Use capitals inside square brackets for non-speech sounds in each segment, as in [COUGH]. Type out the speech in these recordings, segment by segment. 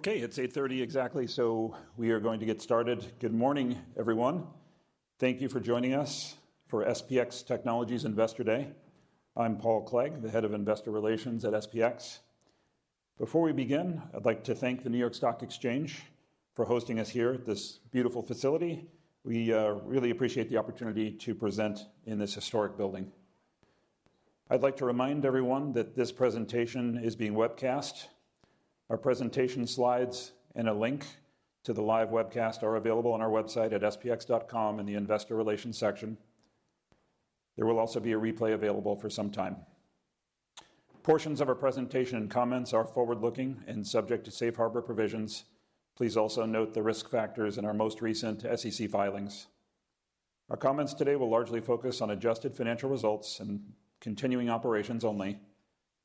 Okay, it's 8:30 A.M. exactly, so we are going to get started. Good morning, everyone. Thank you for joining us for SPX Technologies Investor Day. I'm Paul Clegg, the head of investor relations at SPX. Before we begin, I'd like to thank the New York Stock Exchange for hosting us here at this beautiful facility. We really appreciate the opportunity to present in this historic building. I'd like to remind everyone that this presentation is being webcast. Our presentation slides and a link to the live webcast are available on our website at spx.com in the investor relations section. There will also be a replay available for some time. Portions of our presentation and comments are forward-looking and subject to safe harbor provisions. Please also note the risk factors in our most recent SEC filings. Our comments today will largely focus on adjusted financial results and continuing operations only.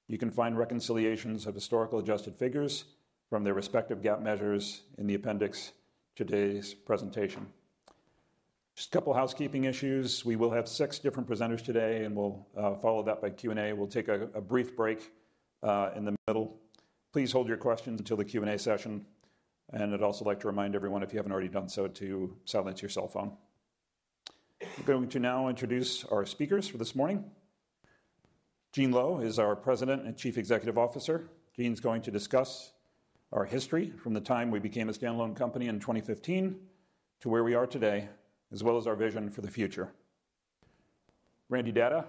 You can find reconciliations of historical adjusted figures from their respective GAAP measures in the appendix to today's presentation. Just a couple housekeeping issues. We will have six different presenters today, and we'll follow that by Q and A. We'll take a brief break in the middle. Please hold your questions until the Q and A session. And I'd also like to remind everyone, if you haven't already done so, to silence your cell phone. I'm going to now introduce our speakers for this morning. Gene Lowe is our President and Chief Executive Officer. Gene's going to discuss our history from the time we became a standalone company in 2015 to where we are today, as well as our vision for the future. Randy Data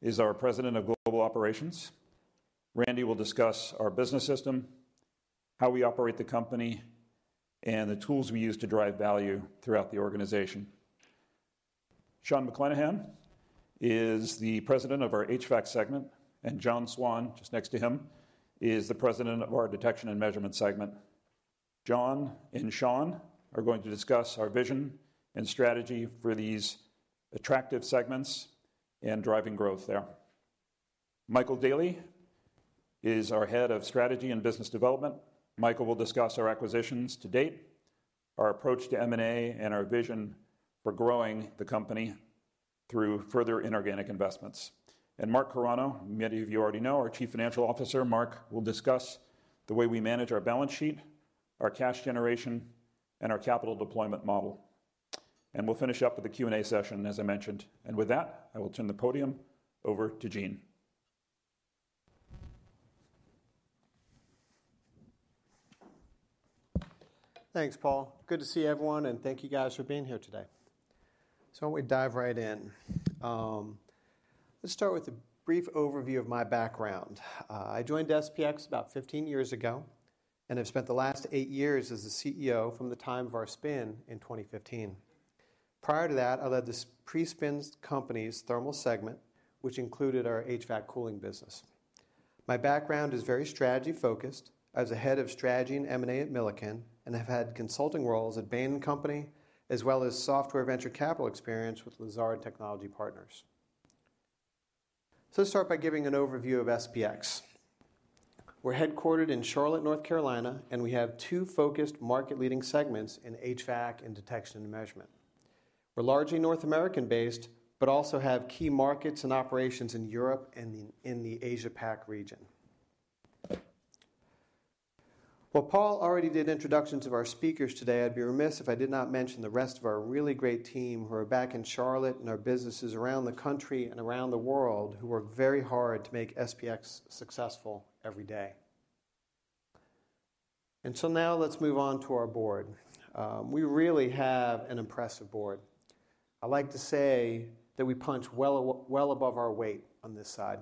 is our President of Global Operations. Randy will discuss our business system, how we operate the company, and the tools we use to drive value throughout the organization. Sean McClenaghan is the President of our HVAC segment, and John Swann, just next to him, is the President of our detection and measurement segment. John and Sean are going to discuss our vision and strategy for these attractive segments and driving growth there. Michael Daley is our Head of Strategy and Business Development. Michael will discuss our acquisitions to date, our approach to M&A, and our vision for growing the company through further inorganic investments. Mark Carano, many of you already know, our Chief Financial Officer. Mark will discuss the way we manage our balance sheet, our cash generation, and our capital deployment model. We'll finish up with the Q and A session, as I mentioned. With that, I will turn the podium over to Gene. Thanks, Paul. Good to see everyone, and thank you guys for being here today. So why don't we dive right in? Let's start with a brief overview of my background. I joined SPX about 15 years ago and have spent the last 8 years as the CEO from the time of our spin in 2015. Prior to that, I led this pre-spin company's thermal segment, which included our HVAC cooling business. My background is very strategy focused. I was a head of strategy and M&A at Milliken and have had consulting roles at Bain & Company, as well as software venture capital experience with Lazard Technology Partners. So let's start by giving an overview of SPX. We're headquartered in Charlotte, North Carolina, and we have two focused market-leading segments in HVAC and detection and measurement. We're largely North American-based but also have key markets and operations in Europe and the Asia-Pac region. While Paul already did introductions of our speakers today, I'd be remiss if I did not mention the rest of our really great team who are back in Charlotte and our businesses around the country and around the world who work very hard to make SPX successful every day. Until now, let's move on to our board. We really have an impressive board. I like to say that we punch well above our weight on this side.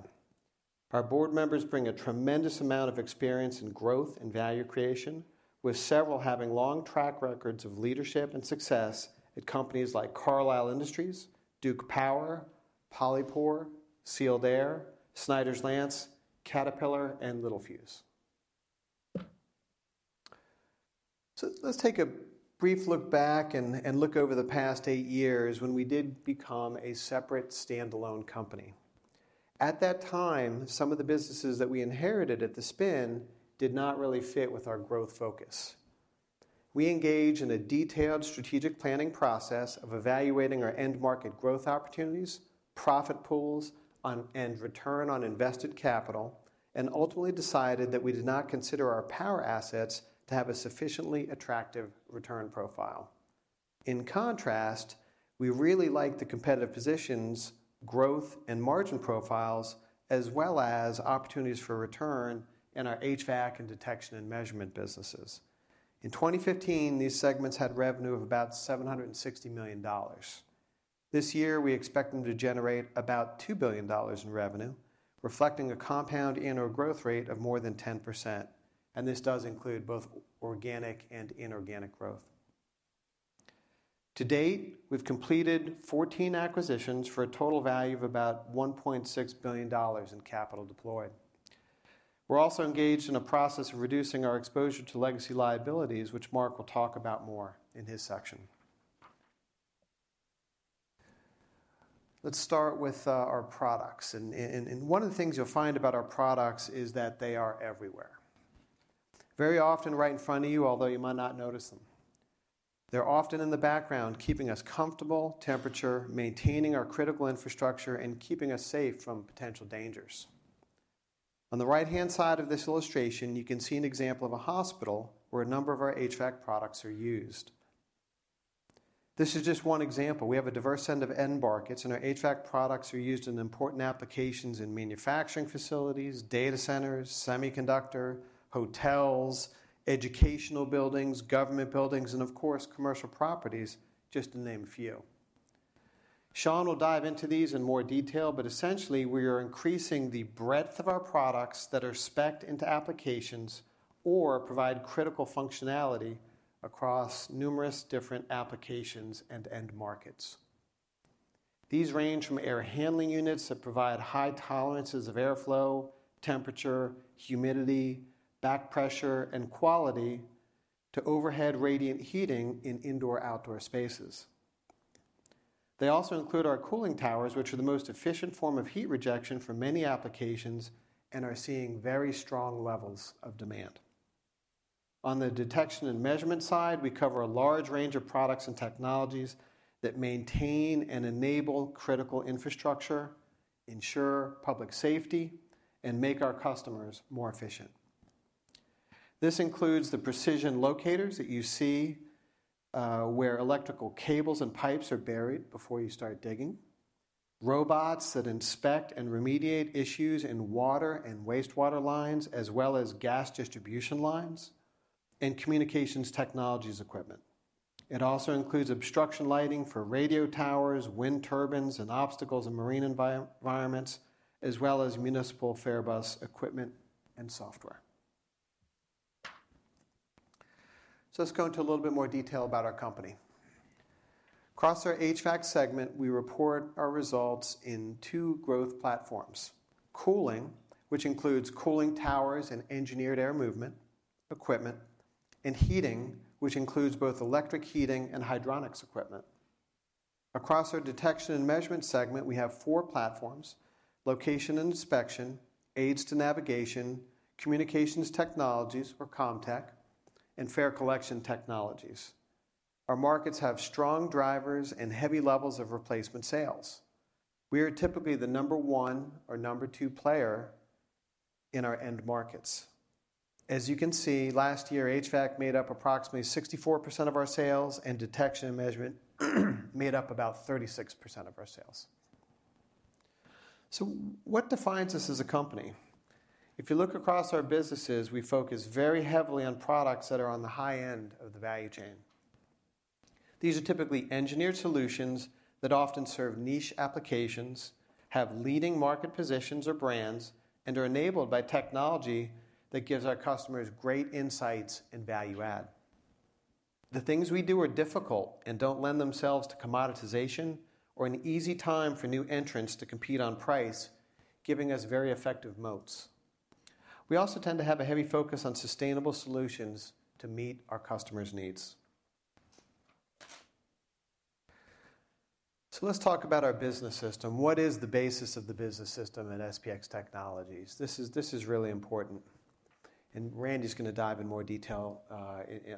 Our board members bring a tremendous amount of experience in growth and value creation, with several having long track records of leadership and success at companies like Carlisle Companies, Duke Power, Polypore, Sealed Air, Snyder's-Lance, Caterpillar, and Littelfuse. So let's take a brief look back and look over the past eight years when we did become a separate standalone company. At that time, some of the businesses that we inherited at the spin did not really fit with our growth focus. We engaged in a detailed strategic planning process of evaluating our end-market growth opportunities, profit pools, on and return on invested capital, and ultimately decided that we did not consider our power assets to have a sufficiently attractive return profile. In contrast, we really liked the competitive positions, growth, and margin profiles, as well as opportunities for return in our HVAC and detection and measurement businesses. In 2015, these segments had revenue of about $760 million. This year, we expect them to generate about $2 billion in revenue, reflecting a compound annual growth rate of more than 10%, and this does include both organic and inorganic growth. To date, we've completed 14 acquisitions for a total value of about $1.6 billion in capital deployed. We're also engaged in a process of reducing our exposure to legacy liabilities, which Mark will talk about more in his section. Let's start with our products. One of the things you'll find about our products is that they are everywhere. Very often right in front of you, although you might not notice them. They're often in the background, keeping us comfortable, temperature, maintaining our critical infrastructure, and keeping us safe from potential dangers. On the right-hand side of this illustration, you can see an example of a hospital where a number of our HVAC products are used. This is just one example. We have a diverse set of end markets, and our HVAC products are used in important applications in manufacturing facilities, data centers, semiconductor, hotels, educational buildings, government buildings, and, of course, commercial properties, just to name a few. Sean will dive into these in more detail, but essentially, we are increasing the breadth of our products that are specced into applications or provide critical functionality across numerous different applications and end markets. These range from air handling units that provide high tolerances of airflow, temperature, humidity, back pressure, and quality to overhead radiant heating in indoor/outdoor spaces. They also include our cooling towers, which are the most efficient form of heat rejection for many applications and are seeing very strong levels of demand. On the detection and measurement side, we cover a large range of products and technologies that maintain and enable critical infrastructure, ensure public safety, and make our customers more efficient. This includes the precision locators that you see, where electrical cables and pipes are buried before you start digging, robots that inspect and remediate issues in water and wastewater lines, as well as gas distribution lines, and communications technologies equipment. It also includes obstruction lighting for radio towers, wind turbines, and obstacles in marine environments, as well as municipal fare bus equipment and software. Let's go into a little bit more detail about our company. Across our HVAC segment, we report our results in two growth platforms: cooling, which includes cooling towers and engineered air movement equipment, and heating, which includes both electric heating and hydraulics equipment. Across our detection and measurement segment, we have four platforms: location and inspection, aids to navigation, communications technologies, or Comtech, and fare collection technologies. Our markets have strong drivers and heavy levels of replacement sales. We are typically the number one or number two player in our end markets. As you can see, last year, HVAC made up approximately 64% of our sales, and detection and measurement made up about 36% of our sales. So what defines us as a company? If you look across our businesses, we focus very heavily on products that are on the high end of the value chain. These are typically engineered solutions that often serve niche applications, have leading market positions or brands, and are enabled by technology that gives our customers great insights and value add. The things we do are difficult and don't lend themselves to commoditization or an easy time for new entrants to compete on price, giving us very effective moats. We also tend to have a heavy focus on sustainable solutions to meet our customers' needs. So let's talk about our business system. What is the basis of the business system at SPX Technologies? This is really important. And Randy's going to dive in more detail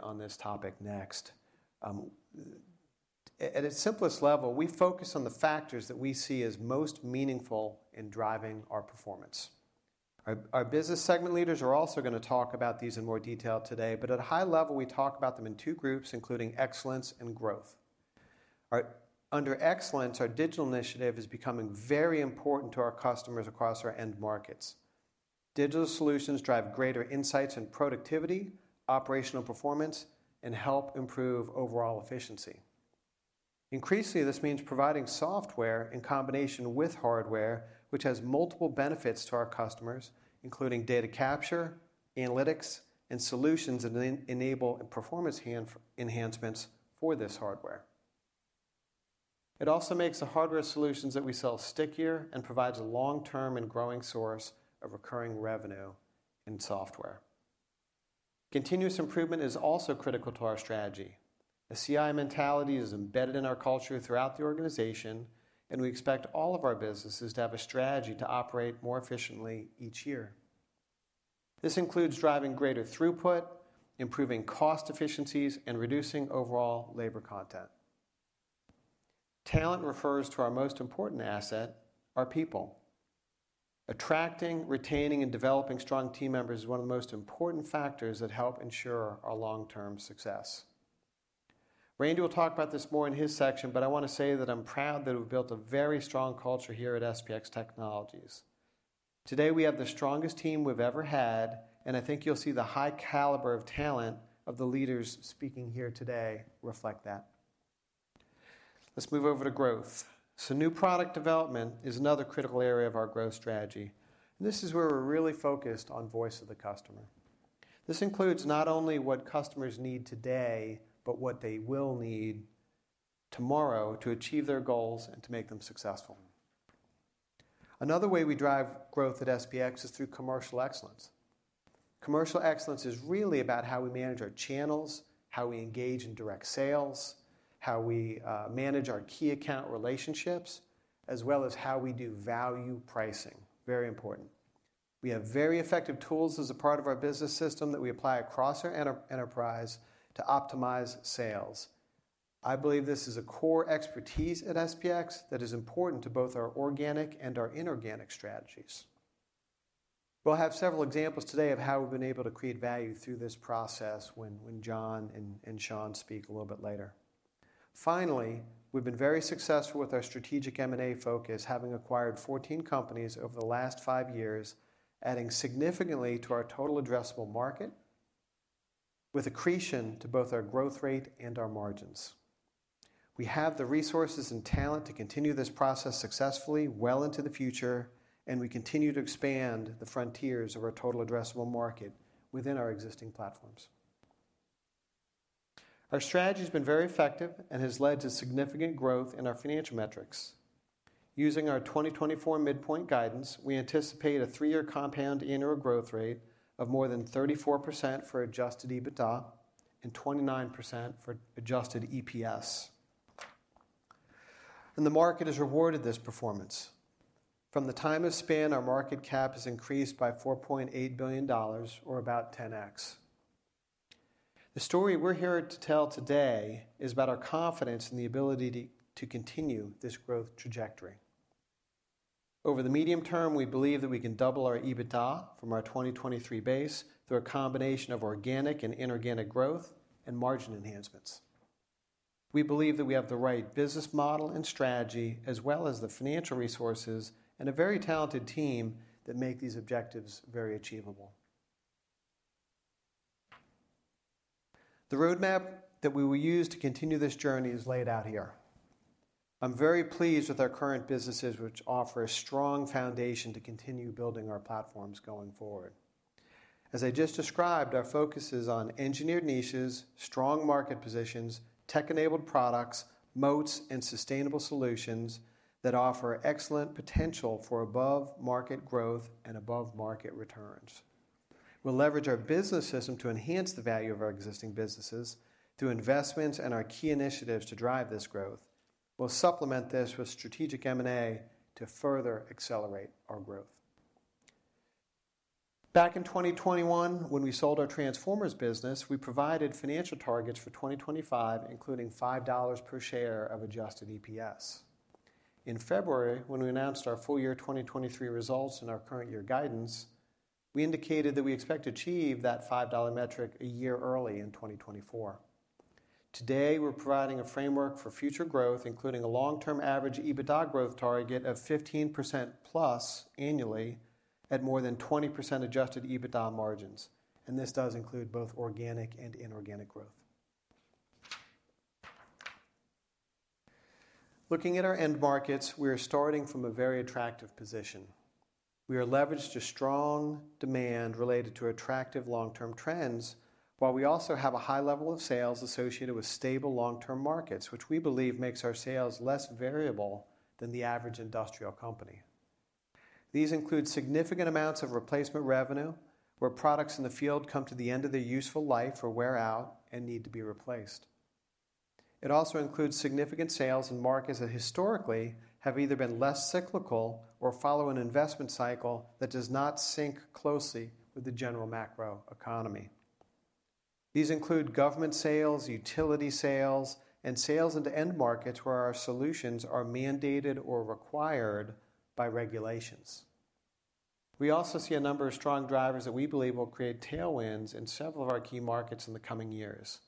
on this topic next. At its simplest level, we focus on the factors that we see as most meaningful in driving our performance. Our business segment leaders are also going to talk about these in more detail today, but at a high level, we talk about them in two groups, including excellence and growth. All right. Under excellence, our digital initiative is becoming very important to our customers across our end markets. Digital solutions drive greater insights and productivity, operational performance, and help improve overall efficiency. Increasingly, this means providing software in combination with hardware, which has multiple benefits to our customers, including data capture, analytics, and solutions that enable performance enhancements for this hardware. It also makes the hardware solutions that we sell stickier and provides a long-term and growing source of recurring revenue in software. Continuous improvement is also critical to our strategy. A CI mentality is embedded in our culture throughout the organization, and we expect all of our businesses to have a strategy to operate more efficiently each year. This includes driving greater throughput, improving cost efficiencies, and reducing overall labor content. Talent refers to our most important asset, our people. Attracting, retaining, and developing strong team members is one of the most important factors that help ensure our long-term success. Randy will talk about this more in his section, but I want to say that I'm proud that we've built a very strong culture here at SPX Technologies. Today, we have the strongest team we've ever had, and I think you'll see the high caliber of talent of the leaders speaking here today reflect that. Let's move over to growth. So new product development is another critical area of our growth strategy. And this is where we're really focused on voice of the customer. This includes not only what customers need today but what they will need tomorrow to achieve their goals and to make them successful. Another way we drive growth at SPX is through commercial excellence. Commercial excellence is really about how we manage our channels, how we engage in direct sales, how we manage our key account relationships, as well as how we do value pricing, very important. We have very effective tools as a part of our business system that we apply across our enterprise to optimize sales. I believe this is a core expertise at SPX that is important to both our organic and our inorganic strategies. We'll have several examples today of how we've been able to create value through this process when John and Sean speak a little bit later. Finally, we've been very successful with our strategic M&A focus, having acquired 14 companies over the last 5 years, adding significantly to our total addressable market with accretion to both our growth rate and our margins. We have the resources and talent to continue this process successfully well into the future, and we continue to expand the frontiers of our total addressable market within our existing platforms. Our strategy has been very effective and has led to significant growth in our financial metrics. Using our 2024 midpoint guidance, we anticipate a three-year compound annual growth rate of more than 34% for adjusted EBITDA and 29% for adjusted EPS. The market has rewarded this performance. From the time of spin, our market cap has increased by $4.8 billion, or about 10x. The story we're here to tell today is about our confidence in the ability to continue this growth trajectory. Over the medium term, we believe that we can double our EBITDA from our 2023 base through a combination of organic and inorganic growth and margin enhancements. We believe that we have the right business model and strategy, as well as the financial resources and a very talented team that make these objectives very achievable. The roadmap that we will use to continue this journey is laid out here. I'm very pleased with our current businesses, which offer a strong foundation to continue building our platforms going forward. As I just described, our focus is on engineered niches, strong market positions, tech-enabled products, moats, and sustainable solutions that offer excellent potential for above-market growth and above-market returns. We'll leverage our business system to enhance the value of our existing businesses through investments and our key initiatives to drive this growth. We'll supplement this with strategic M&A to further accelerate our growth. Back in 2021, when we sold our transformers business, we provided financial targets for 2025, including $5 per share of adjusted EPS. In February, when we announced our full-year 2023 results in our current year guidance, we indicated that we expect to achieve that $5 metric a year early in 2024. Today, we're providing a framework for future growth, including a long-term average EBITDA growth target of 15%+ annually at more than 20% adjusted EBITDA margins. This does include both organic and inorganic growth. Looking at our end markets, we are starting from a very attractive position. We are leveraged to strong demand related to attractive long-term trends, while we also have a high level of sales associated with stable long-term markets, which we believe makes our sales less variable than the average industrial company. These include significant amounts of replacement revenue, where products in the field come to the end of their useful life or wear out and need to be replaced. It also includes significant sales in markets that historically have either been less cyclical or follow an investment cycle that does not sync closely with the general macroeconomy. These include government sales, utility sales, and sales into end markets where our solutions are mandated or required by regulations. We also see a number of strong drivers that we believe will create tailwinds in several of our key markets in the coming years.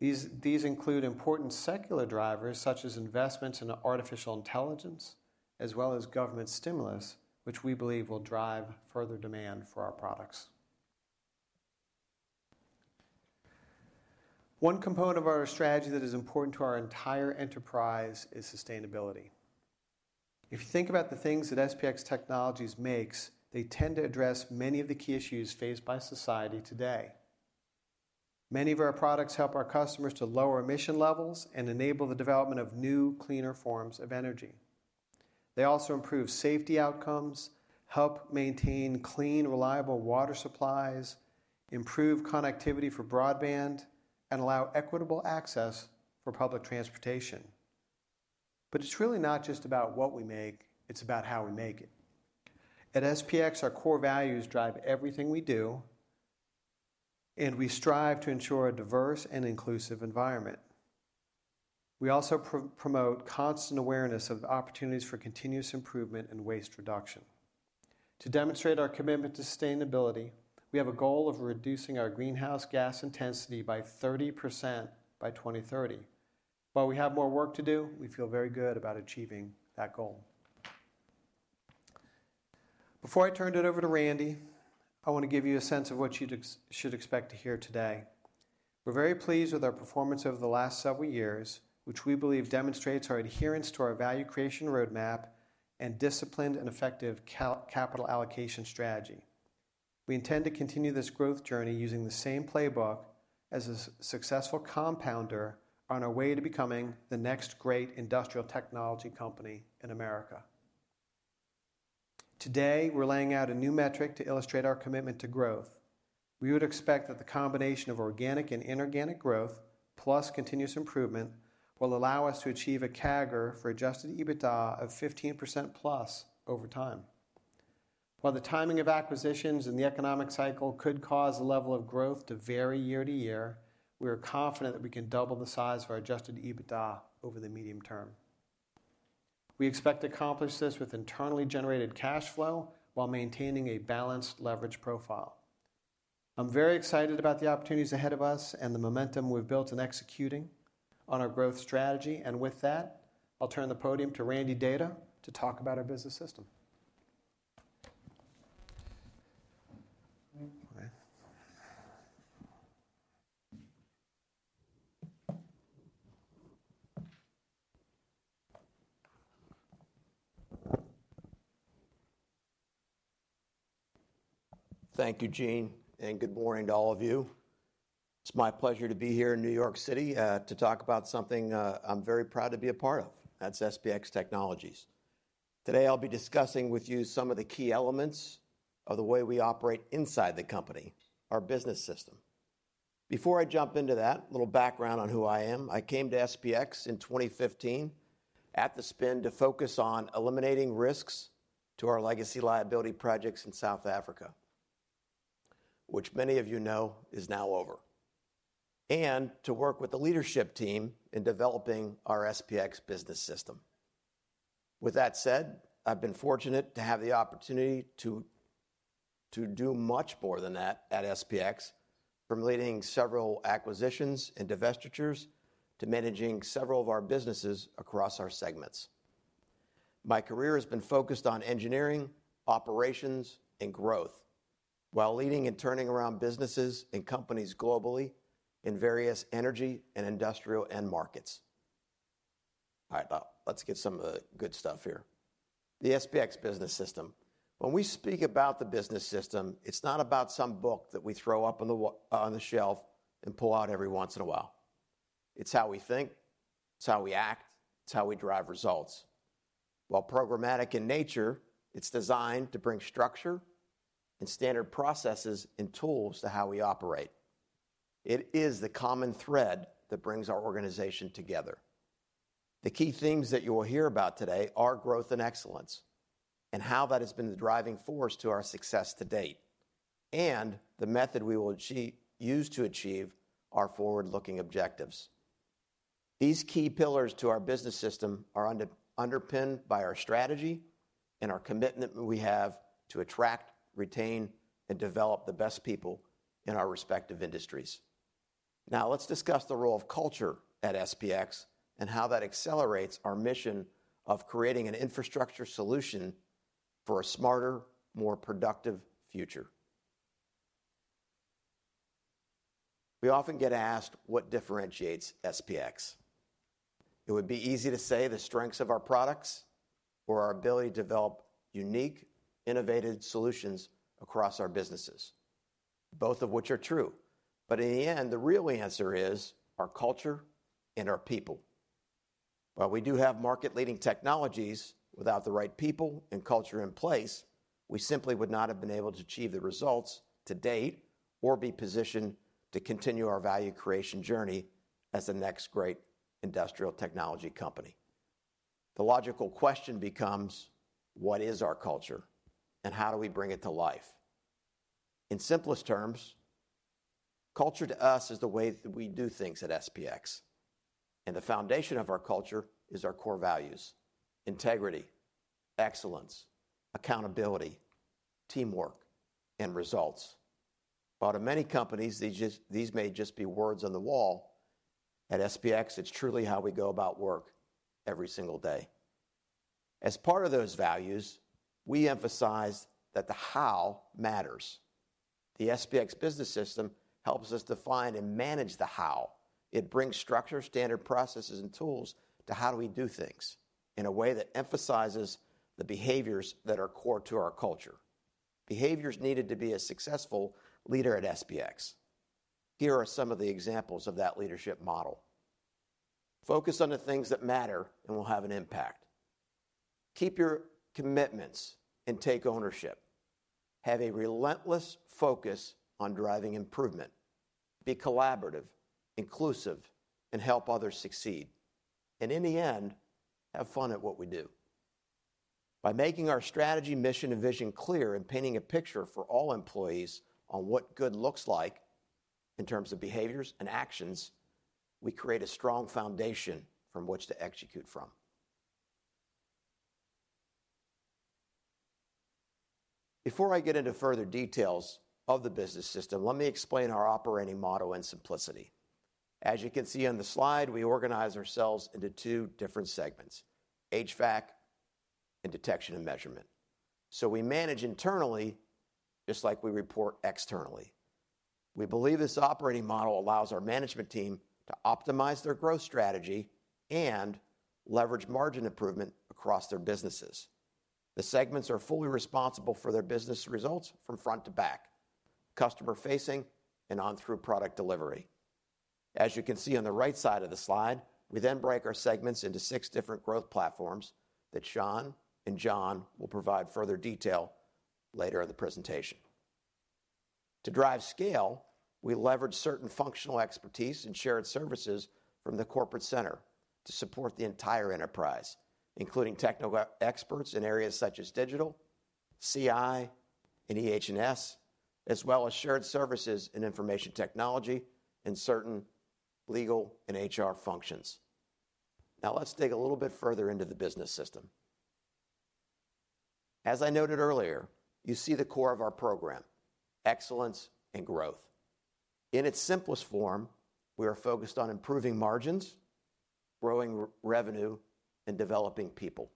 These include important secular drivers such as investments in artificial intelligence, as well as government stimulus, which we believe will drive further demand for our products. One component of our strategy that is important to our entire enterprise is sustainability. If you think about the things that SPX Technologies makes, they tend to address many of the key issues faced by society today. Many of our products help our customers to lower emission levels and enable the development of new, cleaner forms of energy. They also improve safety outcomes, help maintain clean, reliable water supplies, improve connectivity for broadband, and allow equitable access for public transportation. It's really not just about what we make. It's about how we make it. At SPX, our core values drive everything we do, and we strive to ensure a diverse and inclusive environment. We also promote constant awareness of opportunities for continuous improvement and waste reduction. To demonstrate our commitment to sustainability, we have a goal of reducing our greenhouse gas intensity by 30% by 2030. While we have more work to do, we feel very good about achieving that goal. Before I turn it over to Randy, I want to give you a sense of what you should expect to hear today. We're very pleased with our performance over the last several years, which we believe demonstrates our adherence to our value creation roadmap and disciplined and effective capital allocation strategy. We intend to continue this growth journey using the same playbook as a successful compounder on our way to becoming the next great industrial technology company in America. Today, we're laying out a new metric to illustrate our commitment to growth. We would expect that the combination of organic and inorganic growth plus continuous improvement will allow us to achieve a CAGR for Adjusted EBITDA of 15%+ over time. While the timing of acquisitions and the economic cycle could cause the level of growth to vary year to year, we are confident that we can double the size of our Adjusted EBITDA over the medium term. We expect to accomplish this with internally generated cash flow while maintaining a balanced leverage profile. I'm very excited about the opportunities ahead of us and the momentum we've built in executing on our growth strategy. With that, I'll turn the podium to Randy Data to talk about our business system. Thank you, Gene, and good morning to all of you. It's my pleasure to be here in New York City to talk about something I'm very proud to be a part of. That's SPX Technologies. Today, I'll be discussing with you some of the key elements of the way we operate inside the company, our business system. Before I jump into that, a little background on who I am. I came to SPX in 2015 at the spin to focus on eliminating risks to our legacy liability projects in South Africa, which many of you know is now over, and to work with the leadership team in developing our SPX business system. With that said, I've been fortunate to have the opportunity to do much more than that at SPX, from leading several acquisitions and divestitures to managing several of our businesses across our segments. My career has been focused on engineering, operations, and growth while leading and turning around businesses and companies globally in various energy and industrial end markets. All right, let's get some of the good stuff here. The SPX business system. When we speak about the business system, it's not about some book that we throw up on the shelf and pull out every once in a while. It's how we think. It's how we act. It's how we drive results. While programmatic in nature, it's designed to bring structure and standard processes and tools to how we operate. It is the common thread that brings our organization together. The key themes that you will hear about today are growth and excellence and how that has been the driving force to our success to date and the method we will use to achieve our forward-looking objectives. These key pillars to our business system are underpinned by our strategy and our commitment we have to attract, retain, and develop the best people in our respective industries. Now, let's discuss the role of culture at SPX and how that accelerates our mission of creating an infrastructure solution for a smarter, more productive future. We often get asked what differentiates SPX. It would be easy to say the strengths of our products or our ability to develop unique, innovative solutions across our businesses, both of which are true. But in the end, the real answer is our culture and our people. While we do have market-leading technologies, without the right people and culture in place, we simply would not have been able to achieve the results to date or be positioned to continue our value creation journey as the next great industrial technology company. The logical question becomes, what is our culture, and how do we bring it to life? In simplest terms, culture to us is the way that we do things at SPX. The foundation of our culture is our core values: integrity, excellence, accountability, teamwork, and results. While to many companies, these may just be words on the wall, at SPX, it's truly how we go about work every single day. As part of those values, we emphasize that the how matters. The SPX business system helps us define and manage the how. It brings structure, standard processes, and tools to how do we do things in a way that emphasizes the behaviors that are core to our culture. Behaviors needed to be a successful leader at SPX. Here are some of the examples of that leadership model. Focus on the things that matter and will have an impact. Keep your commitments and take ownership. Have a relentless focus on driving improvement. Be collaborative, inclusive, and help others succeed. In the end, have fun at what we do. By making our strategy, mission, and vision clear and painting a picture for all employees on what good looks like in terms of behaviors and actions, we create a strong foundation from which to execute from. Before I get into further details of the business system, let me explain our operating model in simplicity. As you can see on the slide, we organize ourselves into two different segments: HVAC and detection and measurement. We manage internally just like we report externally. We believe this operating model allows our management team to optimize their growth strategy and leverage margin improvement across their businesses. The segments are fully responsible for their business results from front to back, customer-facing, and on-through product delivery. As you can see on the right side of the slide, we then break our segments into six different growth platforms that Sean and John will provide further detail later in the presentation. To drive scale, we leverage certain functional expertise and shared services from the corporate center to support the entire enterprise, including tech experts in areas such as digital, CI, and EH&S, as well as shared services and information technology in certain legal and HR functions. Now, let's dig a little bit further into the business system. As I noted earlier, you see the core of our program: excellence and growth. In its simplest form, we are focused on improving margins, growing revenue, and developing people.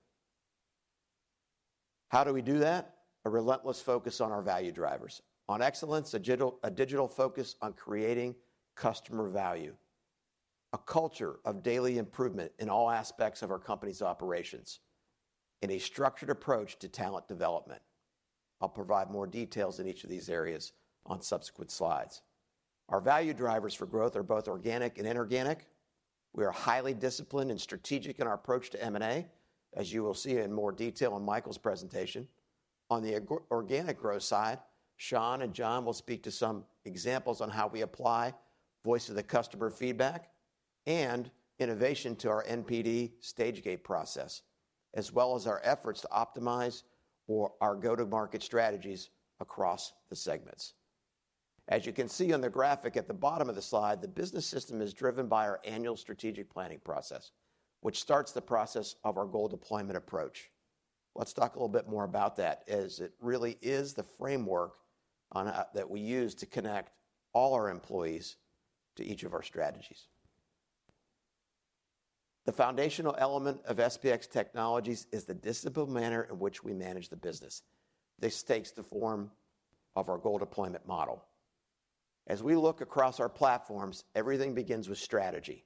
How do we do that? A relentless focus on our value drivers, on excellence, a digital focus on creating customer value, a culture of daily improvement in all aspects of our company's operations, and a structured approach to talent development. I'll provide more details in each of these areas on subsequent slides. Our value drivers for growth are both organic and inorganic. We are highly disciplined and strategic in our approach to M&A, as you will see in more detail in Michael's presentation. On the organic growth side, Sean and John will speak to some examples on how we apply voice of the customer feedback and innovation to our NPD Stagegate process, as well as our efforts to optimize our go-to-market strategies across the segments. As you can see on the graphic at the bottom of the slide, the business system is driven by our annual strategic planning process, which starts the process of our goal deployment approach. Let's talk a little bit more about that, as it really is the framework that we use to connect all our employees to each of our strategies. The foundational element of SPX Technologies is the disciplined manner in which we manage the business. This takes the form of our goal deployment model. As we look across our platforms, everything begins with strategy.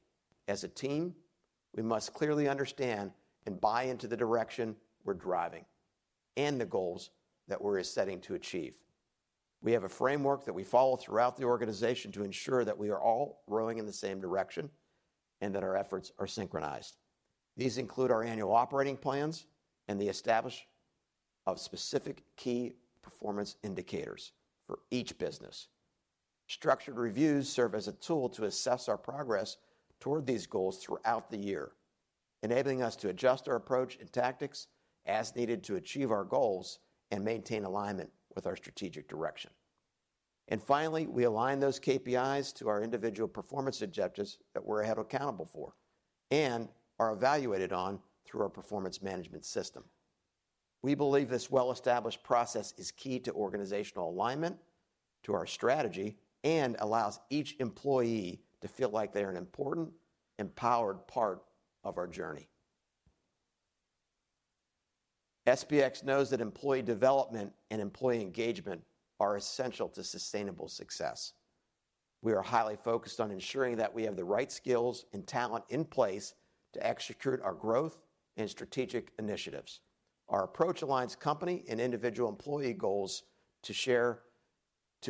As a team, we must clearly understand and buy into the direction we're driving and the goals that we're setting to achieve. We have a framework that we follow throughout the organization to ensure that we are all rowing in the same direction and that our efforts are synchronized. These include our annual operating plans and the establishment of specific key performance indicators for each business. Structured reviews serve as a tool to assess our progress toward these goals throughout the year, enabling us to adjust our approach and tactics as needed to achieve our goals and maintain alignment with our strategic direction. And finally, we align those KPIs to our individual performance objectives that we're held accountable for and are evaluated on through our performance management system. We believe this well-established process is key to organizational alignment, to our strategy, and allows each employee to feel like they are an important, empowered part of our journey. SPX knows that employee development and employee engagement are essential to sustainable success. We are highly focused on ensuring that we have the right skills and talent in place to execute our growth and strategic initiatives. Our approach aligns company and individual employee goals to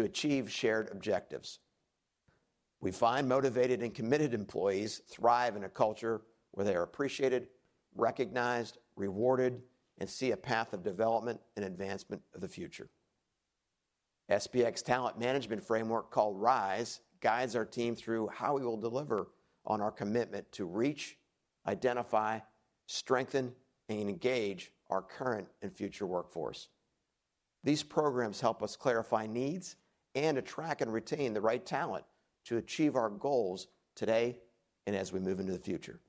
achieve shared objectives. We find motivated and committed employees thrive in a culture where they are appreciated, recognized, rewarded, and see a path of development and advancement of the future. SPX Talent Management Framework, called RISE, guides our team through how we will deliver on our commitment to reach, identify, strengthen, and engage our current and future workforce. These programs help us clarify needs and attract and retain the right talent to achieve our goals today and as we move into the future.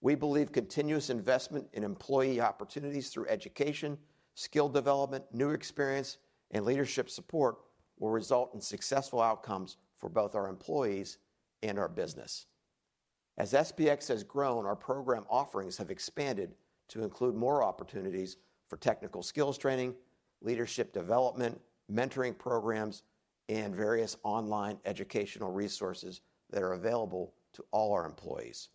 We believe continuous investment in employee opportunities through education, skill development, new experience, and leadership support will result in successful outcomes for both our employees and our business. As SPX has grown, our program offerings have expanded to include more opportunities for technical skills training, leadership development, mentoring programs, and various online educational resources that are available to all our employees.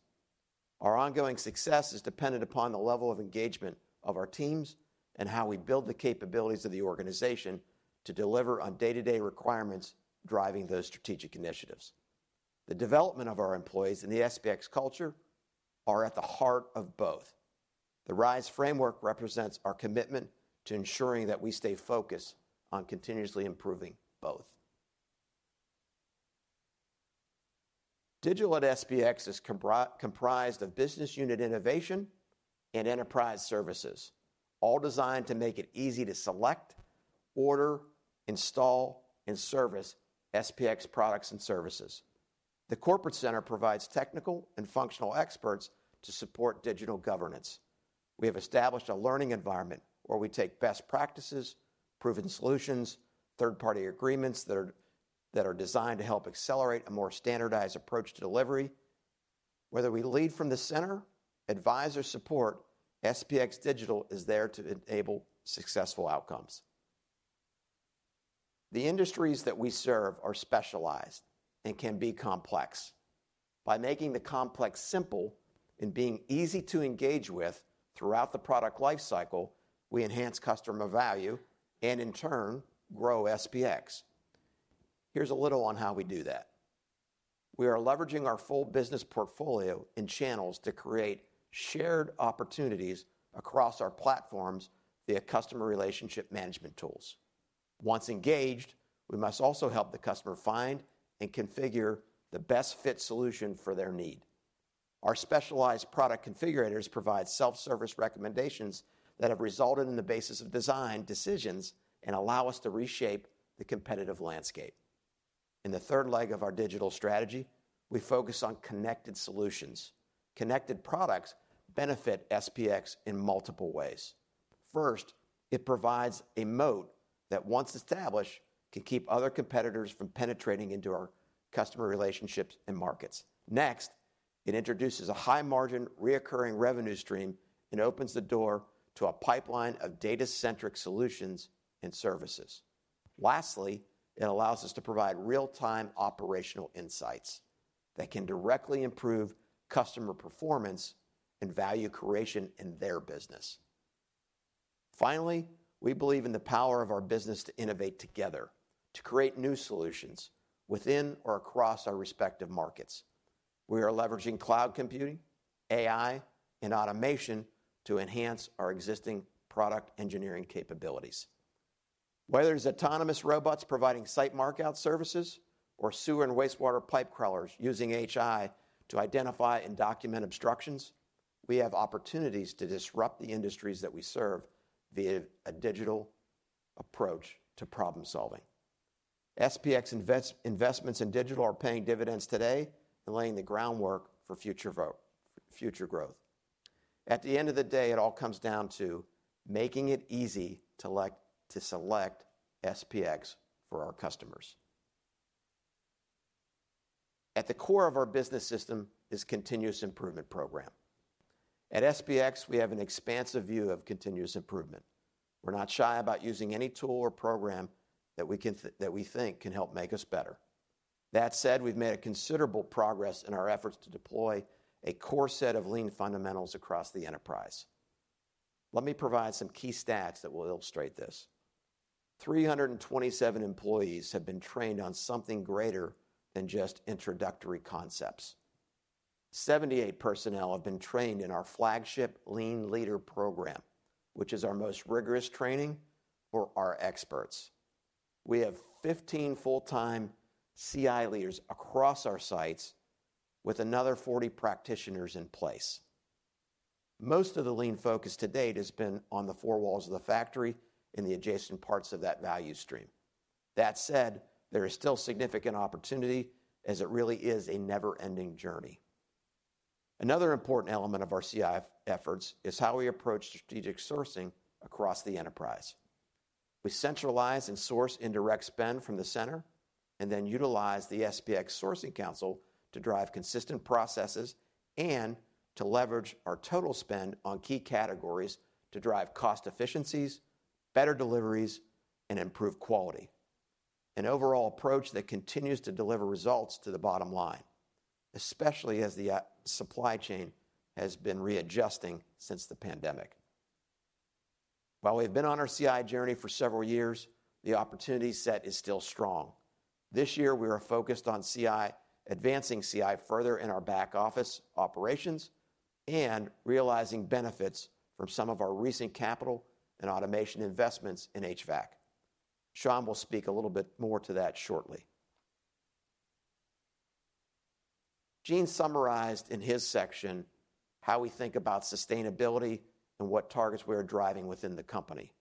Our ongoing success is dependent upon the level of engagement of our teams and how we build the capabilities of the organization to deliver on day-to-day requirements driving those strategic initiatives. The development of our employees and the SPX culture are at the heart of both. The RISE Framework represents our commitment to ensuring that we stay focused on continuously improving both. Digital at SPX is comprised of business unit innovation and enterprise services, all designed to make it easy to select, order, install, and service SPX products and services. The corporate center provides technical and functional experts to support digital governance. We have established a learning environment where we take best practices, proven solutions, third-party agreements that are designed to help accelerate a more standardized approach to delivery. Whether we lead from the center, advise, or support, SPX Digital is there to enable successful outcomes. The industries that we serve are specialized and can be complex. By making the complex simple and being easy to engage with throughout the product lifecycle, we enhance customer value and, in turn, grow SPX. Here's a little on how we do that. We are leveraging our full business portfolio and channels to create shared opportunities across our platforms via customer relationship management tools. Once engaged, we must also help the customer find and configure the best-fit solution for their need. Our specialized product configurators provide self-service recommendations that have resulted in the basis of design decisions and allow us to reshape the competitive landscape. In the third leg of our digital strategy, we focus on connected solutions. Connected products benefit SPX in multiple ways. First, it provides a moat that, once established, can keep other competitors from penetrating into our customer relationships and markets. Next, it introduces a high-margin, recurring revenue stream and opens the door to a pipeline of data-centric solutions and services. Lastly, it allows us to provide real-time operational insights that can directly improve customer performance and value creation in their business. Finally, we believe in the power of our business to innovate together, to create new solutions within or across our respective markets. We are leveraging cloud computing, AI, and automation to enhance our existing product engineering capabilities. Whether it's autonomous robots providing site mark-out services or sewer and wastewater pipe crawlers using AI to identify and document obstructions, we have opportunities to disrupt the industries that we serve via a digital approach to problem-solving. SPX investments in digital are paying dividends today and laying the groundwork for future growth. At the end of the day, it all comes down to making it easy to select SPX for our customers. At the core of our business system is the continuous improvement program. At SPX, we have an expansive view of continuous improvement. We're not shy about using any tool or program that we think can help make us better. That said, we've made considerable progress in our efforts to deploy a core set of lean fundamentals across the enterprise. Let me provide some key stats that will illustrate this. 327 employees have been trained on something greater than just introductory concepts. 78 personnel have been trained in our flagship Lean Leader program, which is our most rigorous training, or our experts. We have 15 full-time CI leaders across our sites with another 40 practitioners in place. Most of the lean focus to date has been on the four walls of the factory and the adjacent parts of that value stream. That said, there is still significant opportunity as it really is a never-ending journey. Another important element of our CI efforts is how we approach strategic sourcing across the enterprise. We centralize and source indirect spend from the center and then utilize the SPX Sourcing Council to drive consistent processes and to leverage our total spend on key categories to drive cost efficiencies, better deliveries, and improve quality, an overall approach that continues to deliver results to the bottom line, especially as the supply chain has been readjusting since the pandemic. While we have been on our CI journey for several years, the opportunity set is still strong. This year, we are focused on advancing CI further in our back office operations and realizing benefits from some of our recent capital and automation investments in HVAC. Sean will speak a little bit more to that shortly. Gene summarized in his section how we think about sustainability and what targets we are driving within the company.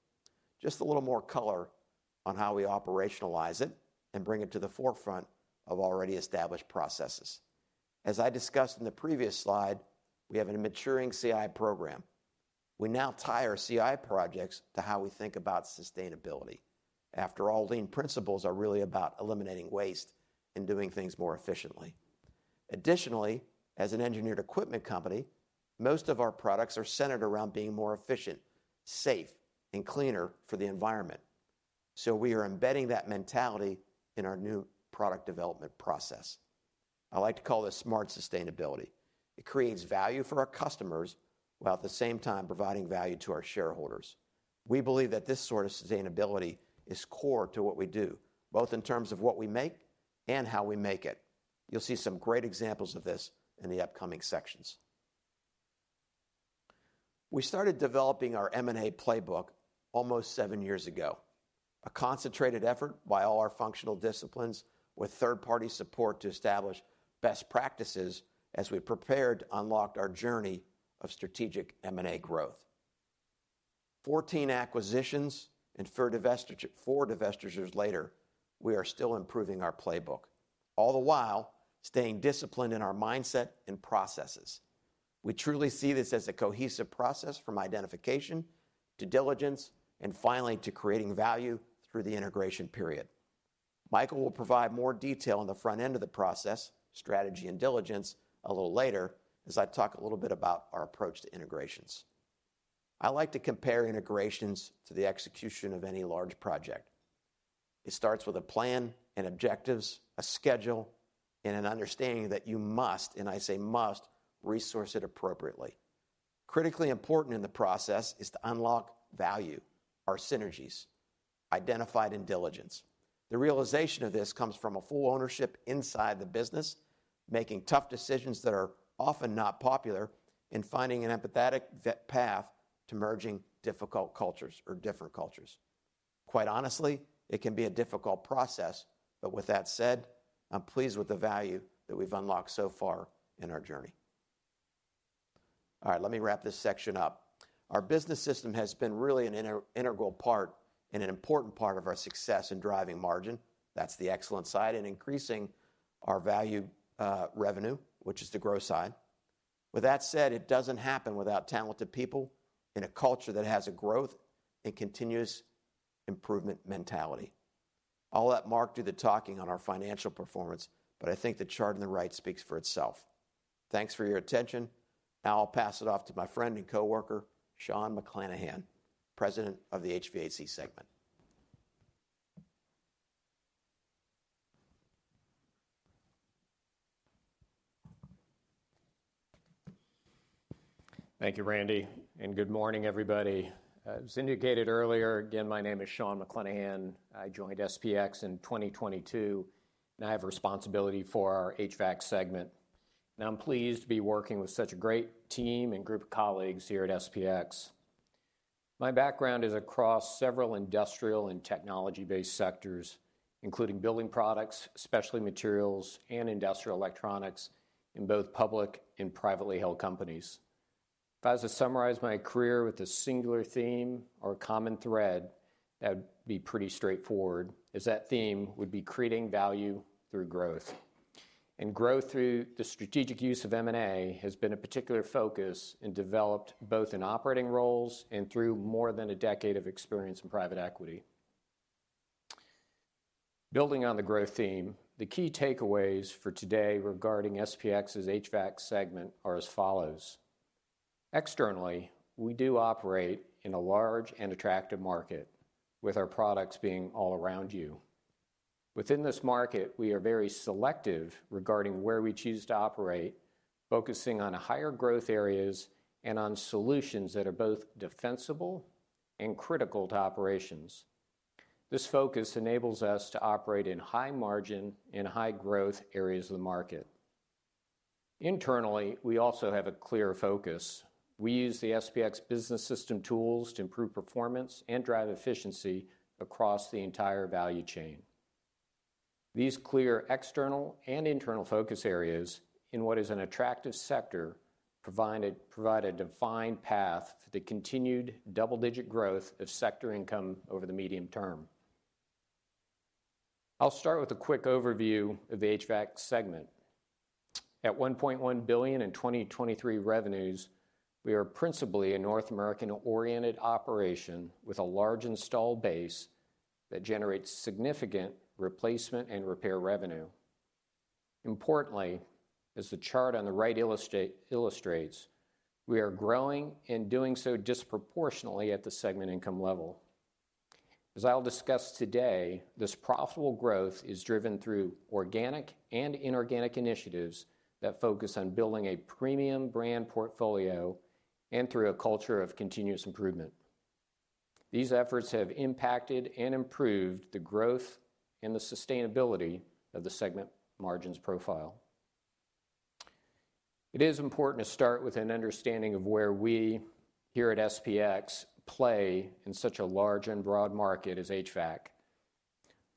Just a little more color on how we operationalize it and bring it to the forefront of already established processes. As I discussed in the previous slide, we have a maturing CI program. We now tie our CI projects to how we think about sustainability. After all, lean principles are really about eliminating waste and doing things more efficiently. Additionally, as an engineered equipment company, most of our products are centered around being more efficient, safe, and cleaner for the environment. So we are embedding that mentality in our new product development process. I like to call this smart sustainability. It creates value for our customers while at the same time providing value to our shareholders. We believe that this sort of sustainability is core to what we do, both in terms of what we make and how we make it. You'll see some great examples of this in the upcoming sections. We started developing our M&A playbook almost seven years ago, a concentrated effort by all our functional disciplines with third-party support to establish best practices as we prepared to unlock our journey of strategic M&A growth. 14 acquisitions and 4 divestitures later, we are still improving our playbook, all the while staying disciplined in our mindset and processes. We truly see this as a cohesive process from identification to diligence and finally to creating value through the integration period. Michael will provide more detail on the front end of the process, strategy and diligence, a little later as I talk a little bit about our approach to integrations. I like to compare integrations to the execution of any large project. It starts with a plan and objectives, a schedule, and an understanding that you must, and I say must, resource it appropriately. Critically important in the process is to unlock value, our synergies, identified in diligence. The realization of this comes from a full ownership inside the business, making tough decisions that are often not popular, and finding an empathetic path to merging difficult cultures or different cultures. Quite honestly, it can be a difficult process, but with that said, I'm pleased with the value that we've unlocked so far in our journey. All right. Let me wrap this section up. Our business system has been really an integral part and an important part of our success in driving margin. That's the excellent side, and increasing our value revenue, which is the growth side. With that said, it doesn't happen without talented people in a culture that has a growth and continuous improvement mentality. I'll let Mark do the talking on our financial performance, but I think the chart on the right speaks for itself. Thanks for your attention. Now I'll pass it off to my friend and coworker, Sean McClenaghan, President of the HVAC segment. Thank you, Randy, and good morning, everybody. As indicated earlier, again, my name is Sean McClenaghan. I joined SPX in 2022, and I have responsibility for our HVAC segment. I'm pleased to be working with such a great team and group of colleagues here at SPX. My background is across several industrial and technology-based sectors, including building products, specialty materials, and industrial electronics in both public and privately held companies. If I was to summarize my career with a singular theme or common thread, that would be pretty straightforward, is that theme would be creating value through growth. Growth through the strategic use of M&A has been a particular focus and developed both in operating roles and through more than a decade of experience in private equity. Building on the growth theme, the key takeaways for today regarding SPX's HVAC segment are as follows. Externally, we do operate in a large and attractive market, with our products being all around you. Within this market, we are very selective regarding where we choose to operate, focusing on higher growth areas and on solutions that are both defensible and critical to operations. This focus enables us to operate in high-margin and high-growth areas of the market. Internally, we also have a clear focus. We use the SPX business system tools to improve performance and drive efficiency across the entire value chain. These clear external and internal focus areas in what is an attractive sector provide a defined path for the continued double-digit growth of sector income over the medium term. I'll start with a quick overview of the HVAC segment. At $1.1 billion in 2023 revenues, we are principally a North American-oriented operation with a large installed base that generates significant replacement and repair revenue. Importantly, as the chart on the right illustrates, we are growing and doing so disproportionately at the segment income level. As I'll discuss today, this profitable growth is driven through organic and inorganic initiatives that focus on building a premium brand portfolio and through a culture of continuous improvement. These efforts have impacted and improved the growth and the sustainability of the segment margins profile. It is important to start with an understanding of where we here at SPX play in such a large and broad market as HVAC.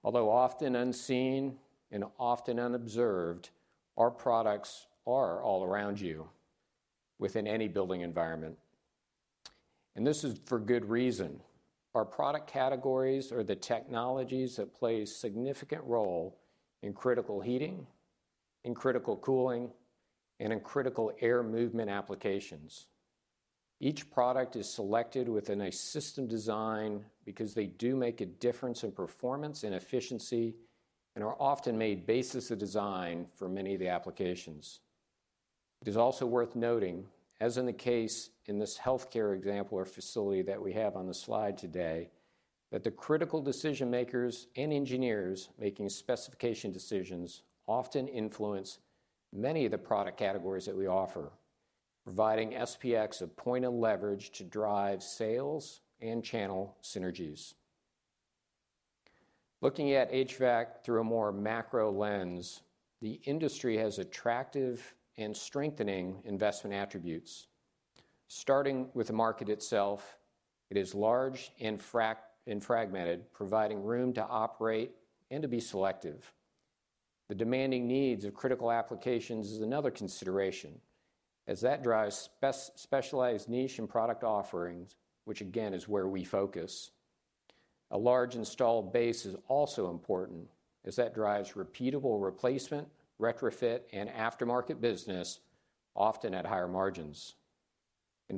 Although often unseen and often unobserved, our products are all around you within any building environment. This is for good reason. Our product categories are the technologies that play a significant role in critical heating, in critical cooling, and in critical air movement applications. Each product is selected within a system design because they do make a difference in performance and efficiency and are often made basis of design for many of the applications. It is also worth noting, as in the case in this healthcare example or facility that we have on the slide today, that the critical decision-makers and engineers making specification decisions often influence many of the product categories that we offer, providing SPX a point of leverage to drive sales and channel synergies. Looking at HVAC through a more macro lens, the industry has attractive and strengthening investment attributes. Starting with the market itself, it is large and fragmented, providing room to operate and to be selective. The demanding needs of critical applications is another consideration, as that drives specialized niche and product offerings, which again is where we focus. A large install base is also important, as that drives repeatable replacement, retrofit, and aftermarket business, often at higher margins.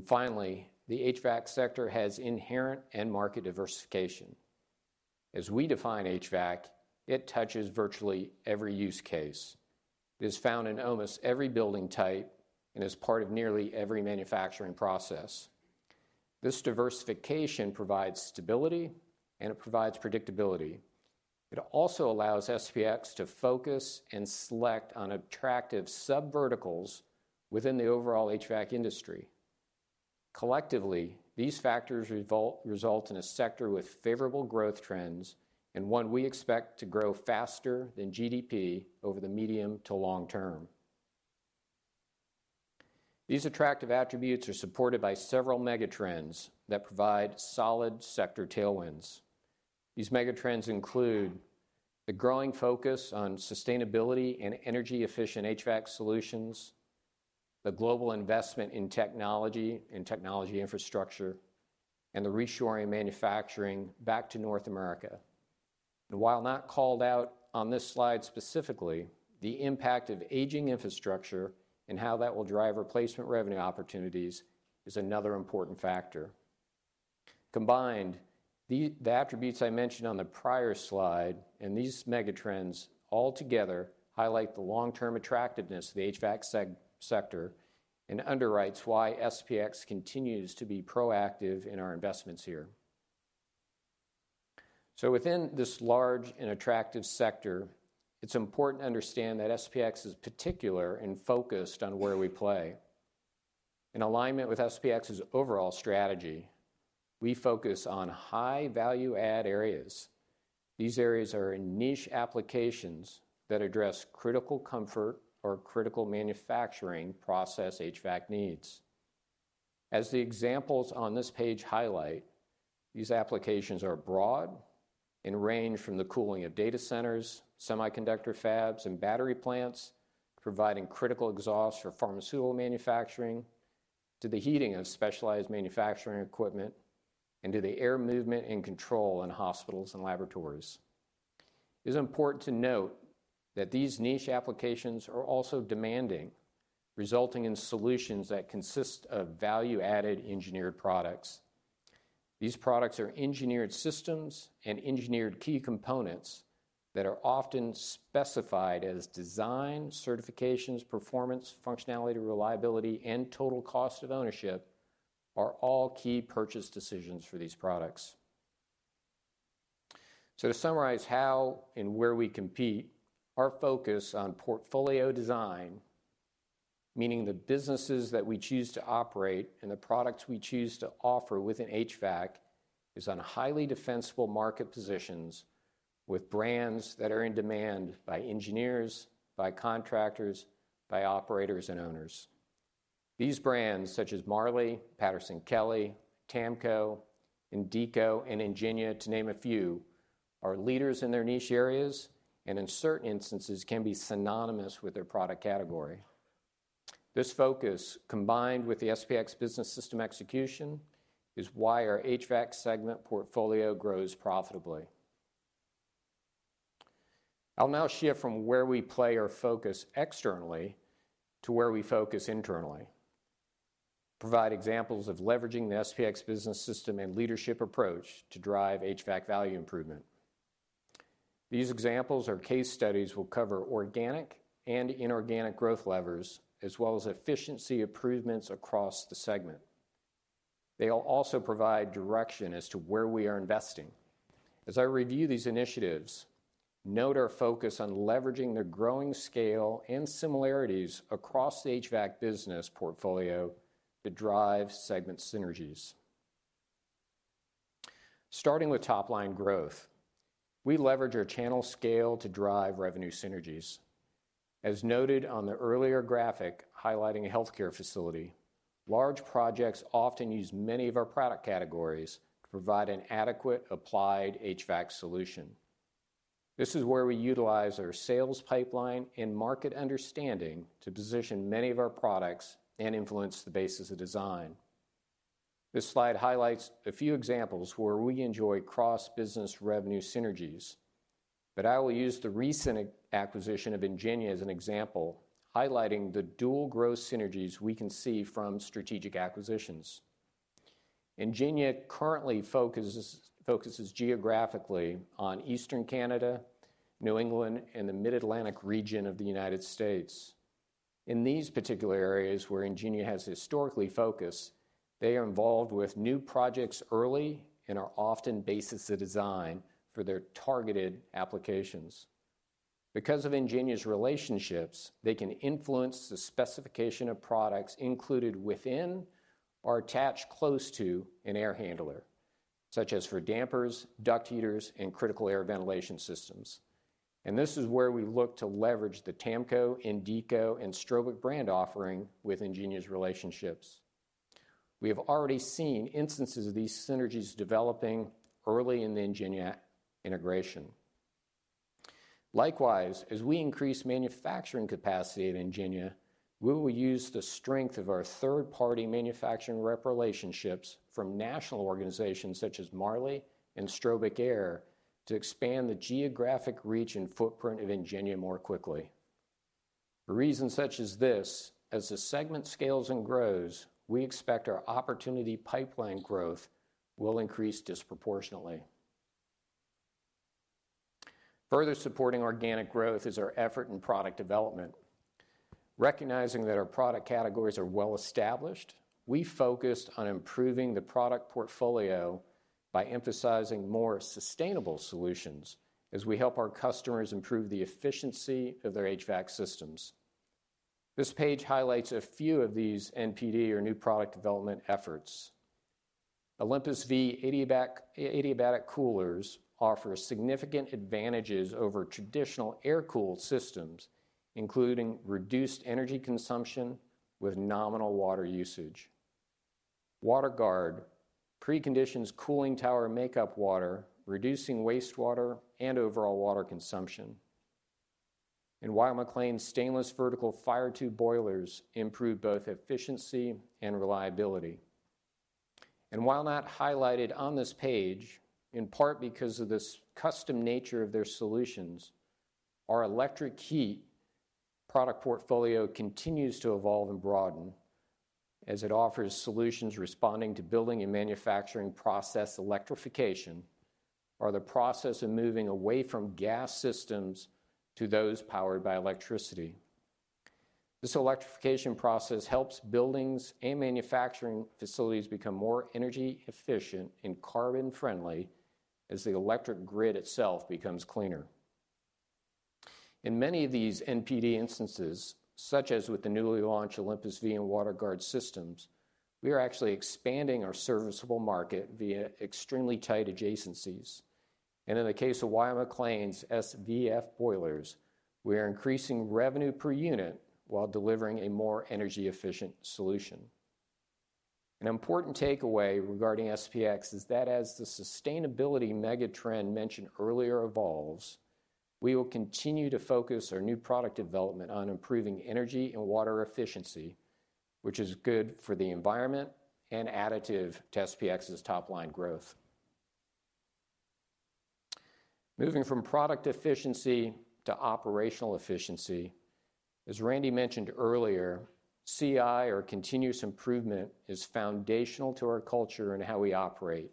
Finally, the HVAC sector has inherent and market diversification. As we define HVAC, it touches virtually every use case. It is found in almost every building type and is part of nearly every manufacturing process. This diversification provides stability, and it provides predictability. It also allows SPX to focus and select on attractive subverticals within the overall HVAC industry. Collectively, these factors result in a sector with favorable growth trends and one we expect to grow faster than GDP over the medium to long term. These attractive attributes are supported by several megatrends that provide solid sector tailwinds. These megatrends include the growing focus on sustainability and energy-efficient HVAC solutions, the global investment in technology and technology infrastructure, and the reshoring manufacturing back to North America. While not called out on this slide specifically, the impact of aging infrastructure and how that will drive replacement revenue opportunities is another important factor. Combined, the attributes I mentioned on the prior slide and these megatrends altogether highlight the long-term attractiveness of the HVAC sector and underwrites why SPX continues to be proactive in our investments here. Within this large and attractive sector, it's important to understand that SPX is particular and focused on where we play. In alignment with SPX's overall strategy, we focus on high-value-add areas. These areas are niche applications that address critical comfort or critical manufacturing process HVAC needs. As the examples on this page highlight, these applications are broad and range from the cooling of data centers, semiconductor fabs, and battery plants, providing critical exhaust for pharmaceutical manufacturing, to the heating of specialized manufacturing equipment, and to the air movement and control in hospitals and laboratories. It is important to note that these niche applications are also demanding, resulting in solutions that consist of value-added engineered products. These products are engineered systems and engineered key components that are often specified as design, certifications, performance, functionality, reliability, and total cost of ownership are all key purchase decisions for these products. To summarize how and where we compete, our focus on portfolio design, meaning the businesses that we choose to operate and the products we choose to offer within HVAC, is on highly defensible market positions with brands that are in demand by engineers, by contractors, by operators, and owners. These brands, such as Marley, Patterson-Kelley, TAMCO, Indeeco, and Ingenia, to name a few, are leaders in their niche areas and in certain instances can be synonymous with their product category. This focus, combined with the SPX business system execution, is why our HVAC segment portfolio grows profitably. I'll now shift from where we play our focus externally to where we focus internally, provide examples of leveraging the SPX business system and leadership approach to drive HVAC value improvement. These examples are case studies that will cover organic and inorganic growth levers as well as efficiency improvements across the segment. They will also provide direction as to where we are investing. As I review these initiatives, note our focus on leveraging the growing scale and similarities across the HVAC business portfolio to drive segment synergies. Starting with top-line growth, we leverage our channel scale to drive revenue synergies. As noted on the earlier graphic highlighting a healthcare facility, large projects often use many of our product categories to provide an adequate applied HVAC solution. This is where we utilize our sales pipeline and market understanding to position many of our products and influence the basis of design. This slide highlights a few examples where we enjoy cross-business revenue synergies, but I will use the recent acquisition of Ingenia as an example, highlighting the dual growth synergies we can see from strategic acquisitions. Ingenia currently focuses geographically on Eastern Canada, New England, and the Mid-Atlantic region of the United States. In these particular areas where Ingenia has historically focused, they are involved with new projects early and are often basis of design for their targeted applications. Because of Ingenia's relationships, they can influence the specification of products included within or attached close to an air handler, such as for dampers, duct heaters, and critical air ventilation systems. This is where we look to leverage the Tamco, Indeeco, and Strobic brand offering with Ingenia's relationships. We have already seen instances of these synergies developing early in the Ingenia integration. Likewise, as we increase manufacturing capacity at Ingenia, we will use the strength of our third-party manufacturing rep relationships from national organizations such as Marley and Strobic Air to expand the geographic reach and footprint of Ingenia more quickly. For reasons such as this, as the segment scales and grows, we expect our opportunity pipeline growth will increase disproportionately. Further supporting organic growth is our effort in product development. Recognizing that our product categories are well-established, we focused on improving the product portfolio by emphasizing more sustainable solutions as we help our customers improve the efficiency of their HVAC systems. This page highlights a few of these NPD or new product development efforts. Olympus V adiabatic coolers offer significant advantages over traditional air-cooled systems, including reduced energy consumption with nominal water usage. WaterGard preconditions cooling tower makeup water, reducing wastewater and overall water consumption. Weil-McLain's stainless vertical firetube boilers improve both efficiency and reliability. While not highlighted on this page, in part because of this custom nature of their solutions, our electric heat product portfolio continues to evolve and broaden as it offers solutions responding to building and manufacturing process electrification or the process of moving away from gas systems to those powered by electricity. This electrification process helps buildings and manufacturing facilities become more energy efficient and carbon-friendly as the electric grid itself becomes cleaner. In many of these NPD instances, such as with the newly launched Olympus V and WaterGard systems, we are actually expanding our serviceable market via extremely tight adjacencies. In the case of Weil-McLain's SVF boilers, we are increasing revenue per unit while delivering a more energy-efficient solution. An important takeaway regarding SPX is that, as the sustainability megatrend mentioned earlier evolves, we will continue to focus our new product development on improving energy and water efficiency, which is good for the environment and additive to SPX's top-line growth. Moving from product efficiency to operational efficiency, as Randy mentioned earlier, CI or continuous improvement is foundational to our culture and how we operate,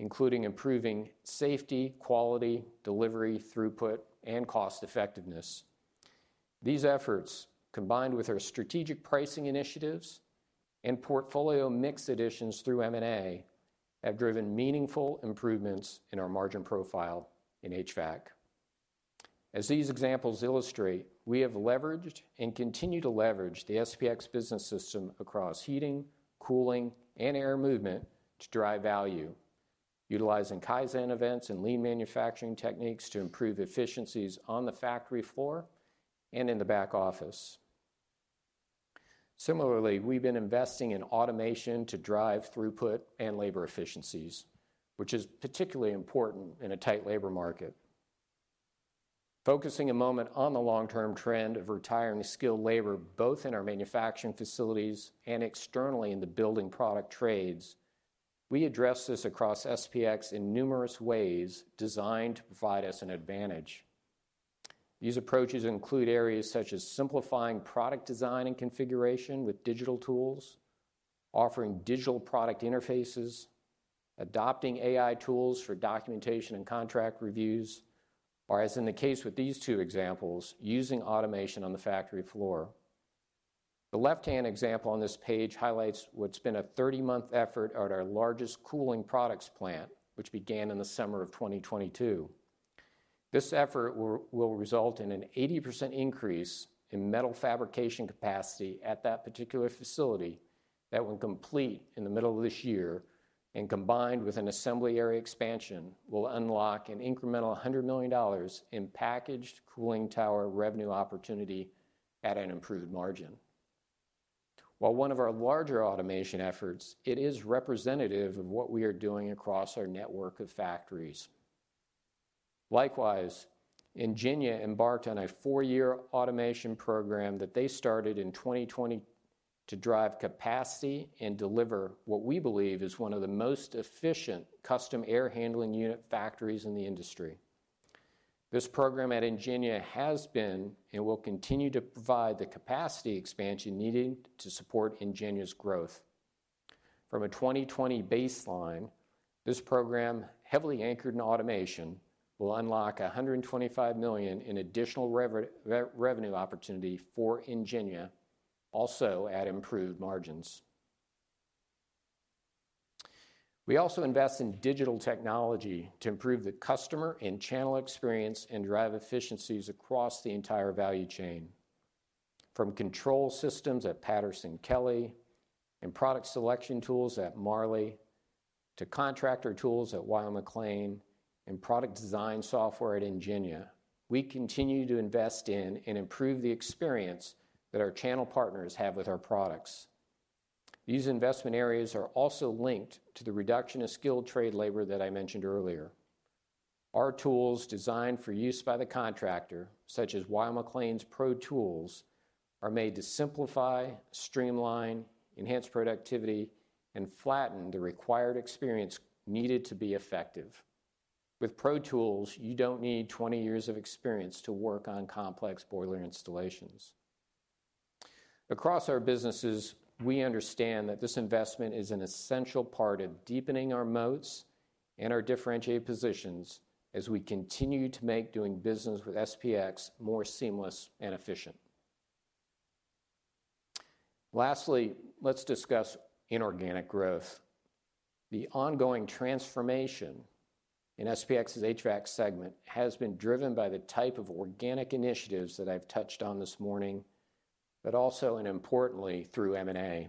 including improving safety, quality, delivery, throughput, and cost-effectiveness. These efforts, combined with our strategic pricing initiatives and portfolio mix additions through M&A, have driven meaningful improvements in our margin profile in HVAC. As these examples illustrate, we have leveraged and continue to leverage the SPX business system across heating, cooling, and air movement to drive value, utilizing Kaizen events and lean manufacturing techniques to improve efficiencies on the factory floor and in the back office. Similarly, we've been investing in automation to drive throughput and labor efficiencies, which is particularly important in a tight labor market. Focusing a moment on the long-term trend of retiring skilled labor both in our manufacturing facilities and externally in the building product trades, we address this across SPX in numerous ways designed to provide us an advantage. These approaches include areas such as simplifying product design and configuration with digital tools, offering digital product interfaces, adopting AI tools for documentation and contract reviews, or, as in the case with these two examples, using automation on the factory floor. The left-hand example on this page highlights what's been a 30-month effort at our largest cooling products plant, which began in the summer of 2022. This effort will result in an 80% increase in metal fabrication capacity at that particular facility that, when complete in the middle of this year and combined with an assembly area expansion, will unlock an incremental $100 million in packaged cooling tower revenue opportunity at an improved margin. While one of our larger automation efforts, it is representative of what we are doing across our network of factories. Likewise, Ingenia embarked on a four-year automation program that they started in 2020 to drive capacity and deliver what we believe is one of the most efficient custom air handling unit factories in the industry. This program at Ingenia has been and will continue to provide the capacity expansion needed to support Ingenia's growth. From a 2020 baseline, this program, heavily anchored in automation, will unlock $125 million in additional revenue opportunity for Ingenia, also at improved margins. We also invest in digital technology to improve the customer and channel experience and drive efficiencies across the entire value chain. From control systems at Patterson-Kelley and product selection tools at Marley to contractor tools at Weil-McLain and product design software at Ingenia, we continue to invest in and improve the experience that our channel partners have with our products. These investment areas are also linked to the reduction of skilled trade labor that I mentioned earlier. Our tools designed for use by the contractor, such as Weil-McLain's ProTools, are made to simplify, streamline, enhance productivity, and flatten the required experience needed to be effective. With ProTools, you don't need 20 years of experience to work on complex boiler installations. Across our businesses, we understand that this investment is an essential part of deepening our moats and our differentiated positions as we continue to make doing business with SPX more seamless and efficient. Lastly, let's discuss inorganic growth. The ongoing transformation in SPX's HVAC segment has been driven by the type of organic initiatives that I've touched on this morning, but also and importantly through M&A.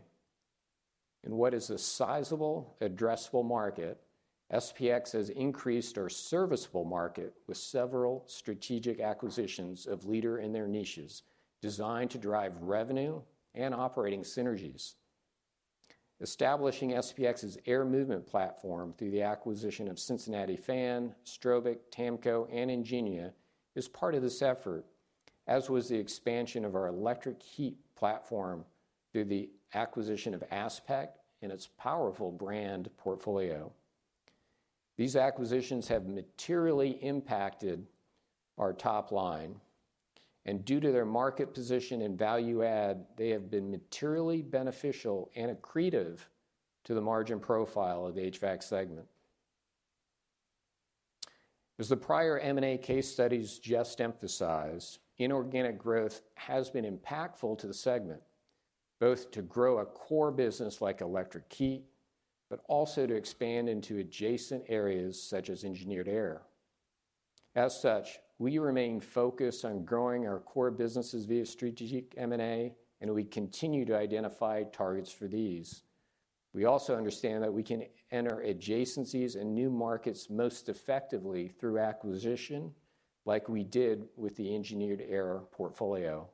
In what is a sizable, addressable market, SPX has increased our serviceable market with several strategic acquisitions of leader in their niches designed to drive revenue and operating synergies. Establishing SPX's air movement platform through the acquisition of Cincinnati Fan, Strobic, TAMCO, and Ingenia is part of this effort, as was the expansion of our electric heat platform through the acquisition of ASPEQ and its powerful brand portfolio. These acquisitions have materially impacted our top line, and due to their market position and value add, they have been materially beneficial and accretive to the margin profile of the HVAC segment. As the prior M&A case studies just emphasized, inorganic growth has been impactful to the segment, both to grow a core business like electric heat, but also to expand into adjacent areas such as engineered air. As such, we remain focused on growing our core businesses via strategic M&A, and we continue to identify targets for these. We also understand that we can enter adjacencies and new markets most effectively through acquisition, like we did with the engineered air portfolio.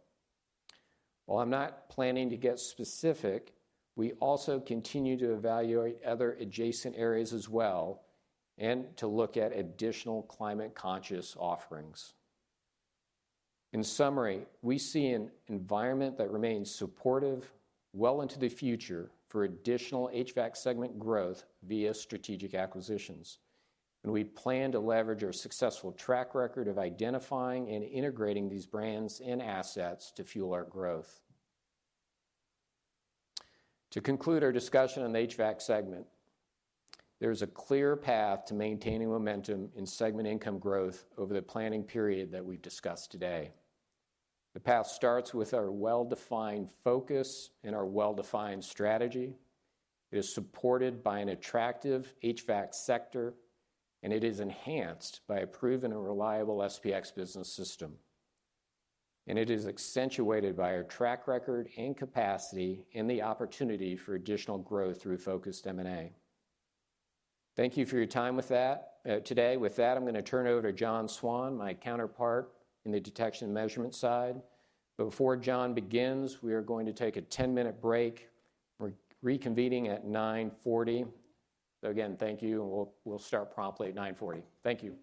While I'm not planning to get specific, we also continue to evaluate other adjacent areas as well and to look at additional climate-conscious offerings. In summary, we see an environment that remains supportive, well into the future, for additional HVAC segment growth via strategic acquisitions, and we plan to leverage our successful track record of identifying and integrating these brands and assets to fuel our growth. To conclude our discussion on the HVAC segment, there is a clear path to maintaining momentum in segment income growth over the planning period that we've discussed today. The path starts with our well-defined focus and our well-defined strategy. It is supported by an attractive HVAC sector, and it is enhanced by a proven and reliable SPX business system. And it is accentuated by our track record and capacity and the opportunity for additional growth through focused M&A. Thank you for your time today. With that, I'm going to turn over to John Swann, my counterpart in the detection and measurement side. But before John begins, we are going to take a 10-minute break. We're reconvening at 9:40 A.M. So again, thank you, and we'll start promptly at 9:40 A.M. Thank you.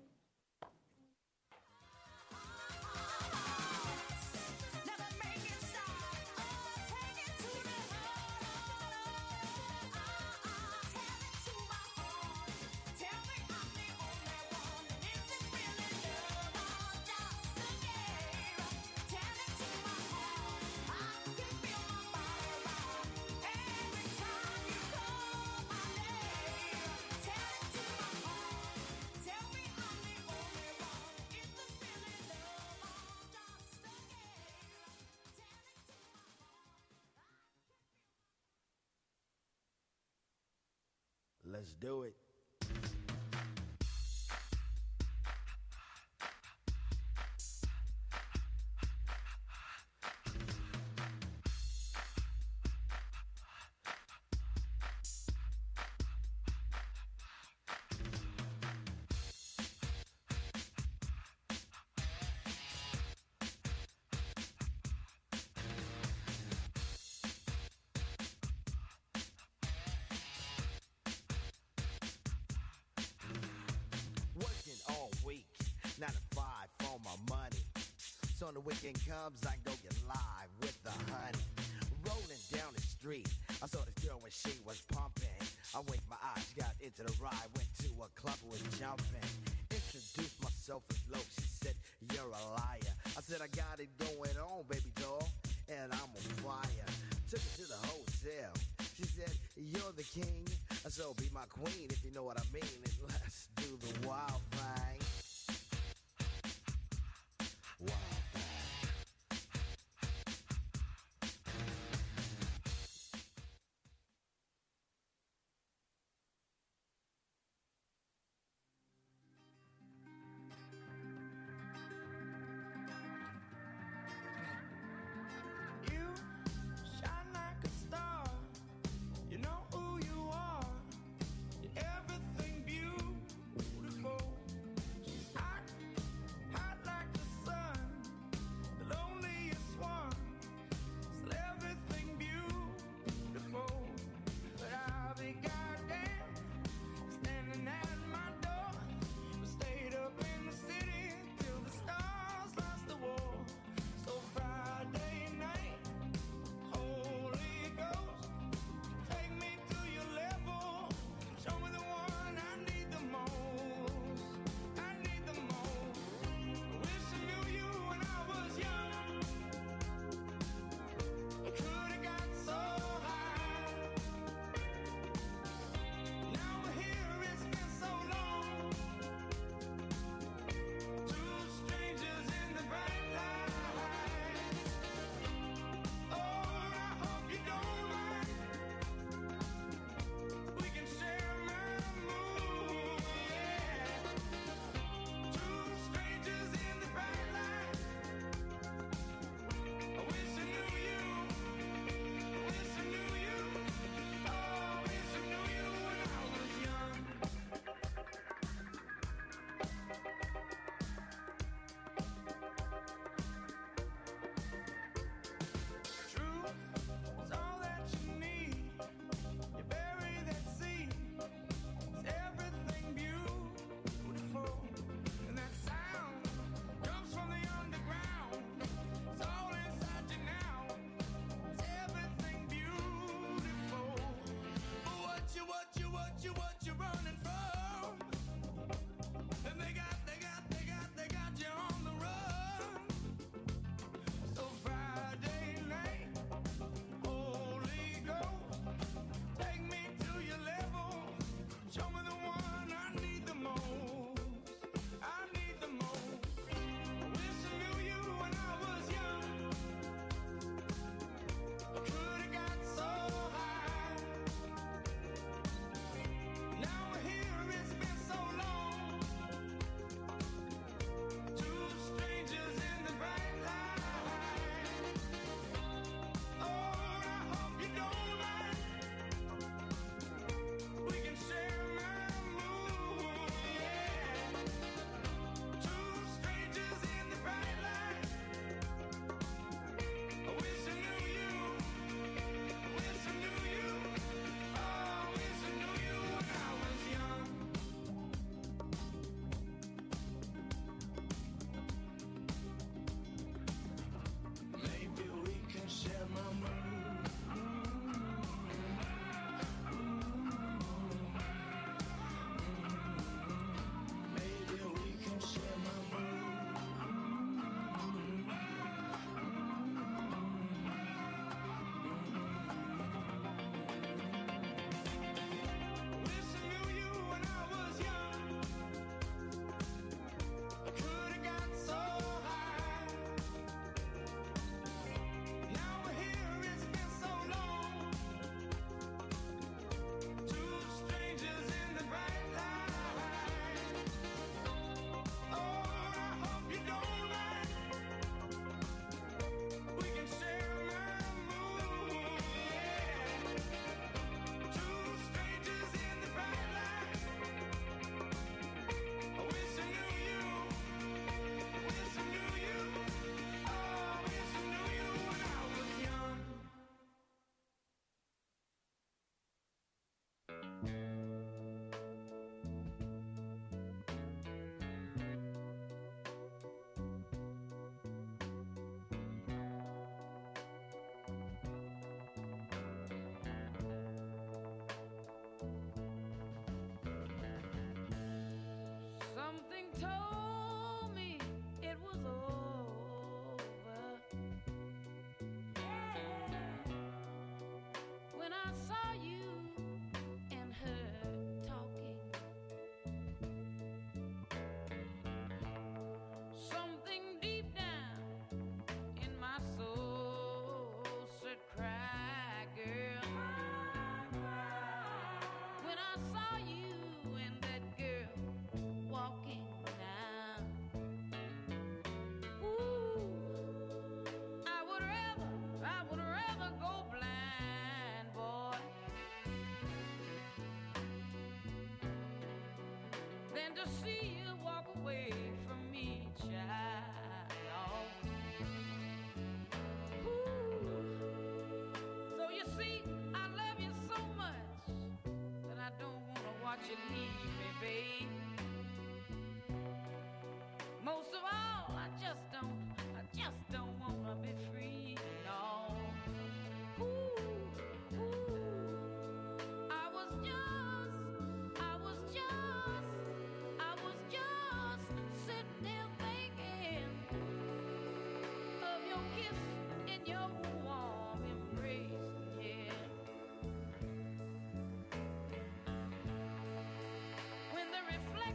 [MUSIC] [MUSIC] I winked my eyes, got into the ride, went to a club, was jumping. Introduced myself as Lowe. She said, "You're a liar." I said, "I got it going on, baby doll, and I'm on fire." Took her to the hotel. She said, "You're the king, so be my queen if you know what I mean." Let's do the wild thing.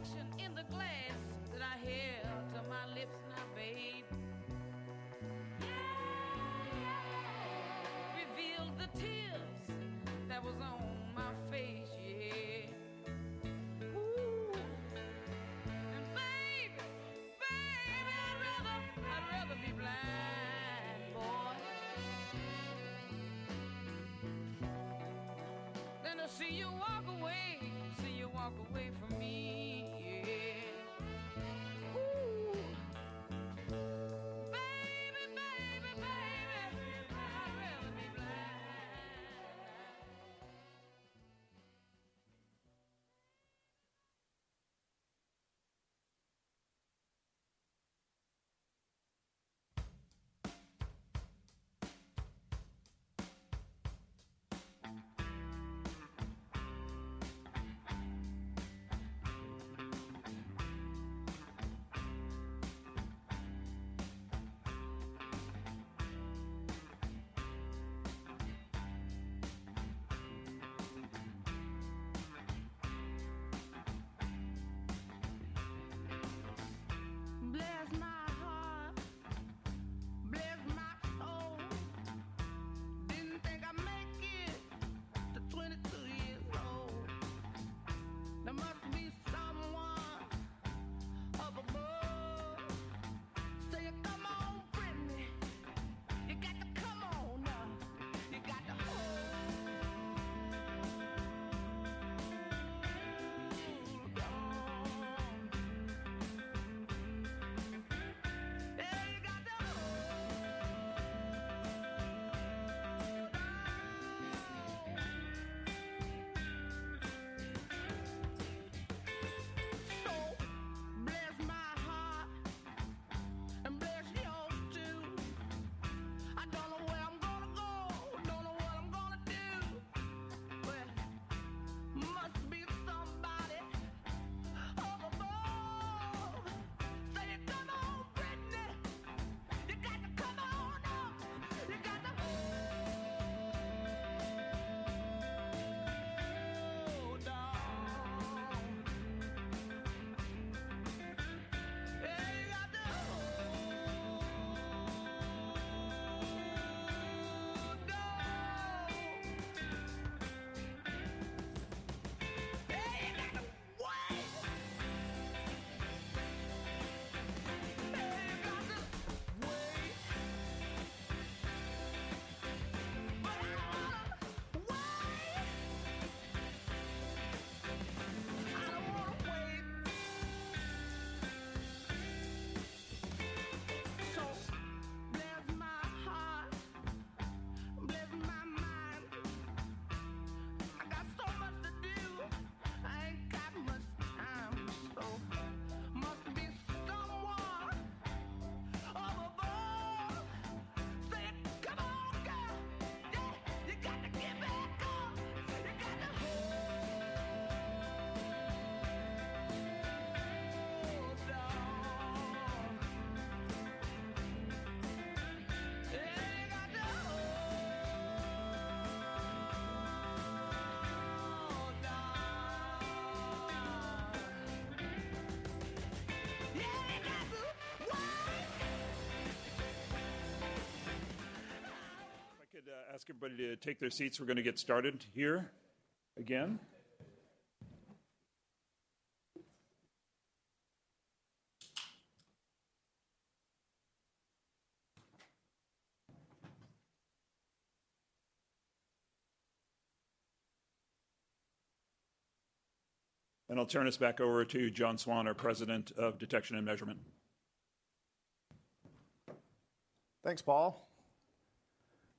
walk away from me, child. Ooh, so you see, I love you so much that I don't want to watch you leave me, babe. Most of all, I just don't, I just don't want to be free, no. Ooh, ooh, I was just, I was just, I was just sitting there thinking of your kiss and your warm embrace, yeah. [MUSIC] When the reflection in the glass that I held to my lips now, babe, yeah, yeah, yeah, revealed the tears that were on my face, yeah. Ooh, and baby, baby, I'd rather, I'd rather be blind, boy, than to see you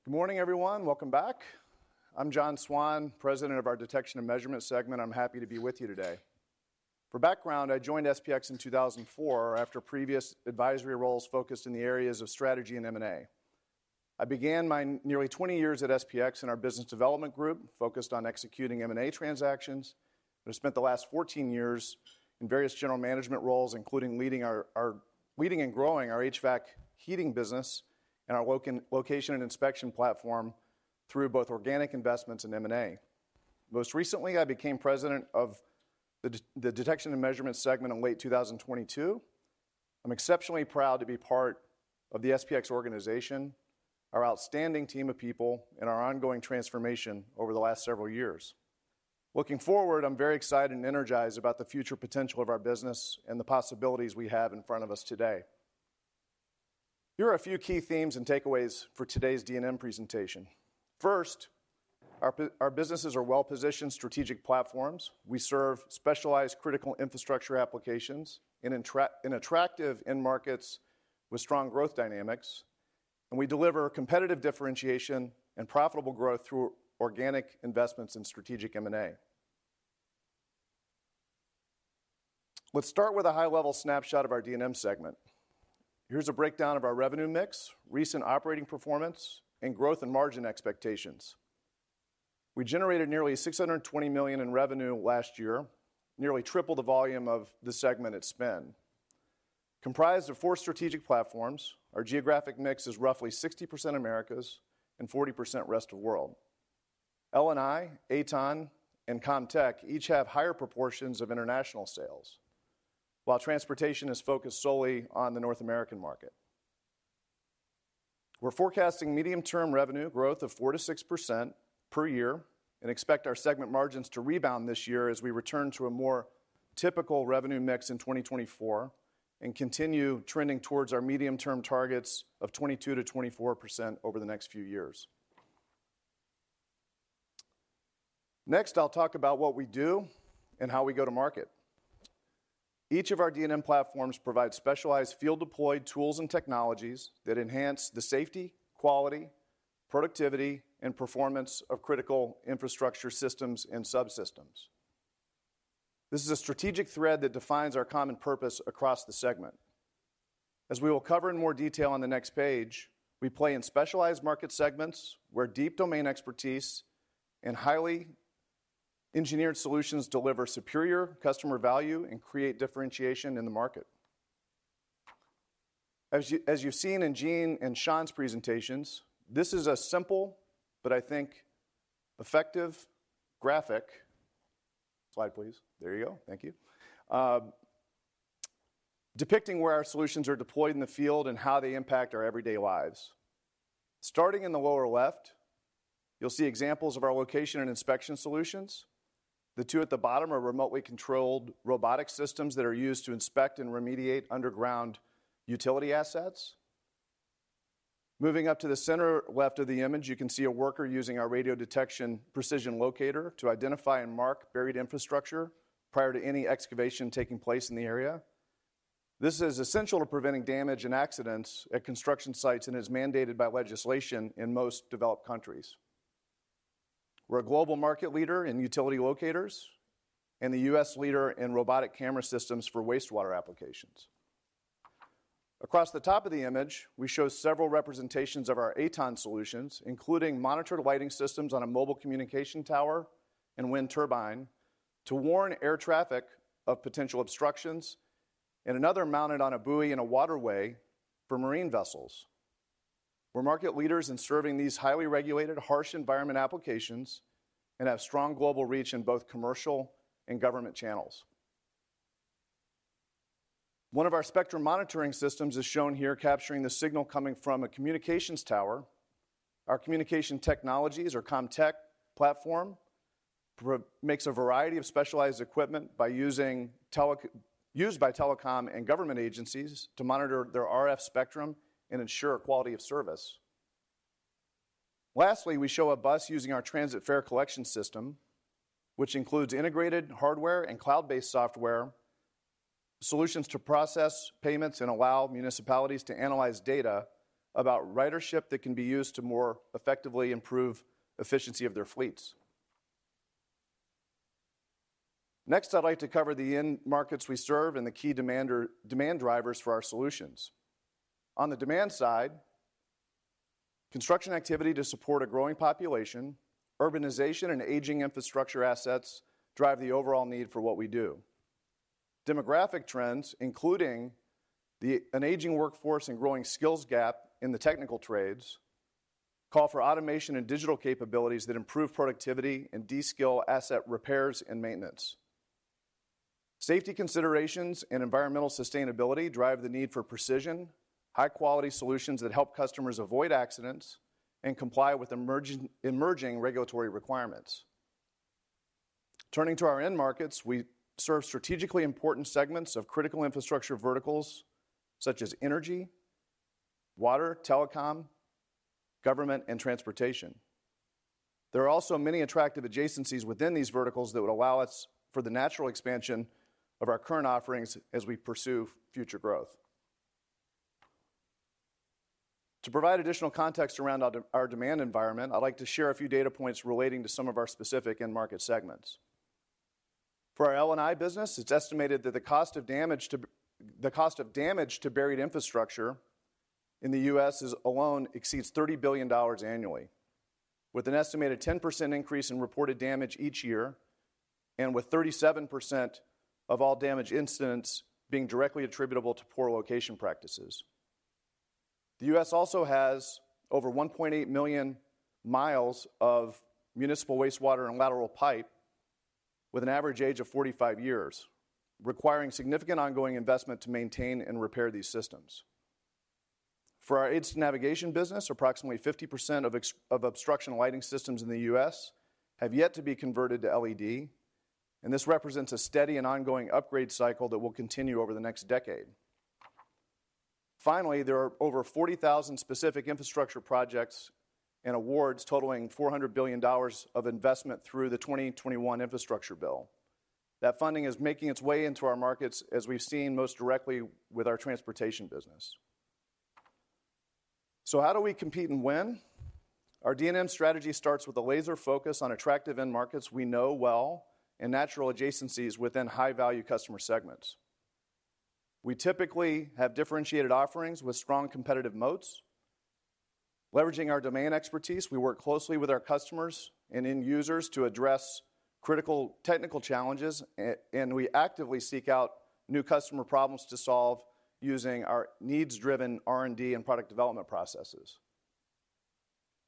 Good morning, everyone. Welcome back. I'm John Swann, President of our Detection and Measurement segment. I'm happy to be with you today. For background, I joined SPX in 2004 after previous advisory roles focused in the areas of strategy and M&A. I began my nearly 20 years at SPX in our business development group focused on executing M&A transactions. I spent the last 14 years in various general management roles, including leading our leading and growing our HVAC heating business and our location and inspection platform through both organic investments and M&A. Most recently, I became President of the Detection and Measurement segment in late 2022. I'm exceptionally proud to be part of the SPX organization, our outstanding team of people, and our ongoing transformation over the last several years. Looking forward, I'm very excited and energized about the future potential of our business and the possibilities we have in front of us today. Here are a few key themes and takeaways for today's D&M presentation. First, our businesses are well-positioned strategic platforms. We serve specialized critical infrastructure applications in attractive end markets with strong growth dynamics. We deliver competitive differentiation and profitable growth through organic investments and strategic M&A. Let's start with a high-level snapshot of our D&M segment. Here's a breakdown of our revenue mix, recent operating performance, and growth and margin expectations. We generated nearly $620 million in revenue last year, nearly triple the volume of the segment at spin. Comprised of four strategic platforms, our geographic mix is roughly 60% Americas and 40% rest of the world. L&I, AtoN, and Comtech each have higher proportions of international sales, while transportation is focused solely on the North American market. We're forecasting medium-term revenue growth of 4%-6% per year and expect our segment margins to rebound this year as we return to a more typical revenue mix in 2024 and continue trending towards our medium-term targets of 22%-24% over the next few years. Next, I'll talk about what we do and how we go to market. Each of our D&M platforms provides specialized field-deployed tools and technologies that enhance the safety, quality, productivity, and performance of critical infrastructure systems and subsystems. This is a strategic thread that defines our common purpose across the segment. As we will cover in more detail on the next page, we play in specialized market segments where deep domain expertise and highly engineered solutions deliver superior customer value and create differentiation in the market. As you've seen in Gene and Sean's presentations, this is a simple, but I think effective graphic slide, please. There you go. Thank you. Depicting where our solutions are deployed in the field and how they impact our everyday lives. Starting in the lower left, you'll see examples of our location and inspection solutions. The two at the bottom are remotely controlled robotic systems that are used to inspect and remediate underground utility assets. Moving up to the center left of the image, you can see a worker using our Radiodetection precision locator to identify and mark buried infrastructure prior to any excavation taking place in the area. This is essential to preventing damage and accidents at construction sites and is mandated by legislation in most developed countries. We're a global market leader in utility locators and the U.S. leader in robotic camera systems for wastewater applications. Across the top of the image, we show several representations of our AtoN solutions, including monitored lighting systems on a mobile communication tower and wind turbine to warn air traffic of potential obstructions, and another mounted on a buoy in a waterway for marine vessels. We're market leaders in serving these highly regulated, harsh environment applications and have strong global reach in both commercial and government channels. One of our spectrum monitoring systems is shown here, capturing the signal coming from a communications tower. Our communication technologies, or Comtech platform, makes a variety of specialized equipment used by telecom and government agencies to monitor their RF spectrum and ensure quality of service. Lastly, we show a bus using our transit fare collection system, which includes integrated hardware and cloud-based software solutions to process payments and allow municipalities to analyze data about ridership that can be used to more effectively improve efficiency of their fleets. Next, I'd like to cover the end markets we serve and the key demand drivers for our solutions. On the demand side, construction activity to support a growing population, urbanization, and aging infrastructure assets drive the overall need for what we do. Demographic trends, including an aging workforce and growing skills gap in the technical trades, call for automation and digital capabilities that improve productivity and de-skill asset repairs and maintenance. Safety considerations and environmental sustainability drive the need for precision, high-quality solutions that help customers avoid accidents and comply with emerging regulatory requirements. Turning to our end markets, we serve strategically important segments of critical infrastructure verticals such as energy, water, telecom, government, and transportation. There are also many attractive adjacencies within these verticals that would allow us for the natural expansion of our current offerings as we pursue future growth. To provide additional context around our demand environment, I'd like to share a few data points relating to some of our specific end market segments. For our L&I business, it's estimated that the cost of damage to buried infrastructure in the U.S. alone exceeds $30 billion annually, with an estimated 10% increase in reported damage each year and with 37% of all damage incidents being directly attributable to poor location practices. The U.S. also has over 1.8 million miles of municipal wastewater and lateral pipe, with an average age of 45 years, requiring significant ongoing investment to maintain and repair these systems. For our AtoN business, approximately 50% of obstruction lighting systems in the U.S. have yet to be converted to LED. This represents a steady and ongoing upgrade cycle that will continue over the next decade. Finally, there are over 40,000 specific infrastructure projects and awards totaling $400 billion of investment through the 2021 infrastructure bill. That funding is making its way into our markets, as we've seen most directly with our transportation business. How do we compete and win? Our D&M strategy starts with a laser focus on attractive end markets we know well and natural adjacencies within high-value customer segments. We typically have differentiated offerings with strong competitive moats. Leveraging our demand expertise, we work closely with our customers and end users to address critical technical challenges. We actively seek out new customer problems to solve using our needs-driven R&D and product development processes.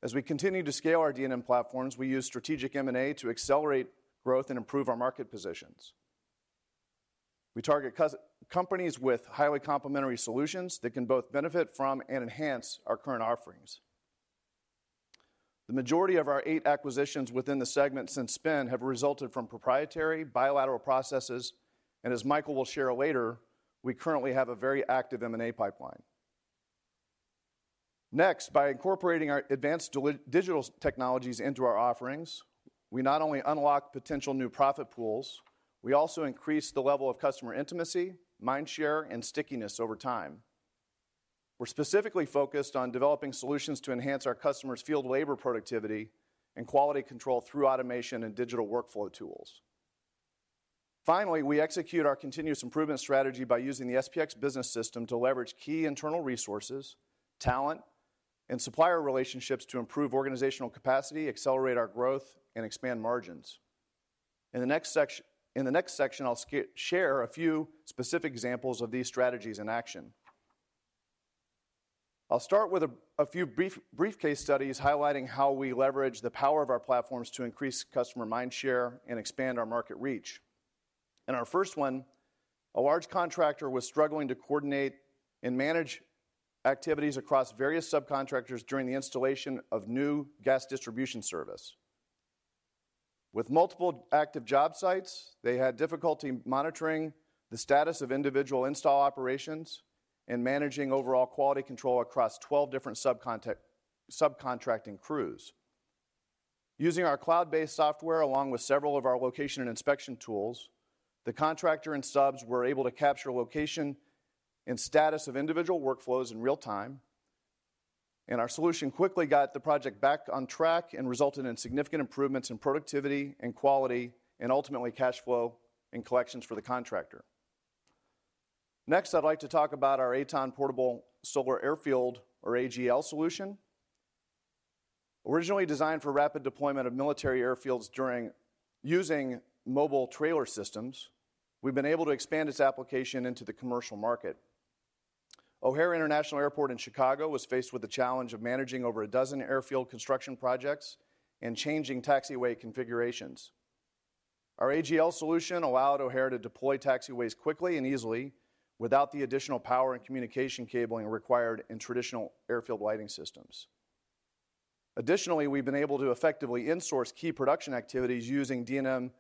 As we continue to scale our D&M platforms, we use strategic M&A to accelerate growth and improve our market positions. We target companies with highly complementary solutions that can both benefit from and enhance our current offerings. The majority of our eight acquisitions within the segment since spin have resulted from proprietary, bilateral processes. As Michael will share later, we currently have a very active M&A pipeline. Next, by incorporating our advanced digital technologies into our offerings, we not only unlock potential new profit pools, we also increase the level of customer intimacy, mind share, and stickiness over time. We're specifically focused on developing solutions to enhance our customers' field labor productivity and quality control through automation and digital workflow tools. Finally, we execute our continuous improvement strategy by using the SPX business system to leverage key internal resources, talent, and supplier relationships to improve organizational capacity, accelerate our growth, and expand margins. In the next section, I'll share a few specific examples of these strategies in action. I'll start with a few brief case studies highlighting how we leverage the power of our platforms to increase customer mind share and expand our market reach. In our first one, a large contractor was struggling to coordinate and manage activities across various subcontractors during the installation of new gas distribution service. With multiple active job sites, they had difficulty monitoring the status of individual install operations and managing overall quality control across 12 different subcontracting crews. Using our cloud-based software along with several of our location and inspection tools, the contractor and subs were able to capture location and status of individual workflows in real time. Our solution quickly got the project back on track and resulted in significant improvements in productivity and quality and ultimately cash flow and collections for the contractor. Next, I'd like to talk about our Aton Portable Solar Airfield, or AGL, solution. Originally designed for rapid deployment of military airfields using mobile trailer systems, we've been able to expand its application into the commercial market. O'Hare International Airport in Chicago was faced with the challenge of managing over a dozen airfield construction projects and changing taxiway configurations. Our AGL solution allowed O'Hare to deploy taxiways quickly and easily without the additional power and communication cabling required in traditional airfield lighting systems. Additionally, we've been able to effectively insource key production activities using D&M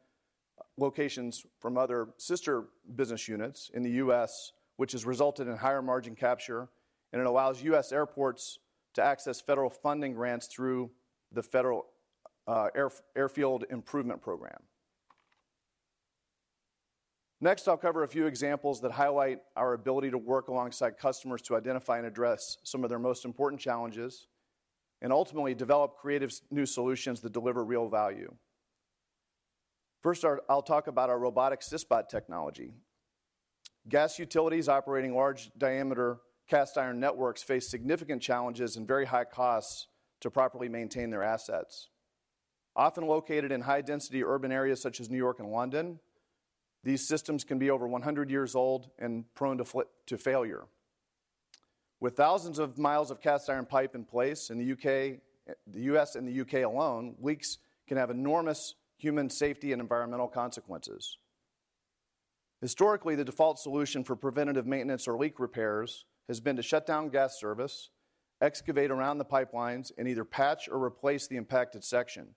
locations from other sister business units in the U.S., which has resulted in higher margin capture. And it allows U.S. airports to access federal funding grants through the Federal Airfield Improvement Program. Next, I'll cover a few examples that highlight our ability to work alongside customers to identify and address some of their most important challenges and ultimately develop creative new solutions that deliver real value. First, I'll talk about our robotic CISBOT technology. Gas utilities operating large-diameter cast iron networks face significant challenges and very high costs to properly maintain their assets. Often located in high-density urban areas such as New York and London, these systems can be over 100 years old and prone to failure. With thousands of miles of cast iron pipe in place in the U.S. and the U.K. alone, leaks can have enormous human safety and environmental consequences. Historically, the default solution for preventative maintenance or leak repairs has been to shut down gas service, excavate around the pipelines, and either patch or replace the impacted section.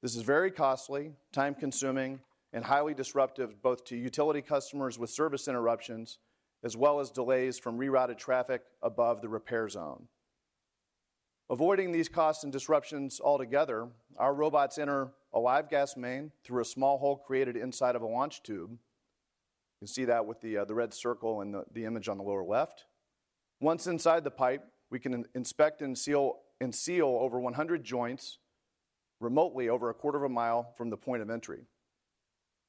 This is very costly, time-consuming, and highly disruptive both to utility customers with service interruptions as well as delays from rerouted traffic above the repair zone. Avoiding these costs and disruptions altogether, our robots enter a live gas main through a small hole created inside of a launch tube. You can see that with the red circle in the image on the lower left. Once inside the pipe, we can inspect and seal over 100 joints remotely over a quarter of a mile from the point of entry.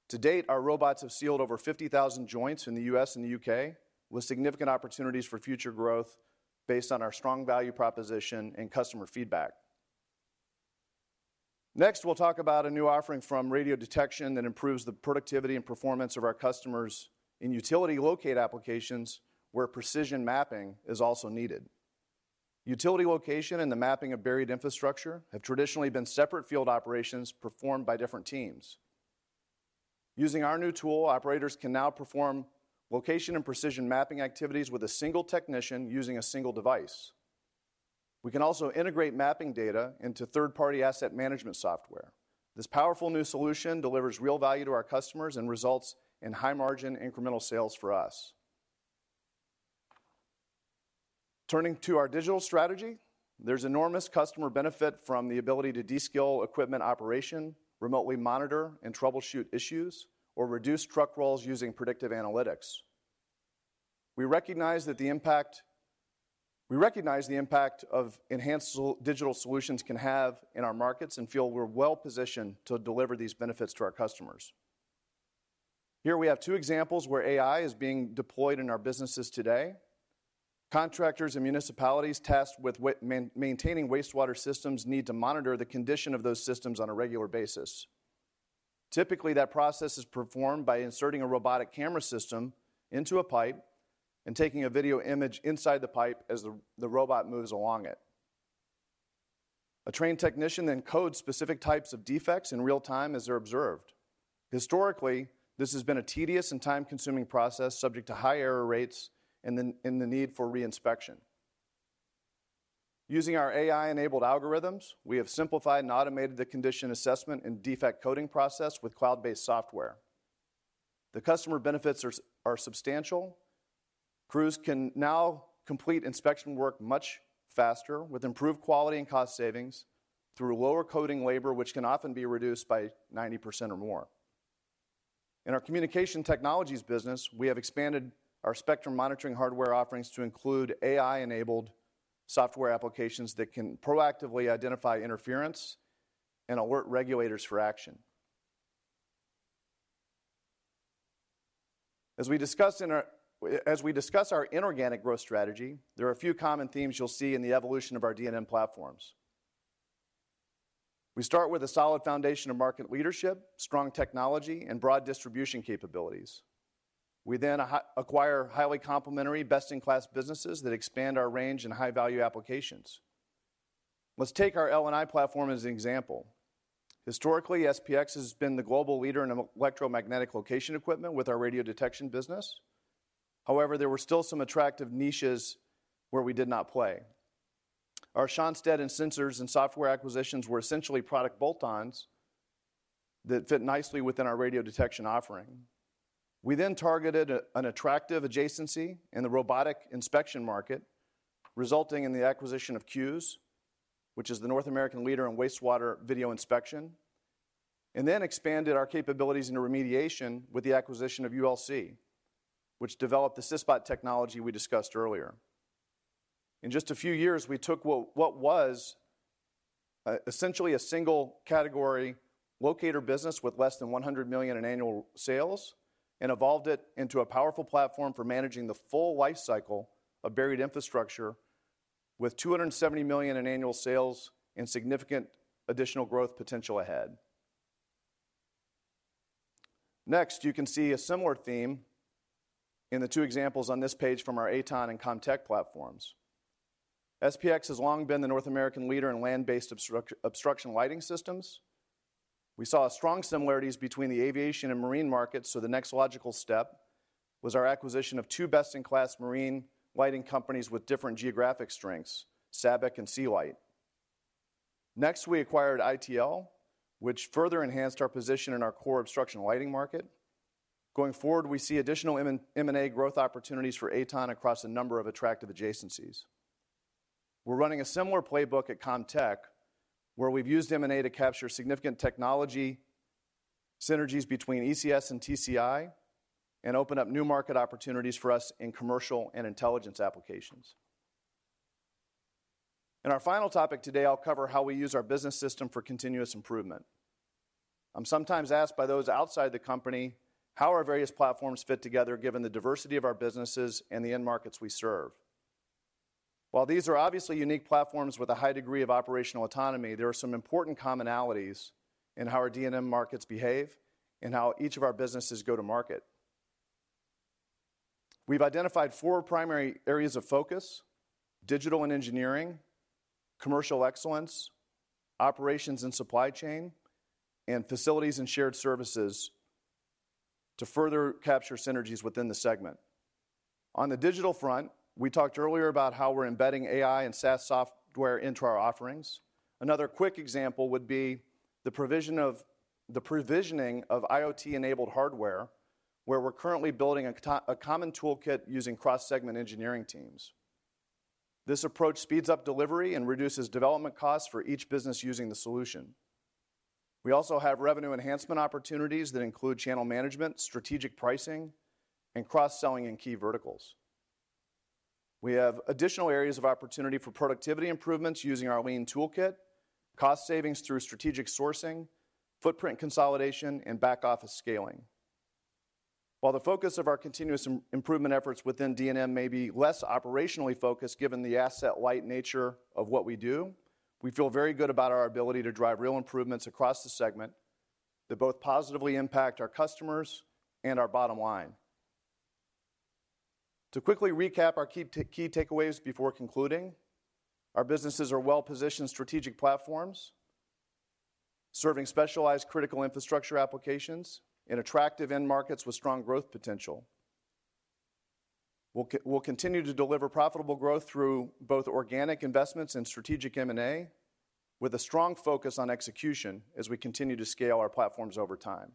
To date, our robots have sealed over 50,000 joints in the U.S. and the U.K. with significant opportunities for future growth based on our strong value proposition and customer feedback. Next, we'll talk about a new offering from Radiodetection that improves the productivity and performance of our customers in utility locate applications where precision mapping is also needed. Utility location and the mapping of buried infrastructure have traditionally been separate field operations performed by different teams. Using our new tool, operators can now perform location and precision mapping activities with a single technician using a single device. We can also integrate mapping data into third-party asset management software. This powerful new solution delivers real value to our customers and results in high-margin incremental sales for us. Turning to our digital strategy, there's enormous customer benefit from the ability to de-skill equipment operation, remotely monitor and troubleshoot issues, or reduce truck rolls using predictive analytics. We recognize that the impact of enhanced digital solutions can have in our markets and feel we're well positioned to deliver these benefits to our customers. Here, we have two examples where AI is being deployed in our businesses today. Contractors and municipalities tasked with maintaining wastewater systems need to monitor the condition of those systems on a regular basis. Typically, that process is performed by inserting a robotic camera system into a pipe and taking a video image inside the pipe as the robot moves along it. A trained technician then codes specific types of defects in real time as they're observed. Historically, this has been a tedious and time-consuming process subject to high error rates and the need for reinspection. Using our AI-enabled algorithms, we have simplified and automated the condition assessment and defect coding process with cloud-based software. The customer benefits are substantial. Crews can now complete inspection work much faster with improved quality and cost savings through lower coding labor, which can often be reduced by 90% or more. In our communication technologies business, we have expanded our spectrum monitoring hardware offerings to include AI-enabled software applications that can proactively identify interference and alert regulators for action. As we discuss our inorganic growth strategy, there are a few common themes you'll see in the evolution of our D&M platforms. We start with a solid foundation of market leadership, strong technology, and broad distribution capabilities. We then acquire highly complementary, best-in-class businesses that expand our range in high-value applications. Let's take our L&I platform as an example. Historically, SPX has been the global leader in electromagnetic location equipment with our Radiodetection business. However, there were still some attractive niches where we did not play. Our Schonstedt and Sensors & Software acquisitions were essentially product bolt-ons that fit nicely within our Radiodetection offering. We then targeted an attractive adjacency in the robotic inspection market, resulting in the acquisition of CUES, which is the North American leader in wastewater video inspection, and then expanded our capabilities into remediation with the acquisition of ULC, which developed the CISBOT technology we discussed earlier. In just a few years, we took what was essentially a single category locator business with less than $100 million in annual sales and evolved it into a powerful platform for managing the full life cycle of buried infrastructure with $270 million in annual sales and significant additional growth potential ahead. Next, you can see a similar theme in the two examples on this page from our AtoN and Comtech platforms. SPX has long been the North American leader in land-based obstruction lighting systems. We saw strong similarities between the aviation and marine markets. So the next logical step was our acquisition of two best-in-class marine lighting companies with different geographic strengths: Sabik and Sealite. Next, we acquired ITL, which further enhanced our position in our core obstruction lighting market. Going forward, we see additional M&A growth opportunities for AtoN across a number of attractive adjacencies. We're running a similar playbook at Comtech, where we've used M&A to capture significant technology synergies between ECS and TCI and open up new market opportunities for us in commercial and intelligence applications. In our final topic today, I'll cover how we use our business system for continuous improvement. I'm sometimes asked by those outside the company how our various platforms fit together, given the diversity of our businesses and the end markets we serve. While these are obviously unique platforms with a high degree of operational autonomy, there are some important commonalities in how our D&M markets behave and how each of our businesses go to market. We've identified four primary areas of focus: digital and engineering, commercial excellence, operations and supply chain, and facilities and shared services to further capture synergies within the segment. On the digital front, we talked earlier about how we're embedding AI and SaaS software into our offerings. Another quick example would be the provisioning of IoT-enabled hardware, where we're currently building a common toolkit using cross-segment engineering teams. This approach speeds up delivery and reduces development costs for each business using the solution. We also have revenue enhancement opportunities that include channel management, strategic pricing, and cross-selling in key verticals. We have additional areas of opportunity for productivity improvements using our Lean toolkit, cost savings through strategic sourcing, footprint consolidation, and back-office scaling. While the focus of our continuous improvement efforts within D&M may be less operationally focused, given the asset-light nature of what we do, we feel very good about our ability to drive real improvements across the segment that both positively impact our customers and our bottom line. To quickly recap our key takeaways before concluding, our businesses are well-positioned strategic platforms serving specialized critical infrastructure applications in attractive end markets with strong growth potential. We'll continue to deliver profitable growth through both organic investments and strategic M&A with a strong focus on execution as we continue to scale our platforms over time.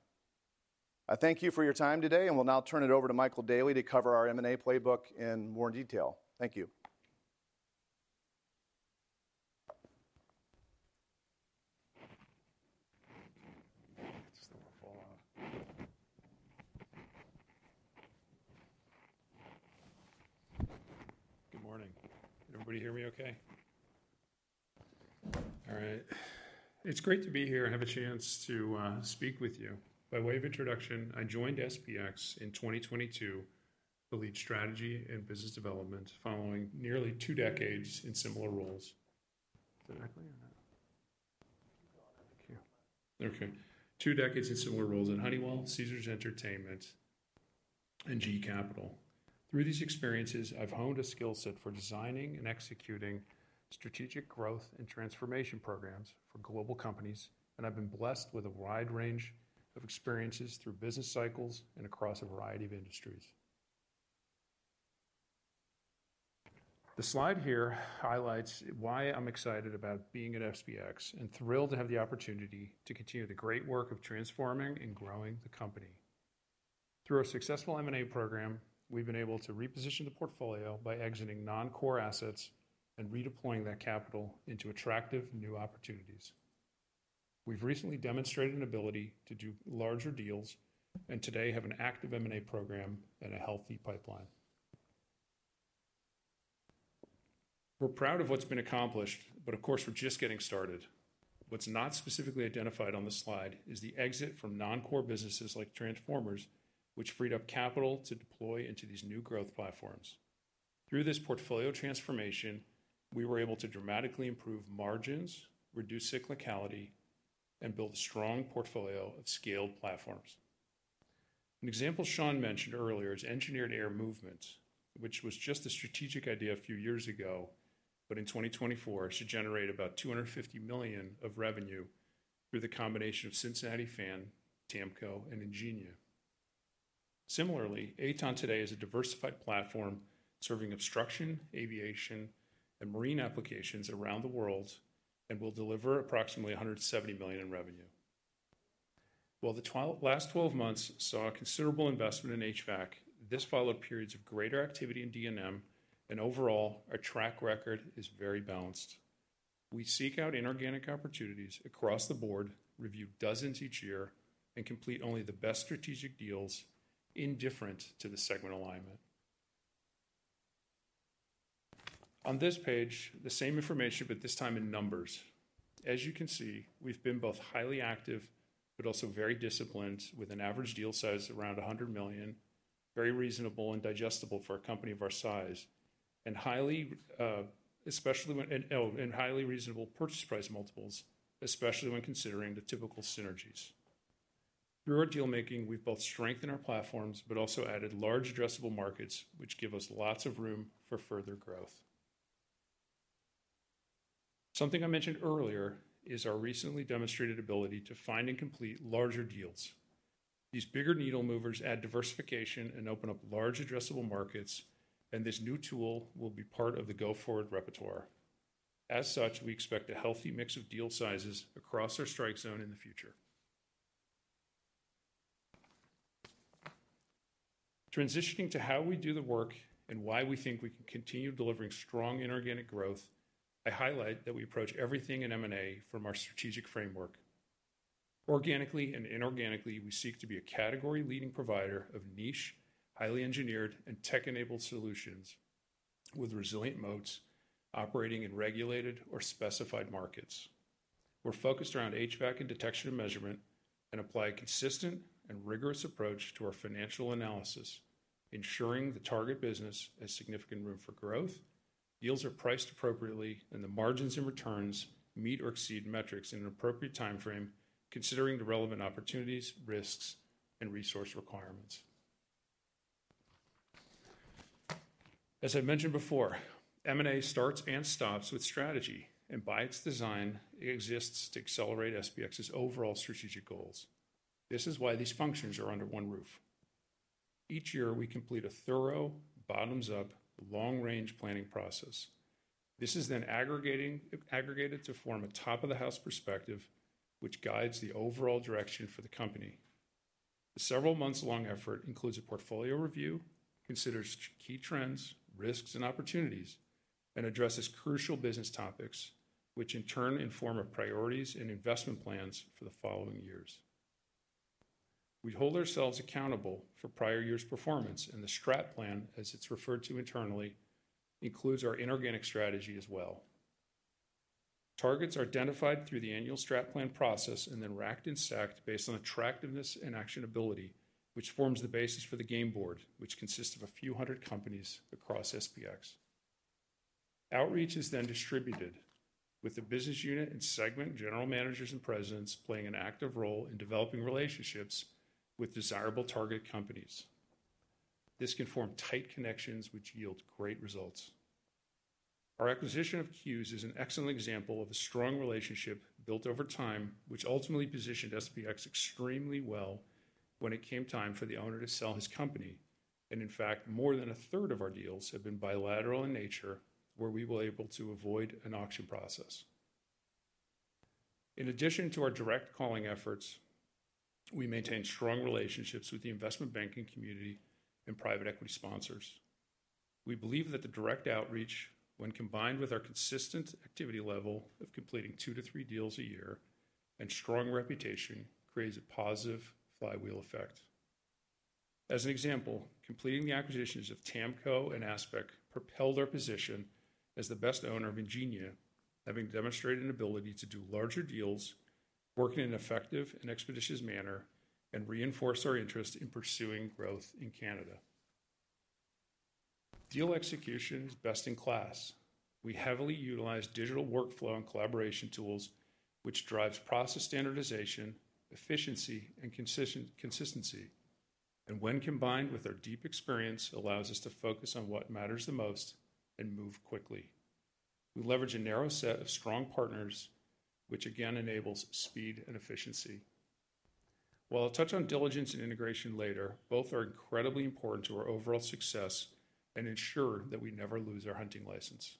I thank you for your time today, and we'll now turn it over to Michael Daley to cover our M&A playbook in more detail. Thank you. Good morning. Can everybody hear me okay? All right. It's great to be here and have a chance to speak with you. By way of introduction, I joined SPX in 2022 to lead strategy and business development following nearly two decades in similar roles. Is that accurate or not? You got it. Thank you. Okay. Two decades in similar roles at Honeywell, Caesars Entertainment, and GE Capital. Through these experiences, I've honed a skill set for designing and executing strategic growth and transformation programs for global companies. And I've been blessed with a wide range of experiences through business cycles and across a variety of industries. The slide here highlights why I'm excited about being at SPX and thrilled to have the opportunity to continue the great work of transforming and growing the company. Through a successful M&A program, we've been able to reposition the portfolio by exiting non-core assets and redeploying that capital into attractive new opportunities. We've recently demonstrated an ability to do larger deals and today have an active M&A program and a healthy pipeline. We're proud of what's been accomplished, but of course, we're just getting started. What's not specifically identified on the slide is the exit from non-core businesses like Transformers, which freed up capital to deploy into these new growth platforms. Through this portfolio transformation, we were able to dramatically improve margins, reduce cyclicality, and build a strong portfolio of scaled platforms. An example Sean mentioned earlier is engineered air movement, which was just a strategic idea a few years ago, but in 2024 should generate about $250 million of revenue through the combination of Cincinnati Fan, TAMCO, and Ingenia. Similarly, AtoN today is a diversified platform serving obstruction, aviation, and marine applications around the world and will deliver approximately $170 million in revenue. While the last 12 months saw a considerable investment in HVAC, this followed periods of greater activity in D&M, and overall, our track record is very balanced. We seek out inorganic opportunities across the board, review dozens each year, and complete only the best strategic deals indifferent to the segment alignment. On this page, the same information, but this time in numbers. As you can see, we've been both highly active but also very disciplined with an average deal size around $100 million, very reasonable and digestible for a company of our size, and highly reasonable purchase price multiples, especially when considering the typical synergies. Through our dealmaking, we've both strengthened our platforms but also added large addressable markets, which give us lots of room for further growth. Something I mentioned earlier is our recently demonstrated ability to find and complete larger deals. These bigger needle movers add diversification and open up large addressable markets, and this new tool will be part of the go-forward repertoire. As such, we expect a healthy mix of deal sizes across our strike zone in the future. Transitioning to how we do the work and why we think we can continue delivering strong inorganic growth, I highlight that we approach everything in M&A from our strategic framework. Organically and inorganically, we seek to be a category-leading provider of niche, highly engineered, and tech-enabled solutions with resilient moats, operating in regulated or specified markets. We're focused around HVAC and detection and measurement and apply a consistent and rigorous approach to our financial analysis, ensuring the target business has significant room for growth, deals are priced appropriately, and the margins and returns meet or exceed metrics in an appropriate timeframe, considering the relevant opportunities, risks, and resource requirements. As I mentioned before, M&A starts and stops with strategy, and by its design, it exists to accelerate SPX's overall strategic goals. This is why these functions are under one roof. Each year, we complete a thorough, bottoms-up, long-range planning process. This is then aggregated to form a top-of-the-house perspective, which guides the overall direction for the company. The several-months-long effort includes a portfolio review, considers key trends, risks, and opportunities, and addresses crucial business topics, which in turn inform our priorities and investment plans for the following years. We hold ourselves accountable for prior years' performance, and the strat plan, as it's referred to internally, includes our inorganic strategy as well. Targets are identified through the annual strat plan process and then racked and stacked based on attractiveness and actionability, which forms the basis for the game board, which consists of a few hundred companies across SPX. Outreach is then distributed, with the business unit and segment general managers and presidents playing an active role in developing relationships with desirable target companies. This can form tight connections, which yield great results. Our acquisition of CUES is an excellent example of a strong relationship built over time, which ultimately positioned SPX extremely well when it came time for the owner to sell his company. And in fact, more than a third of our deals have been bilateral in nature, where we were able to avoid an auction process. In addition to our direct calling efforts, we maintain strong relationships with the investment banking community and private equity sponsors. We believe that the direct outreach, when combined with our consistent activity level of completing 2-3 deals a year and strong reputation, creates a positive flywheel effect. As an example, completing the acquisitions of TAMCO and ASPEQ propelled our position as the best owner of Ingenia, having demonstrated an ability to do larger deals, work in an effective and expeditious manner, and reinforce our interest in pursuing growth in Canada. Deal execution is best in class. We heavily utilize digital workflow and collaboration tools, which drive process standardization, efficiency, and consistency, and when combined with our deep experience, allows us to focus on what matters the most and move quickly. We leverage a narrow set of strong partners, which again enables speed and efficiency. While I'll touch on diligence and integration later, both are incredibly important to our overall success and ensure that we never lose our hunting license.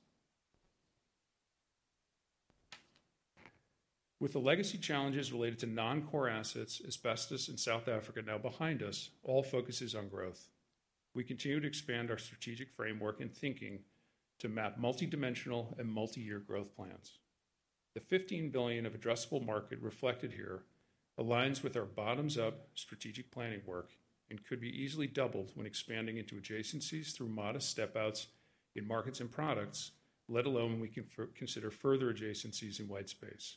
With the legacy challenges related to non-core assets, asbestos in South Africa now behind us, all focuses on growth. We continue to expand our strategic framework and thinking to map multidimensional and multi-year growth plans. The $15 billion of addressable market reflected here aligns with our bottoms-up strategic planning work and could be easily doubled when expanding into adjacencies through modest step-outs in markets and products, let alone when we consider further adjacencies in whitespace.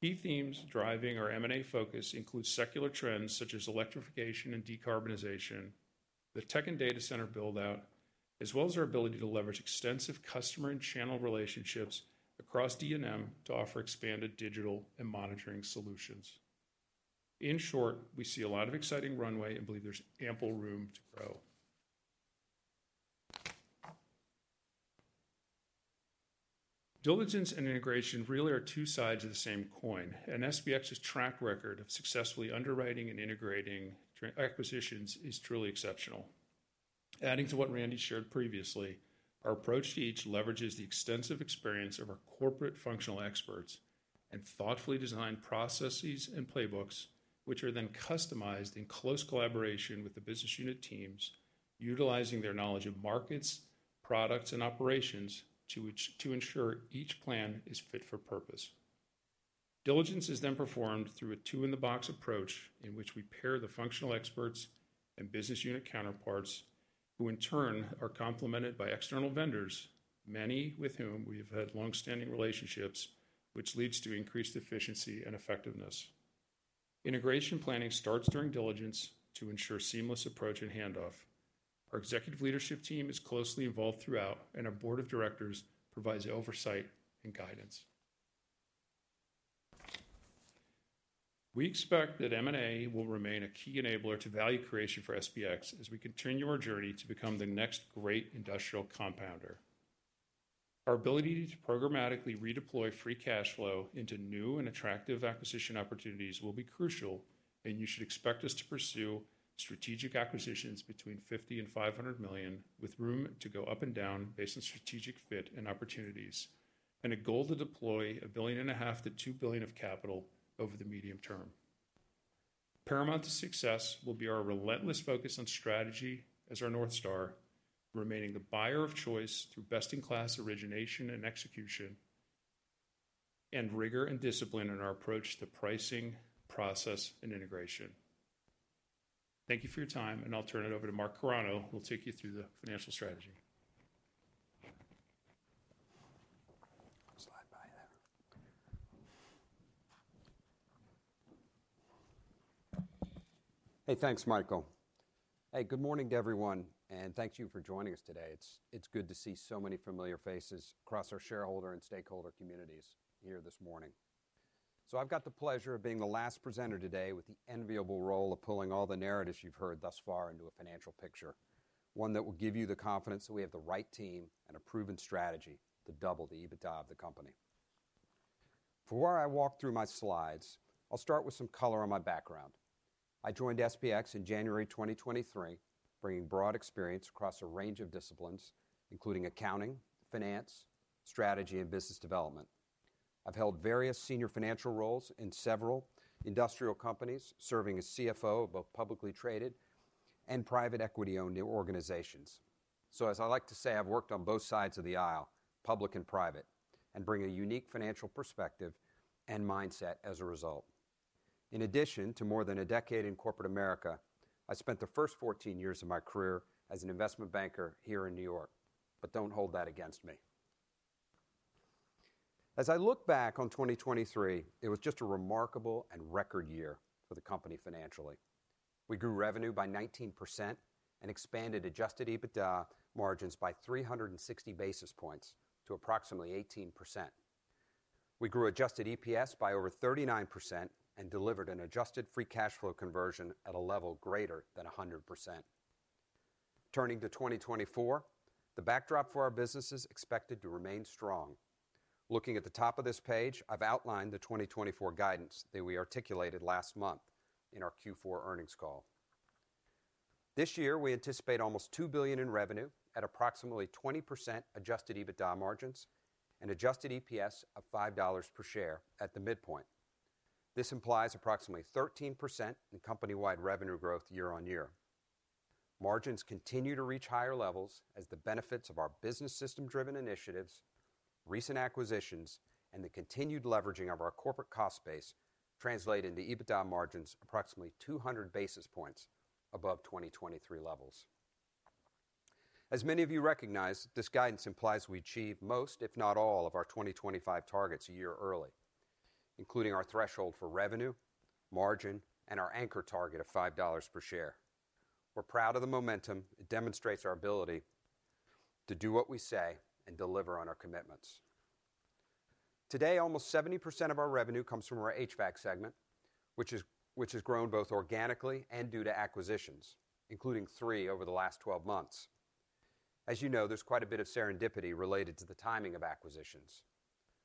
Key themes driving our M&A focus include secular trends such as electrification and decarbonization, the tech and data center buildout, as well as our ability to leverage extensive customer and channel relationships across D&M to offer expanded digital and monitoring solutions. In short, we see a lot of exciting runway and believe there's ample room to grow. Diligence and integration really are two sides of the same coin, and SPX's track record of successfully underwriting and integrating acquisitions is truly exceptional. Adding to what Randy shared previously, our approach to each leverages the extensive experience of our corporate functional experts and thoughtfully designed processes and playbooks, which are then customized in close collaboration with the business unit teams, utilizing their knowledge of markets, products, and operations to ensure each plan is fit for purpose. Diligence is then performed through a two-in-the-box approach in which we pair the functional experts and business unit counterparts, who in turn are complemented by external vendors, many with whom we have had longstanding relationships, which leads to increased efficiency and effectiveness. Integration planning starts during diligence to ensure seamless approach and handoff. Our executive leadership team is closely involved throughout, and our board of directors provides oversight and guidance. We expect that M&A will remain a key enabler to value creation for SPX as we continue our journey to become the next great industrial compounder. Our ability to programmatically redeploy free cash flow into new and attractive acquisition opportunities will be crucial, and you should expect us to pursue strategic acquisitions between $50 million and $500 million with room to go up and down based on strategic fit and opportunities, and a goal to deploy $1.5 billion-$2 billion of capital over the medium term. Paramount to success will be our relentless focus on strategy as our north star, remaining the buyer of choice through best-in-class origination and execution, and rigor and discipline in our approach to pricing, process, and integration. Thank you for your time, and I'll turn it over to Mark Carano, who will take you through the financial strategy. Slide by there. Hey, thanks, Michael. Hey, good morning to everyone, and thank you for joining us today. It's good to see so many familiar faces across our shareholder and stakeholder communities here this morning. I've got the pleasure of being the last presenter today with the enviable role of pulling all the narratives you've heard thus far into a financial picture, one that will give you the confidence that we have the right team and a proven strategy to double the EBITDA of the company. Before I walk through my slides, I'll start with some color on my background. I joined SPX in January 2023, bringing broad experience across a range of disciplines, including accounting, finance, strategy, and business development. I've held various senior financial roles in several industrial companies, serving as CFO of both publicly traded and private equity-owned organizations. So as I like to say, I've worked on both sides of the aisle, public and private, and bring a unique financial perspective and mindset as a result. In addition to more than a decade in corporate America, I spent the first 14 years of my career as an investment banker here in New York. But don't hold that against me. As I look back on 2023, it was just a remarkable and record year for the company financially. We grew revenue by 19% and expanded adjusted EBITDA margins by 360 basis points to approximately 18%. We grew adjusted EPS by over 39% and delivered an adjusted free cash flow conversion at a level greater than 100%. Turning to 2024, the backdrop for our business is expected to remain strong. Looking at the top of this page, I've outlined the 2024 guidance that we articulated last month in our Q4 earnings call. This year, we anticipate almost $2 billion in revenue at approximately 20% Adjusted EBITDA margins and Adjusted EPS of $5 per share at the midpoint. This implies approximately 13% in company-wide revenue growth year-on-year. Margins continue to reach higher levels as the benefits of our business system-driven initiatives, recent acquisitions, and the continued leveraging of our corporate cost base translate into EBITDA margins approximately 200 basis points above 2023 levels. As many of you recognize, this guidance implies we achieve most, if not all, of our 2025 targets a year early, including our threshold for revenue, margin, and our anchor target of $5 per share. We're proud of the momentum. It demonstrates our ability to do what we say and deliver on our commitments. Today, almost 70% of our revenue comes from our HVAC segment, which has grown both organically and due to acquisitions, including 3 over the last 12 months. As you know, there's quite a bit of serendipity related to the timing of acquisitions.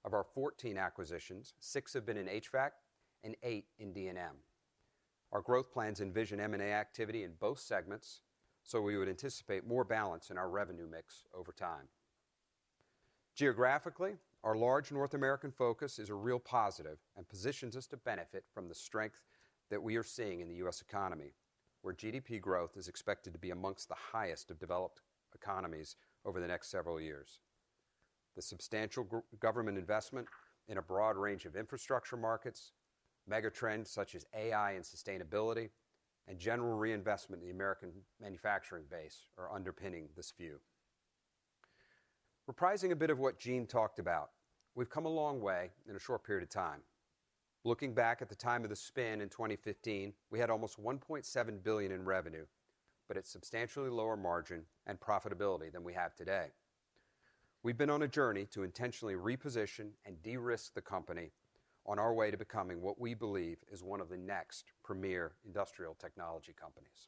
Of our 14 acquisitions, 6 have been in HVAC and 8 in D&M. Our growth plans envision M&A activity in both segments, so we would anticipate more balance in our revenue mix over time. Geographically, our large North American focus is a real positive and positions us to benefit from the strength that we are seeing in the U.S. economy, where GDP growth is expected to be among the highest of developed economies over the next several years. The substantial government investment in a broad range of infrastructure markets, megatrends such as AI and sustainability, and general reinvestment in the American manufacturing base are underpinning this view. Reprising a bit of what Gene talked about, we've come a long way in a short period of time. Looking back at the time of the spin in 2015, we had almost $1.7 billion in revenue, but at substantially lower margin and profitability than we have today. We've been on a journey to intentionally reposition and de-risk the company on our way to becoming what we believe is one of the next premier industrial technology companies.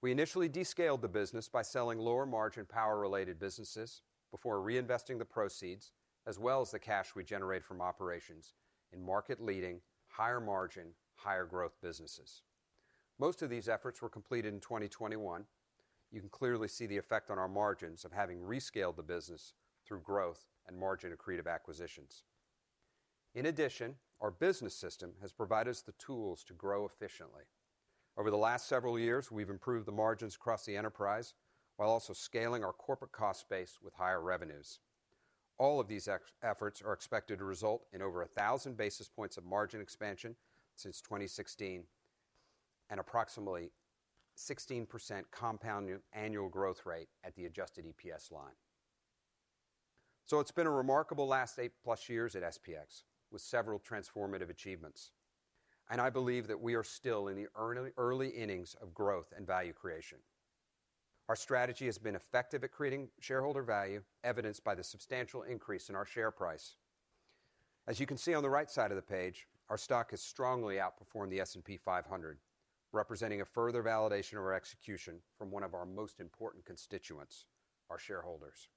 We initially descaled the business by selling lower-margin power-related businesses before reinvesting the proceeds, as well as the cash we generate from operations in market-leading, higher-margin, higher-growth businesses. Most of these efforts were completed in 2021. You can clearly see the effect on our margins of having rescaled the business through growth and margin accretive acquisitions. In addition, our business system has provided us the tools to grow efficiently. Over the last several years, we've improved the margins across the enterprise while also scaling our corporate cost base with higher revenues. All of these efforts are expected to result in over 1,000 basis points of margin expansion since 2016 and approximately 16% compound annual growth rate at the adjusted EPS line. So it's been a remarkable last 8+ years at SPX with several transformative achievements, and I believe that we are still in the early innings of growth and value creation. Our strategy has been effective at creating shareholder value, evidenced by the substantial increase in our share price. As you can see on the right side of the page, our stock has strongly outperformed the S&P 500, representing a further validation of our execution from one of our most important constituents, our shareholders.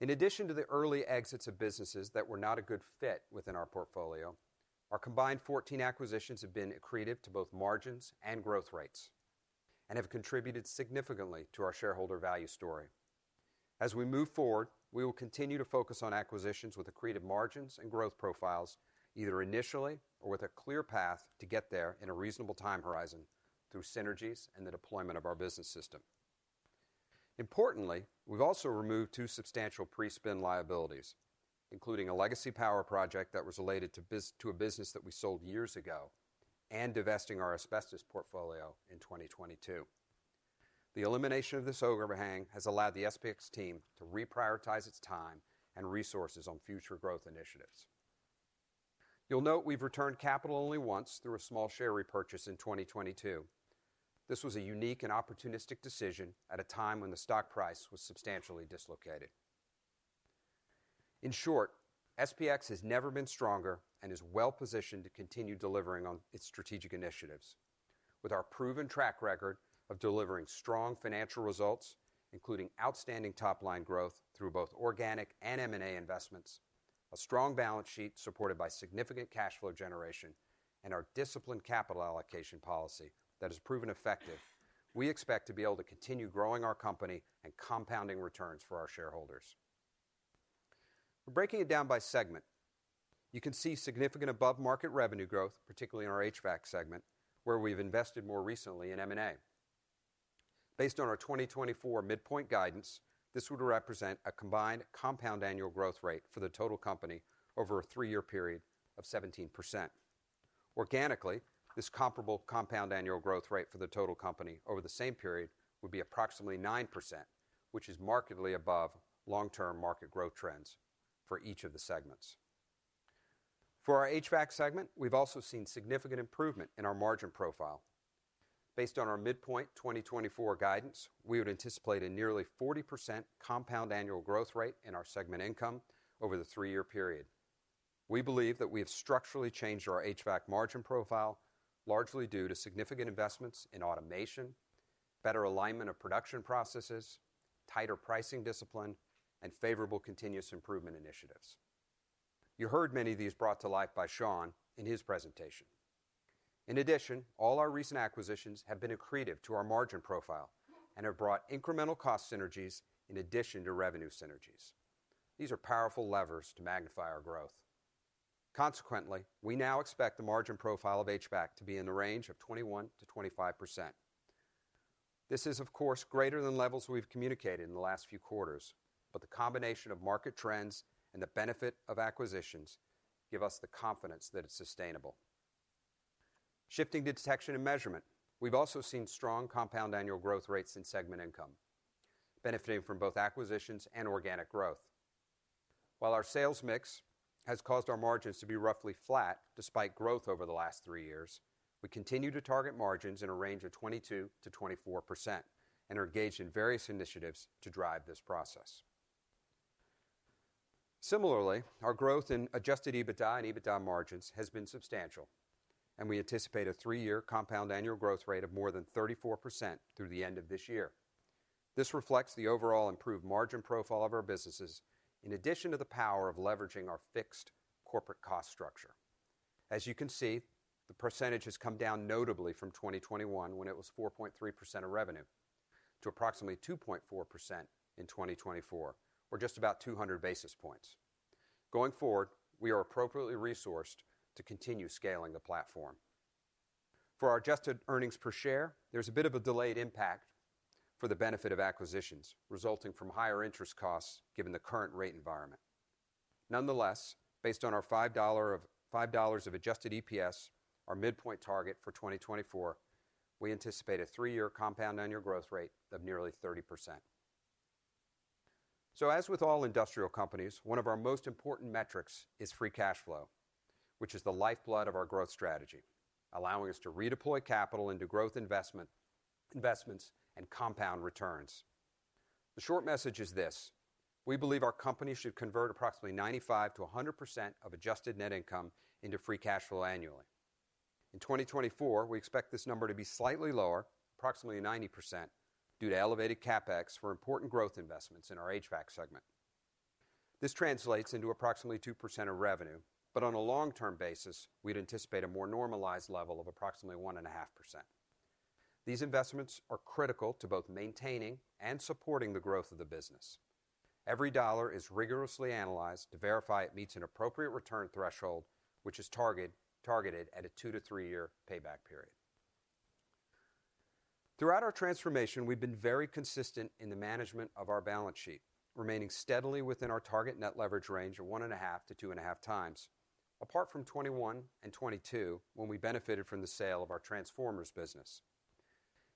In addition to the early exits of businesses that were not a good fit within our portfolio, our combined 14 acquisitions have been accretive to both margins and growth rates and have contributed significantly to our shareholder value story. As we move forward, we will continue to focus on acquisitions with accretive margins and growth profiles, either initially or with a clear path to get there in a reasonable time horizon through synergies and the deployment of our business system. Importantly, we've also removed two substantial pre-spin liabilities, including a legacy power project that was related to a business that we sold years ago and divesting our asbestos portfolio in 2022. The elimination of this overhang has allowed the SPX team to reprioritize its time and resources on future growth initiatives. You'll note we've returned capital only once through a small share repurchase in 2022. This was a unique and opportunistic decision at a time when the stock price was substantially dislocated. In short, SPX has never been stronger and is well-positioned to continue delivering on its strategic initiatives. With our proven track record of delivering strong financial results, including outstanding top-line growth through both organic and M&A investments, a strong balance sheet supported by significant cash flow generation, and our disciplined capital allocation policy that has proven effective, we expect to be able to continue growing our company and compounding returns for our shareholders. We're breaking it down by segment. You can see significant above-market revenue growth, particularly in our HVAC segment, where we've invested more recently in M&A. Based on our 2024 midpoint guidance, this would represent a combined compound annual growth rate for the total company over a three-year period of 17%. Organically, this comparable compound annual growth rate for the total company over the same period would be approximately 9%, which is markedly above long-term market growth trends for each of the segments. For our HVAC segment, we've also seen significant improvement in our margin profile. Based on our midpoint 2024 guidance, we would anticipate a nearly 40% compound annual growth rate in our segment income over the three-year period. We believe that we have structurally changed our HVAC margin profile, largely due to significant investments in automation, better alignment of production processes, tighter pricing discipline, and favorable continuous improvement initiatives. You heard many of these brought to life by Sean in his presentation. In addition, all our recent acquisitions have been accretive to our margin profile and have brought incremental cost synergies in addition to revenue synergies. These are powerful levers to magnify our growth. Consequently, we now expect the margin profile of HVAC to be in the range of 21%-25%. This is, of course, greater than levels we've communicated in the last few quarters, but the combination of market trends and the benefit of acquisitions gives us the confidence that it's sustainable. Shifting to detection and measurement, we've also seen strong compound annual growth rates in segment income, benefiting from both acquisitions and organic growth. While our sales mix has caused our margins to be roughly flat despite growth over the last three years, we continue to target margins in a range of 22%-24% and are engaged in various initiatives to drive this process. Similarly, our growth in adjusted EBITDA and EBITDA margins has been substantial, and we anticipate a three-year compound annual growth rate of more than 34% through the end of this year. This reflects the overall improved margin profile of our businesses, in addition to the power of leveraging our fixed corporate cost structure. As you can see, the percentage has come down notably from 2021, when it was 4.3% of revenue, to approximately 2.4% in 2024, or just about 200 basis points. Going forward, we are appropriately resourced to continue scaling the platform. For our adjusted earnings per share, there's a bit of a delayed impact for the benefit of acquisitions, resulting from higher interest costs given the current rate environment. Nonetheless, based on our $5 of adjusted EPS, our midpoint target for 2024, we anticipate a three-year compound annual growth rate of nearly 30%. So as with all industrial companies, one of our most important metrics is free cash flow, which is the lifeblood of our growth strategy, allowing us to redeploy capital into growth investments and compound returns. The short message is this: we believe our company should convert approximately 95%-100% of adjusted net income into free cash flow annually. In 2024, we expect this number to be slightly lower, approximately 90%, due to elevated CapEx for important growth investments in our HVAC segment. This translates into approximately 2% of revenue, but on a long-term basis, we'd anticipate a more normalized level of approximately 1.5%. These investments are critical to both maintaining and supporting the growth of the business. Every dollar is rigorously analyzed to verify it meets an appropriate return threshold, which is targeted at a 2-3-year payback period. Throughout our transformation, we've been very consistent in the management of our balance sheet, remaining steadily within our target net leverage range of 1.5-2.5 times, apart from 2021 and 2022 when we benefited from the sale of our transformers business.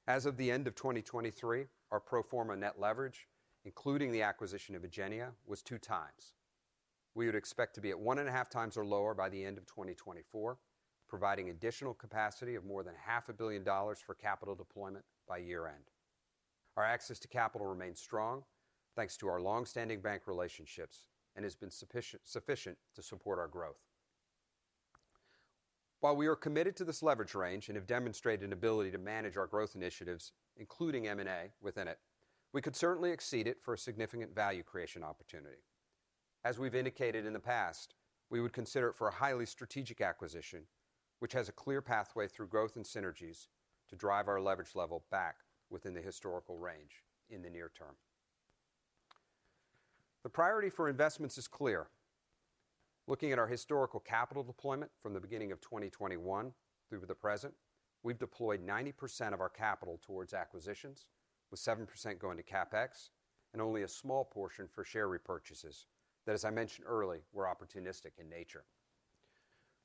As of the end of 2023, our pro forma net leverage, including the acquisition of Ingenia, was 2 times. We would expect to be at 1.5 times or lower by the end of 2024, providing additional capacity of more than $500 million for capital deployment by year-end. Our access to capital remains strong, thanks to our longstanding bank relationships, and has been sufficient to support our growth. While we are committed to this leverage range and have demonstrated an ability to manage our growth initiatives, including M&A within it, we could certainly exceed it for a significant value creation opportunity. As we've indicated in the past, we would consider it for a highly strategic acquisition, which has a clear pathway through growth and synergies to drive our leverage level back within the historical range in the near term. The priority for investments is clear. Looking at our historical capital deployment from the beginning of 2021 through to the present, we've deployed 90% of our capital towards acquisitions, with 7% going to CapEx and only a small portion for share repurchases that, as I mentioned earlier, were opportunistic in nature.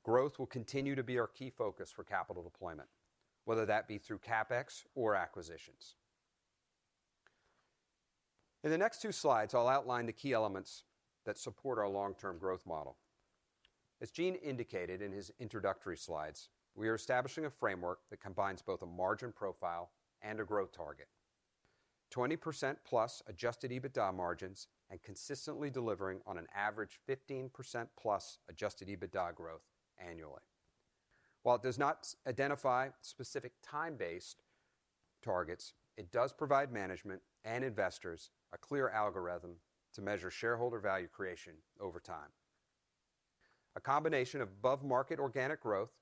Growth will continue to be our key focus for capital deployment, whether that be through CapEx or acquisitions. In the next two slides, I'll outline the key elements that support our long-term growth model. As Gene indicated in his introductory slides, we are establishing a framework that combines both a margin profile and a growth target: 20%+ Adjusted EBITDA margins and consistently delivering on an average 15%+ Adjusted EBITDA growth annually. While it does not identify specific time-based targets, it does provide management and investors a clear algorithm to measure shareholder value creation over time. A combination of above-market organic growth,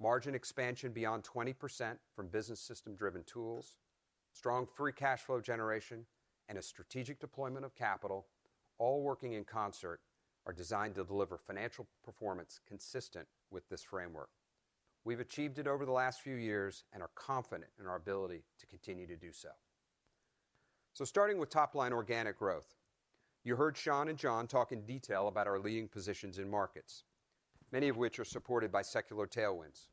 margin expansion beyond 20% from business system-driven tools, strong free cash flow generation, and a strategic deployment of capital, all working in concert, are designed to deliver financial performance consistent with this framework. We've achieved it over the last few years and are confident in our ability to continue to do so. Starting with top-line organic growth, you heard Sean and John talk in detail about our leading positions in markets, many of which are supported by secular tailwinds.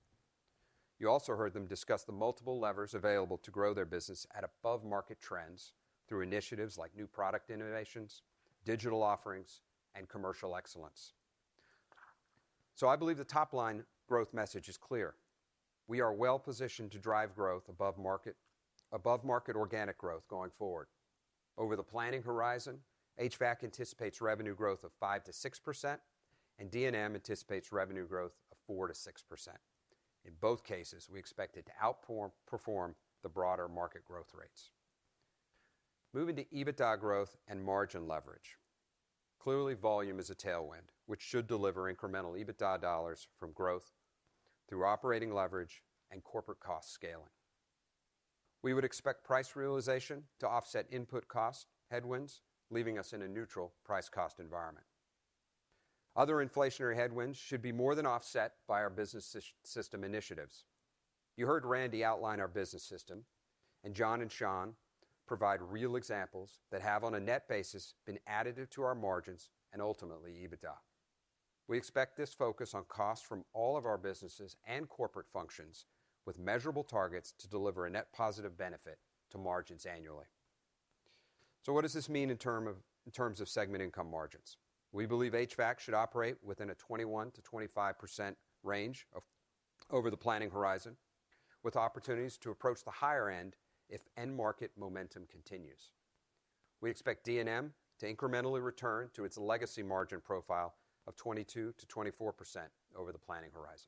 You also heard them discuss the multiple levers available to grow their business at above-market trends through initiatives like new product innovations, digital offerings, and commercial excellence. I believe the top-line growth message is clear: we are well-positioned to drive growth above-market organic growth going forward. Over the planning horizon, HVAC anticipates revenue growth of 5%-6%, and D&M anticipates revenue growth of 4%-6%. In both cases, we expect it to outperform the broader market growth rates. Moving to EBITDA growth and margin leverage, clearly volume is a tailwind, which should deliver incremental EBITDA dollars from growth through operating leverage and corporate cost scaling. We would expect price realization to offset input cost headwinds, leaving us in a neutral price-cost environment. Other inflationary headwinds should be more than offset by our business system initiatives. You heard Randy outline our business system, and John and Sean provide real examples that have, on a net basis, been additive to our margins and ultimately EBITDA. We expect this focus on costs from all of our businesses and corporate functions, with measurable targets to deliver a net positive benefit to margins annually. So what does this mean in terms of segment income margins? We believe HVAC should operate within a 21%-25% range over the planning horizon, with opportunities to approach the higher end if end-market momentum continues. We expect D&M to incrementally return to its legacy margin profile of 22%-24% over the planning horizon.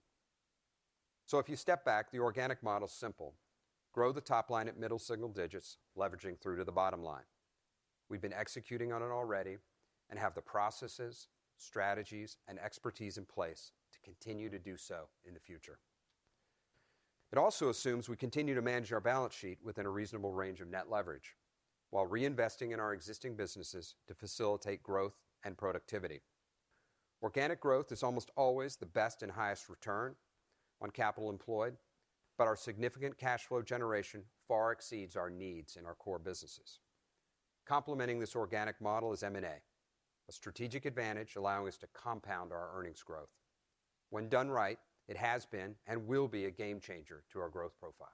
So if you step back, the organic model's simple: grow the top line at middle single digits, leveraging through to the bottom line. We've been executing on it already and have the processes, strategies, and expertise in place to continue to do so in the future. It also assumes we continue to manage our balance sheet within a reasonable range of net leverage, while reinvesting in our existing businesses to facilitate growth and productivity. Organic growth is almost always the best and highest return on capital employed, but our significant cash flow generation far exceeds our needs in our core businesses. Complementing this organic model is M&A, a strategic advantage allowing us to compound our earnings growth. When done right, it has been and will be a game changer to our growth profile.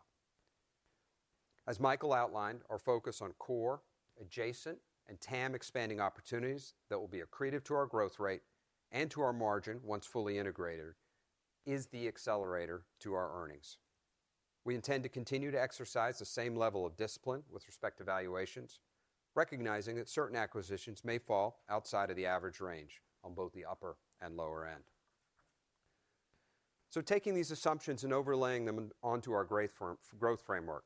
As Michael outlined, our focus on core, adjacent, and TAM expanding opportunities that will be accretive to our growth rate and to our margin once fully integrated is the accelerator to our earnings. We intend to continue to exercise the same level of discipline with respect to valuations, recognizing that certain acquisitions may fall outside of the average range on both the upper and lower end. Taking these assumptions and overlaying them onto our growth framework,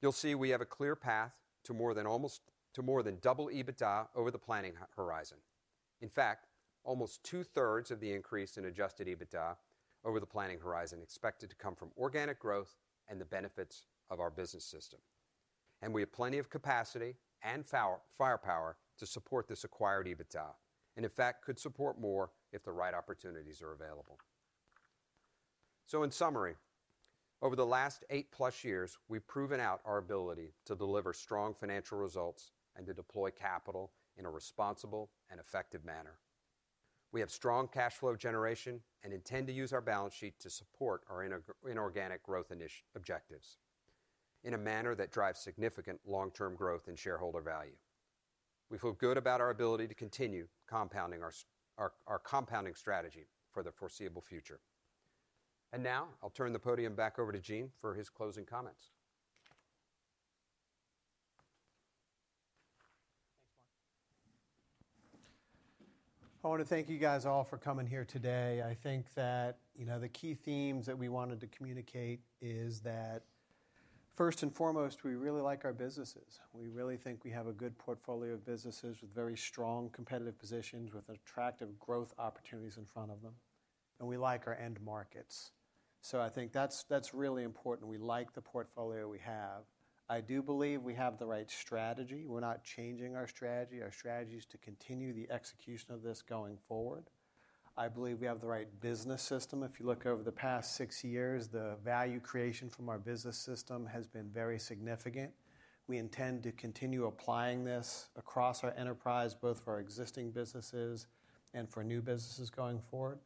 you'll see we have a clear path to more than double EBITDA over the planning horizon. In fact, almost two-thirds of the increase in Adjusted EBITDA over the planning horizon is expected to come from organic growth and the benefits of our business system. We have plenty of capacity and firepower to support this acquired EBITDA and, in fact, could support more if the right opportunities are available. In summary, over the last 8+ years, we've proven out our ability to deliver strong financial results and to deploy capital in a responsible and effective manner. We have strong cash flow generation and intend to use our balance sheet to support our inorganic growth objectives in a manner that drives significant long-term growth in shareholder value. We feel good about our ability to continue compounding our compounding strategy for the foreseeable future. And now I'll turn the podium back over to Gene for his closing comments. I want to thank you guys all for coming here today. I think that the key themes that we wanted to communicate is that, first and foremost, we really like our businesses. We really think we have a good portfolio of businesses with very strong competitive positions, with attractive growth opportunities in front of them, and we like our end markets. So I think that's really important. We like the portfolio we have. I do believe we have the right strategy. We're not changing our strategy. Our strategy is to continue the execution of this going forward. I believe we have the right business system. If you look over the past six years, the value creation from our business system has been very significant. We intend to continue applying this across our enterprise, both for our existing businesses and for new businesses going forward.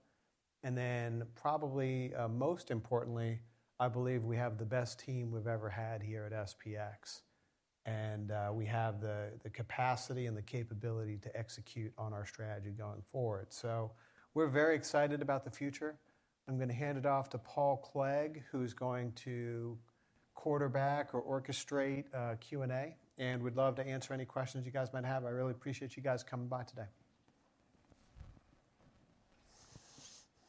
Probably most importantly, I believe we have the best team we've ever had here at SPX, and we have the capacity and the capability to execute on our strategy going forward. We're very excited about the future. I'm going to hand it off to Paul Clegg, who's going to quarterback or orchestrate Q&A, and would love to answer any questions you guys might have. I really appreciate you guys coming by today.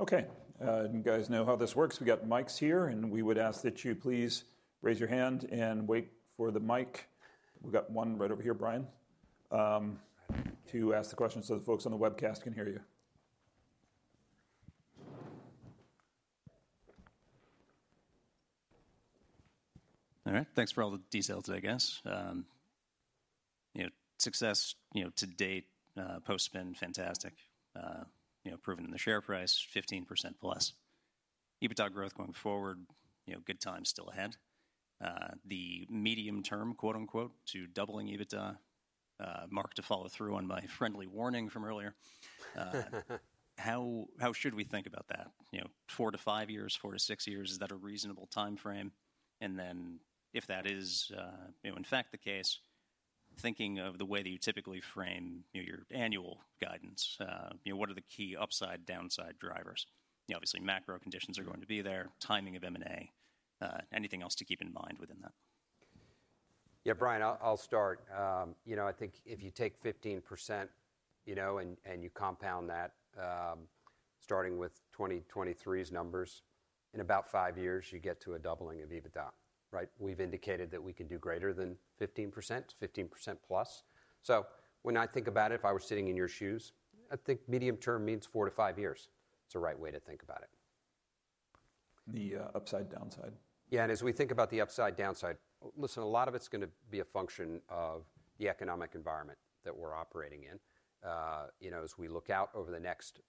Okay. You guys know how this works. We got mics here, and we would ask that you please raise your hand and wait for the mic. We've got one right over here, Brian, to ask the questions so the folks on the webcast can hear you. All right. Thanks for all the detail today, guys. Success to date. Post-spend, fantastic. Proven in the share price, 15%+. EBITDA growth going forward, good times still ahead. The medium-term "to doubling EBITDA" mark to follow through on my friendly warning from earlier, how should we think about that? Four to five years, four to six years, is that a reasonable time frame? And then if that is, in fact, the case, thinking of the way that you typically frame your annual guidance, what are the key upside/downside drivers? Obviously, macro conditions are going to be there, timing of M&A, anything else to keep in mind within that? Yeah, Brian, I'll start. I think if you take 15% and you compound that, starting with 2023's numbers, in about five years, you get to a doubling of EBITDA, right? We've indicated that we can do greater than 15%, 15%+. So when I think about it, if I were sitting in your shoes, I think medium-term means four to five years. It's the right way to think about it. The upside downside? Yeah. And as we think about the upside/downside, listen, a lot of it's going to be a function of the economic environment that we're operating in. As we look out over the next,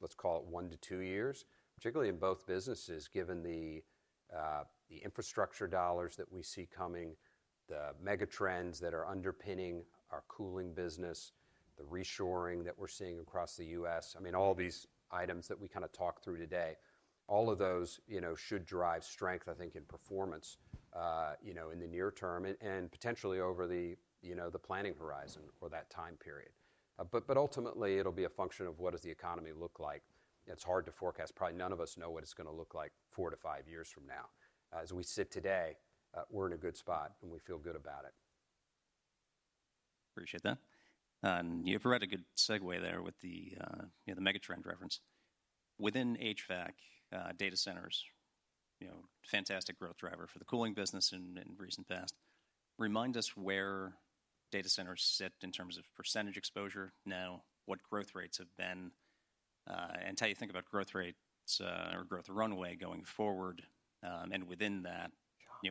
let's call it, 1-2 years, particularly in both businesses, given the infrastructure dollars that we see coming, the megatrends that are underpinning our cooling business, the reshoring that we're seeing across the U.S., I mean, all these items that we kind of talked through today, all of those should drive strength, I think, in performance in the near term and potentially over the planning horizon or that time period. But ultimately, it'll be a function of what does the economy look like. It's hard to forecast. Probably none of us know what it's going to look like 4-5 years from now. As we sit today, we're in a good spot, and we feel good about it. Appreciate that. You have already a good segue there with the megatrend reference. Within HVAC, data centers, fantastic growth driver for the cooling business in recent past. Remind us where data centers sit in terms of percentage exposure now, what growth rates have been, and tell us what you think about growth rates or growth runway going forward. And within that,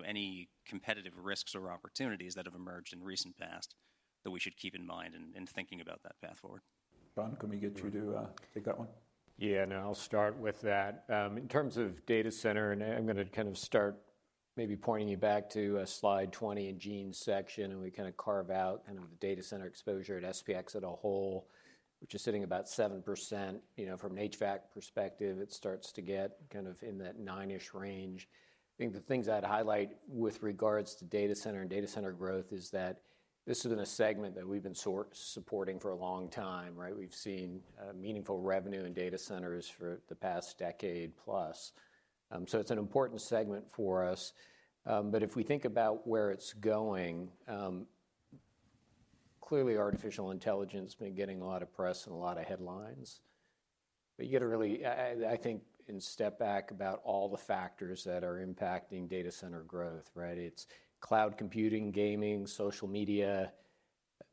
any competitive risks or opportunities that have emerged in recent past that we should keep in mind in thinking about that path forward. Sean, can we get you to take that one? Yeah. No, I'll start with that. In terms of data center, and I'm going to kind of start maybe pointing you back to slide 20 in Gene's section, and we kind of carve out kind of the data center exposure at SPX as a whole, which is sitting about 7%. From an HVAC perspective, it starts to get kind of in that 9-ish range. I think the things I'd highlight with regards to data center and data center growth is that this has been a segment that we've been supporting for a long time, right? We've seen meaningful revenue in data centers for the past decade plus. So it's an important segment for us. But if we think about where it's going, clearly artificial intelligence has been getting a lot of press and a lot of headlines. But you got to really, I think, step back about all the factors that are impacting data center growth, right? It's cloud computing, gaming, social media,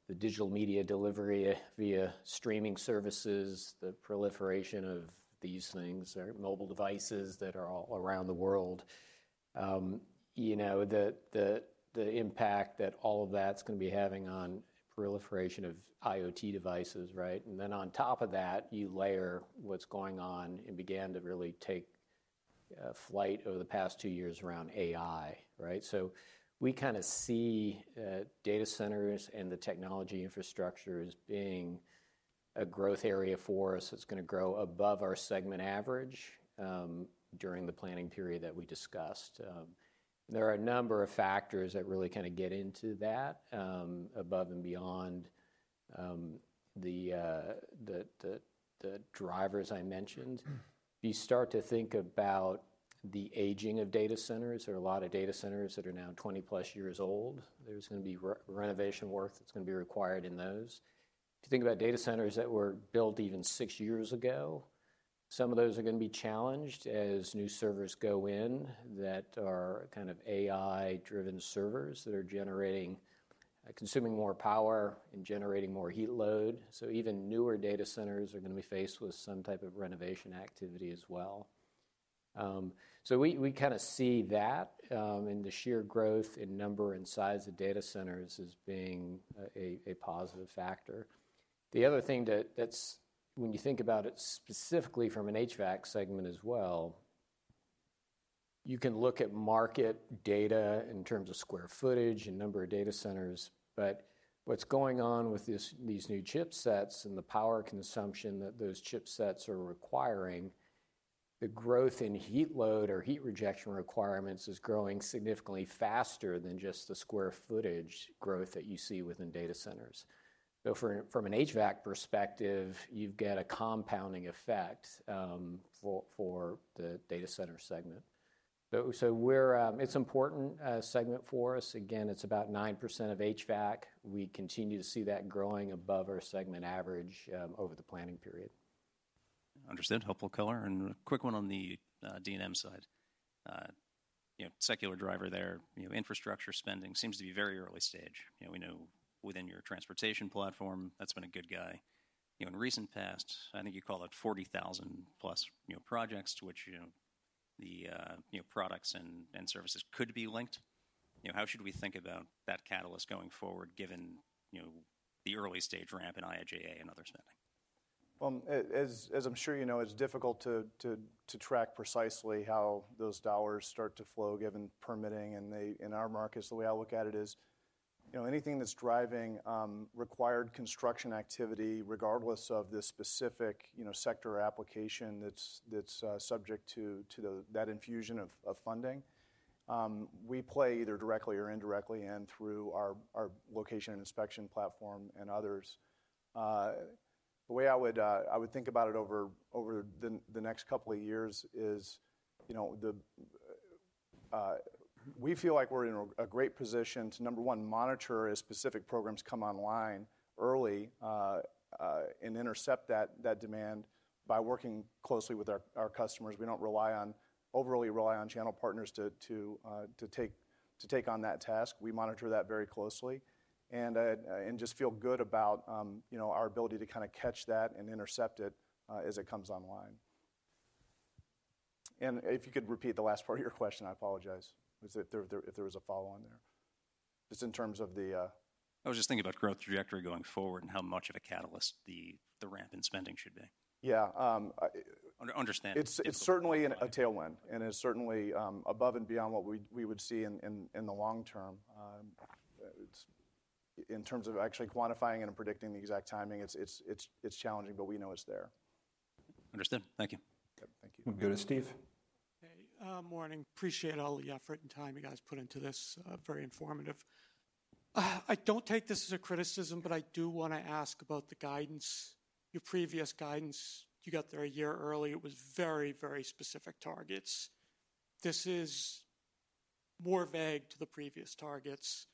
the digital media delivery via streaming services, the proliferation of these things, mobile devices that are all around the world, the impact that all of that's going to be having on proliferation of IoT devices, right? And then on top of that, you layer what's going on and began to really take flight over the past two years around AI, right? So we kind of see data centers and the technology infrastructure as being a growth area for us that's going to grow above our segment average during the planning period that we discussed. There are a number of factors that really kind of get into that above and beyond the drivers I mentioned. If you start to think about the aging of data centers, there are a lot of data centers that are now 20+ years old. There's going to be renovation work that's going to be required in those. If you think about data centers that were built even 6 years ago, some of those are going to be challenged as new servers go in that are kind of AI-driven servers that are consuming more power and generating more heat load. So even newer data centers are going to be faced with some type of renovation activity as well. So we kind of see that, and the sheer growth in number and size of data centers as being a positive factor. The other thing that's, when you think about it specifically from an HVAC segment as well, you can look at market data in terms of square footage and number of data centers. But what's going on with these new chipsets and the power consumption that those chipsets are requiring, the growth in heat load or heat rejection requirements is growing significantly faster than just the square footage growth that you see within data centers. So from an HVAC perspective, you've got a compounding effect for the data center segment. So it's an important segment for us. Again, it's about 9% of HVAC. We continue to see that growing above our segment average over the planning period. Understood. Helpful color. A quick one on the D&M side. Secular driver there, infrastructure spending seems to be very early stage. We know within your transportation platform, that's been a good guy. In recent past, I think you called it 40,000+ projects to which the products and services could be linked. How should we think about that catalyst going forward given the early-stage ramp in IHAA and other spending? Well, as I'm sure you know, it's difficult to track precisely how those dollars start to flow given permitting. In our markets, the way I look at it is anything that's driving required construction activity, regardless of the specific sector application that's subject to that infusion of funding, we play either directly or indirectly and through our location inspection platform and others. The way I would think about it over the next couple of years is we feel like we're in a great position to, number one, monitor as specific programs come online early and intercept that demand by working closely with our customers. We don't overly rely on channel partners to take on that task. We monitor that very closely and just feel good about our ability to kind of catch that and intercept it as it comes online. If you could repeat the last part of your question, I apologize, if there was a follow-on there, just in terms of the. I was just thinking about growth trajectory going forward and how much of a catalyst the ramp in spending should be. Yeah. Understandable. It's certainly a tailwind, and it's certainly above and beyond what we would see in the long term. In terms of actually quantifying and predicting the exact timing, it's challenging, but we know it's there. Understood. Thank you. Thank you. We'll go to Steve. Hey. Morning. Appreciate all the effort and time you guys put into this. Very informative. I don't take this as a criticism, but I do want to ask about the guidance, your previous guidance. You got there a year early. It was very, very specific targets. This is more vague to the previous targets.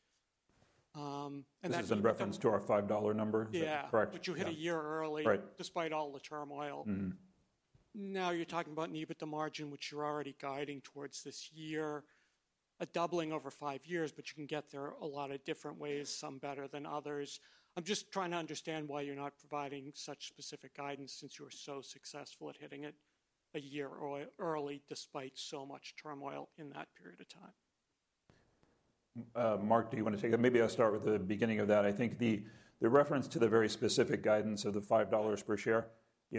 This is in reference to our $5 number? Is that correct? Yeah. But you hit a year early despite all the turmoil. Now you're talking about an EBITDA margin, which you're already guiding towards this year, a doubling over five years. But you can get there a lot of different ways, some better than others. I'm just trying to understand why you're not providing such specific guidance since you were so successful at hitting it a year early despite so much turmoil in that period of time. Mark, do you want to take that? Maybe I'll start with the beginning of that. I think the reference to the very specific guidance of the $5 per share.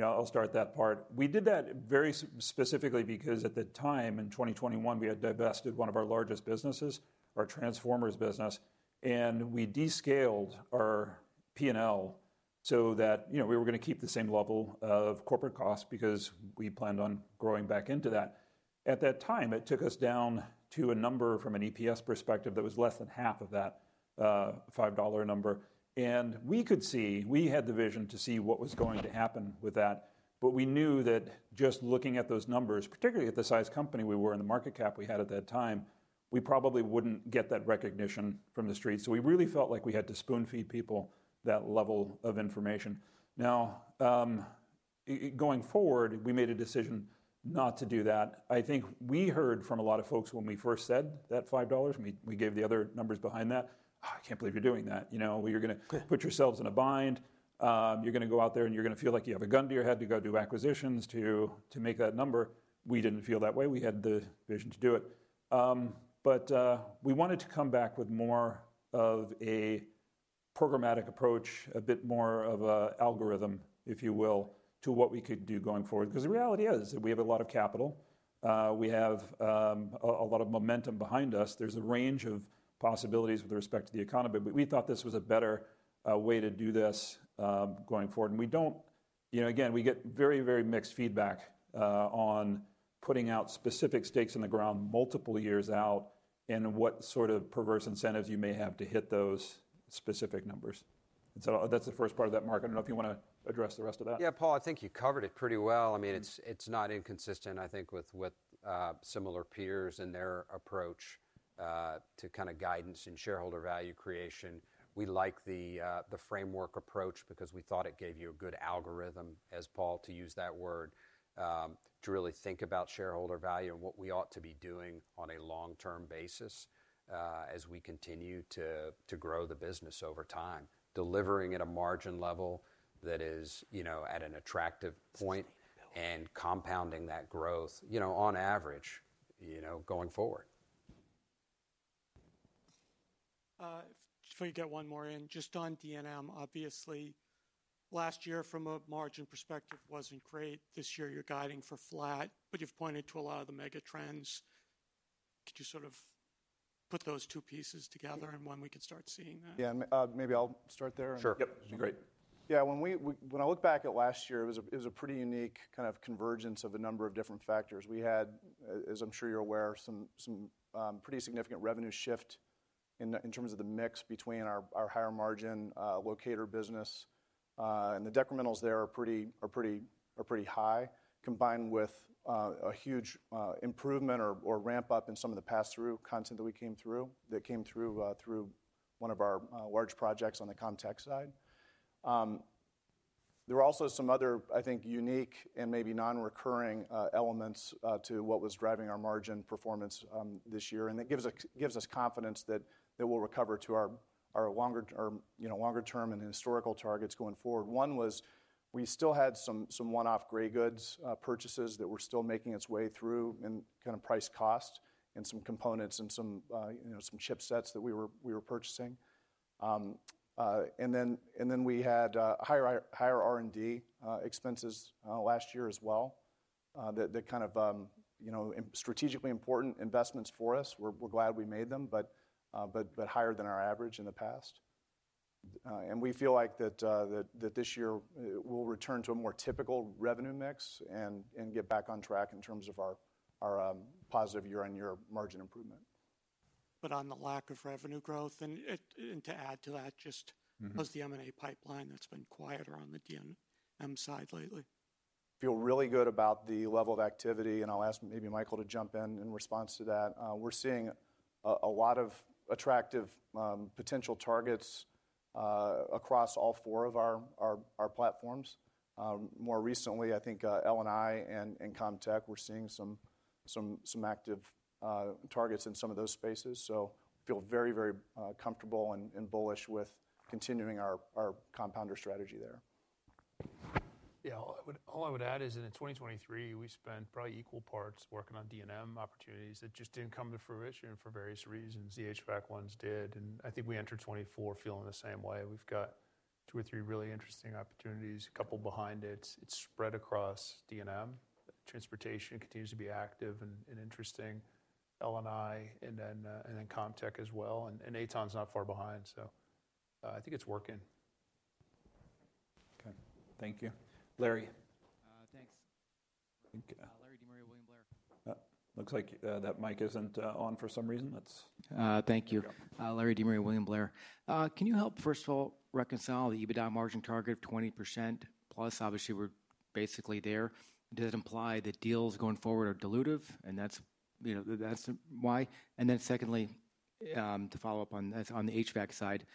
I'll start that part. We did that very specifically because at the time, in 2021, we had divested one of our largest businesses, our Transformers business, and we descaled our P&L so that we were going to keep the same level of corporate costs because we planned on growing back into that. At that time, it took us down to a number from an EPS perspective that was less than half of that $5 number. And we could see we had the vision to see what was going to happen with that. But we knew that just looking at those numbers, particularly at the size company we were and the market cap we had at that time, we probably wouldn't get that recognition from the streets. So we really felt like we had to spoon-feed people that level of information. Now, going forward, we made a decision not to do that. I think we heard from a lot of folks when we first said that $5, we gave the other numbers behind that, "I can't believe you're doing that. You're going to put yourselves in a bind. You're going to go out there, and you're going to feel like you have a gun to your head to go do acquisitions to make that number." We didn't feel that way. We had the vision to do it. But we wanted to come back with more of a programmatic approach, a bit more of an algorithm, if you will, to what we could do going forward. Because the reality is that we have a lot of capital. We have a lot of momentum behind us. There's a range of possibilities with respect to the economy. But we thought this was a better way to do this going forward. And we don't again, we get very, very mixed feedback on putting out specific stakes in the ground multiple years out and what sort of perverse incentives you may have to hit those specific numbers. And so that's the first part of that, Mark. I don't know if you want to address the rest of that? Yeah, Paul, I think you covered it pretty well. I mean, it's not inconsistent, I think, with similar peers in their approach to kind of guidance and shareholder value creation. We like the framework approach because we thought it gave you a good algorithm, as Paul, to use that word, to really think about shareholder value and what we ought to be doing on a long-term basis as we continue to grow the business over time, delivering at a margin level that is at an attractive point and compounding that growth on average going forward. Before you get one more in, just on D&M, obviously, last year, from a margin perspective, wasn't great. This year, you're guiding for flat. But you've pointed to a lot of the megatrends. Could you sort of put those two pieces together and when we could start seeing that? Yeah. Maybe I'll start there. Sure. Yep. That'd be great. Yeah. When I look back at last year, it was a pretty unique kind of convergence of a number of different factors. We had, as I'm sure you're aware, some pretty significant revenue shift in terms of the mix between our higher margin locator business. And the decrementals there are pretty high combined with a huge improvement or ramp-up in some of the pass-through content that we came through that came through one of our large projects on the Comtech side. There were also some other, I think, unique and maybe non-recurring elements to what was driving our margin performance this year. And that gives us confidence that it will recover to our longer-term and historical targets going forward. One was we still had some one-off gray goods purchases that were still making its way through and kind of priced cost and some components and some chipsets that we were purchasing. And then we had higher R&D expenses last year as well, that kind of strategically important investments for us. We're glad we made them, but higher than our average in the past. And we feel like that this year, we'll return to a more typical revenue mix and get back on track in terms of our positive year-on-year margin improvement. On the lack of revenue growth, and to add to that, just was the M&A pipeline that's been quieter on the D&M side lately? I feel really good about the level of activity. I'll ask maybe Michael to jump in in response to that. We're seeing a lot of attractive potential targets across all four of our platforms. More recently, I think L&I and Comtech, we're seeing some active targets in some of those spaces. We feel very, very comfortable and bullish with continuing our compounder strategy there. Yeah. All I would add is that in 2023, we spent probably equal parts working on D&M opportunities that just didn't come to fruition for various reasons. The HVAC ones did. And I think we entered 2024 feeling the same way. We've got two or three really interesting opportunities, a couple behind it. It's spread across D&M. Transportation continues to be active and interesting, L&I, and then Contech as well. And Aeton's not far behind. So I think it's working. Okay. Thank you, Larry. Thanks. Larry Demario, William Blair. Looks like that mic isn't on for some reason. Thank you. Larry Demario, William Blair. Can you help, first of all, reconcile the EBITDA margin target of 20%+? Obviously, we're basically there. Does it imply that deals going forward are dilutive? And that's why. And then secondly, to follow up on the HVAC side,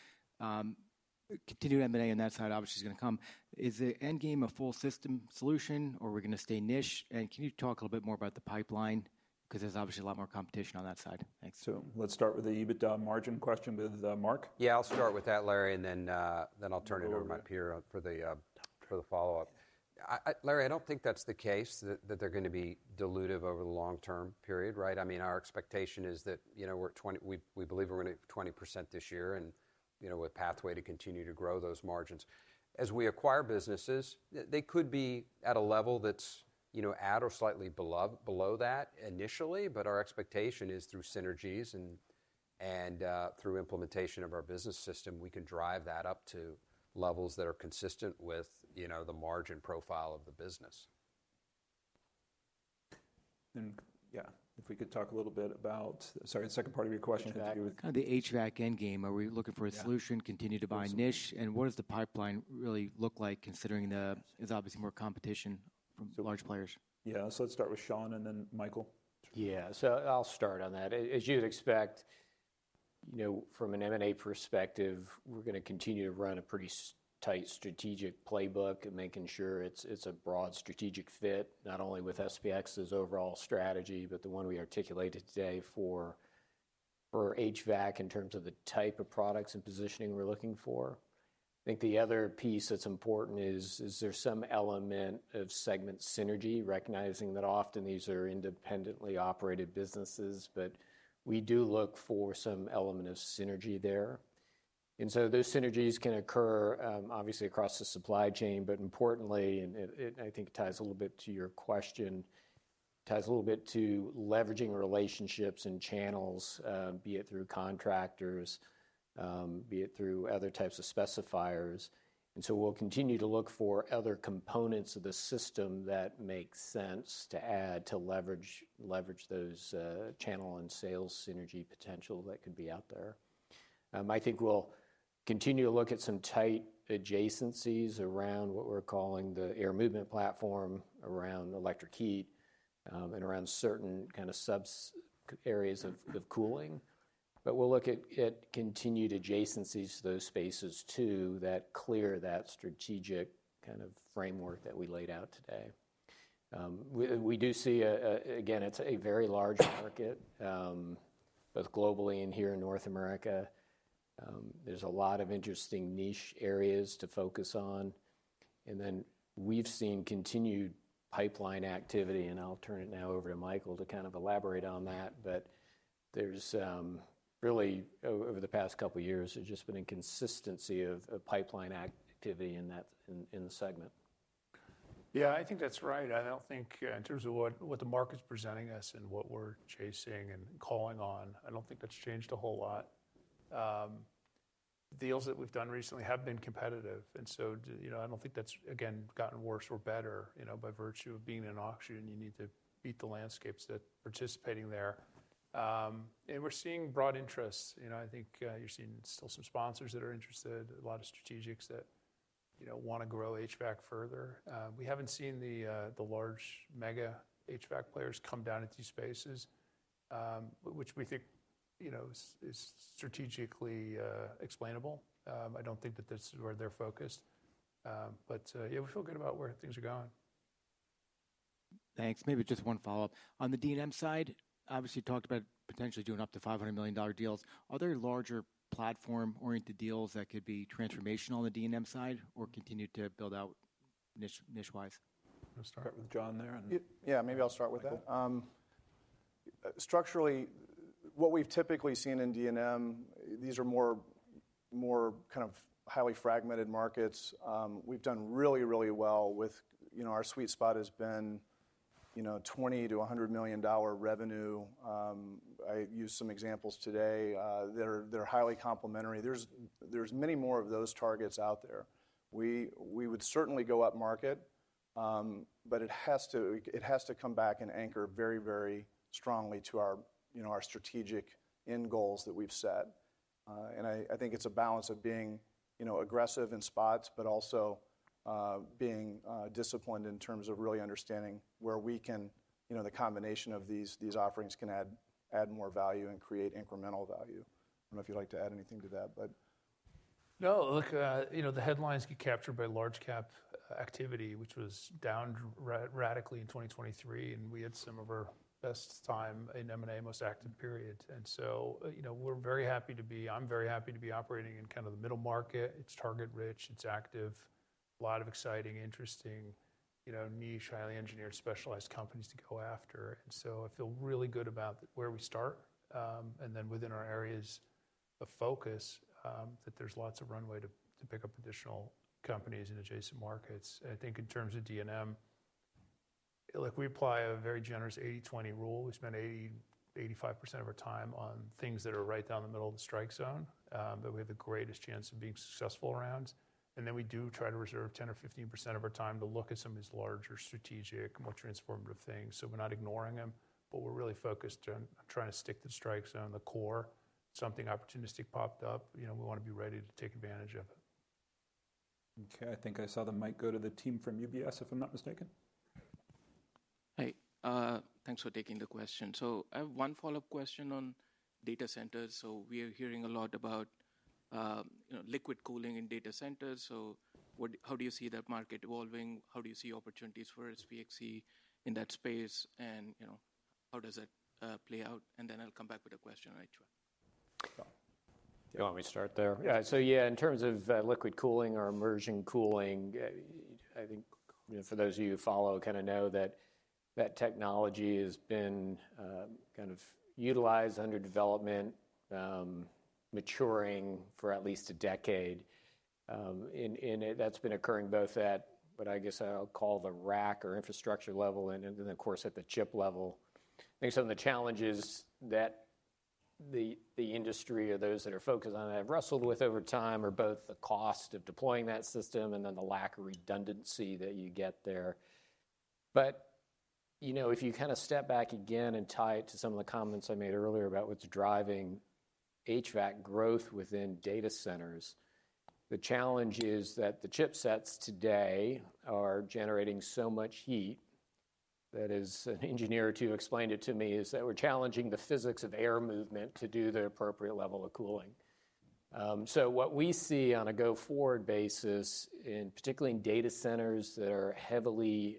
continued M&A on that side, obviously, is going to come. Is the end game a full-system solution, or are we going to stay niche? And can you talk a little bit more about the pipeline? Because there's obviously a lot more competition on that side. Thanks. Let's start with the EBITDA margin question with Mark. Yeah. I'll start with that, Larry, and then I'll turn it over to my peer for the follow-up. Larry, I don't think that's the case, that they're going to be dilutive over the long-term period, right? I mean, our expectation is that we're at 20% we believe we're going to hit 20% this year and with a pathway to continue to grow those margins. As we acquire businesses, they could be at a level that's at or slightly below that initially. But our expectation is through synergies and through implementation of our business system, we can drive that up to levels that are consistent with the margin profile of the business. Then, yeah, if we could talk a little bit about sorry, the second part of your question had to do with. The HVAC end game. Are we looking for a solution, continue to buy niche, and what does the pipeline really look like considering there is obviously more competition from large players? Yeah. Let's start with Sean, and then Michael. Yeah. So I'll start on that. As you'd expect, from an M&A perspective, we're going to continue to run a pretty tight strategic playbook and making sure it's a broad strategic fit, not only with SPX's overall strategy but the one we articulated today for HVAC in terms of the type of products and positioning we're looking for. I think the other piece that's important is there's some element of segment synergy, recognizing that often these are independently operated businesses. But we do look for some element of synergy there. And so those synergies can occur, obviously, across the supply chain. But importantly, and I think it ties a little bit to your question, it ties a little bit to leveraging relationships and channels, be it through contractors, be it through other types of specifiers. And so we'll continue to look for other components of the system that make sense to add to leverage those channel and sales synergy potentials that could be out there. I think we'll continue to look at some tight adjacencies around what we're calling the air movement platform around electric heat and around certain kind of sub-areas of cooling. But we'll look at continued adjacencies to those spaces too that clear that strategic kind of framework that we laid out today. We do see again, it's a very large market, both globally and here in North America. There's a lot of interesting niche areas to focus on. And then we've seen continued pipeline activity. And I'll turn it now over to Michael to kind of elaborate on that. But there's really, over the past couple of years, there's just been inconsistency of pipeline activity in the segment. Yeah. I think that's right. I don't think in terms of what the market's presenting us and what we're chasing and calling on, I don't think that's changed a whole lot. Deals that we've done recently have been competitive. And so I don't think that's, again, gotten worse or better by virtue of being in an auction. You need to beat the landscapes that are participating there. And we're seeing broad interest. I think you're seeing still some sponsors that are interested, a lot of strategics that want to grow HVAC further. We haven't seen the large mega HVAC players come down into these spaces, which we think is strategically explainable. I don't think that this is where they're focused. But yeah, we feel good about where things are going. Thanks. Maybe just one follow-up. On the D&M side, obviously, you talked about potentially doing up to $500 million deals. Are there larger platform-oriented deals that could be transformational on the D&M side or continue to build out niche-wise? I'm going to start with John there. Yeah. Maybe I'll start with that. Structurally, what we've typically seen in D&M, these are more kind of highly fragmented markets. We've done really, really well with our sweet spot has been $20-$100 million revenue. I used some examples today. They're highly complementary. There's many more of those targets out there. We would certainly go up market. But it has to come back and anchor very, very strongly to our strategic end goals that we've set. And I think it's a balance of being aggressive in spots but also being disciplined in terms of really understanding where we can the combination of these offerings can add more value and create incremental value. I don't know if you'd like to add anything to that, but. No. Look, the headlines get captured by large-cap activity, which was down radically in 2023. We had some of our best time in M&A, most active period. So we're very happy to be. I'm very happy to be operating in kind of the middle market. It's target-rich. It's active. A lot of exciting, interesting, niche, highly engineered, specialized companies to go after. So I feel really good about where we start and then within our areas of focus, that there's lots of runway to pick up additional companies in adjacent markets. I think in terms of D&M, look, we apply a very generous 80/20 rule. We spend 80%-85% of our time on things that are right down the middle of the strike zone that we have the greatest chance of being successful around. Then we do try to reserve 10% or 15% of our time to look at some of these larger, strategic, more transformative things. We're not ignoring them, but we're really focused on trying to stick to the strike zone, the core. Something opportunistic popped up, we want to be ready to take advantage of it. Okay. I think I saw the mic go to the team from UBS, if I'm not mistaken. Hi. Thanks for taking the question. I have one follow-up question on data centers. We are hearing a lot about liquid cooling in data centers. How do you see that market evolving? How do you see opportunities for SPXC in that space? And how does that play out? And then I'll come back with a question on HVAC. Yeah. Let me start there. Yeah. So yeah, in terms of liquid cooling or emerging cooling, I think for those of you who follow kind of know that that technology has been kind of utilized under development, maturing for at least a decade. And that's been occurring both at what I guess I'll call the rack or infrastructure level and then, of course, at the chip level. I think some of the challenges that the industry or those that are focused on that have wrestled with over time are both the cost of deploying that system and then the lack of redundancy that you get there. But if you kind of step back again and tie it to some of the comments I made earlier about what's driving HVAC growth within data centers, the challenge is that the chipsets today are generating so much heat that, as an engineer or two explained it to me, is that we're challenging the physics of air movement to do the appropriate level of cooling. So what we see on a go-forward basis, particularly in data centers that are heavily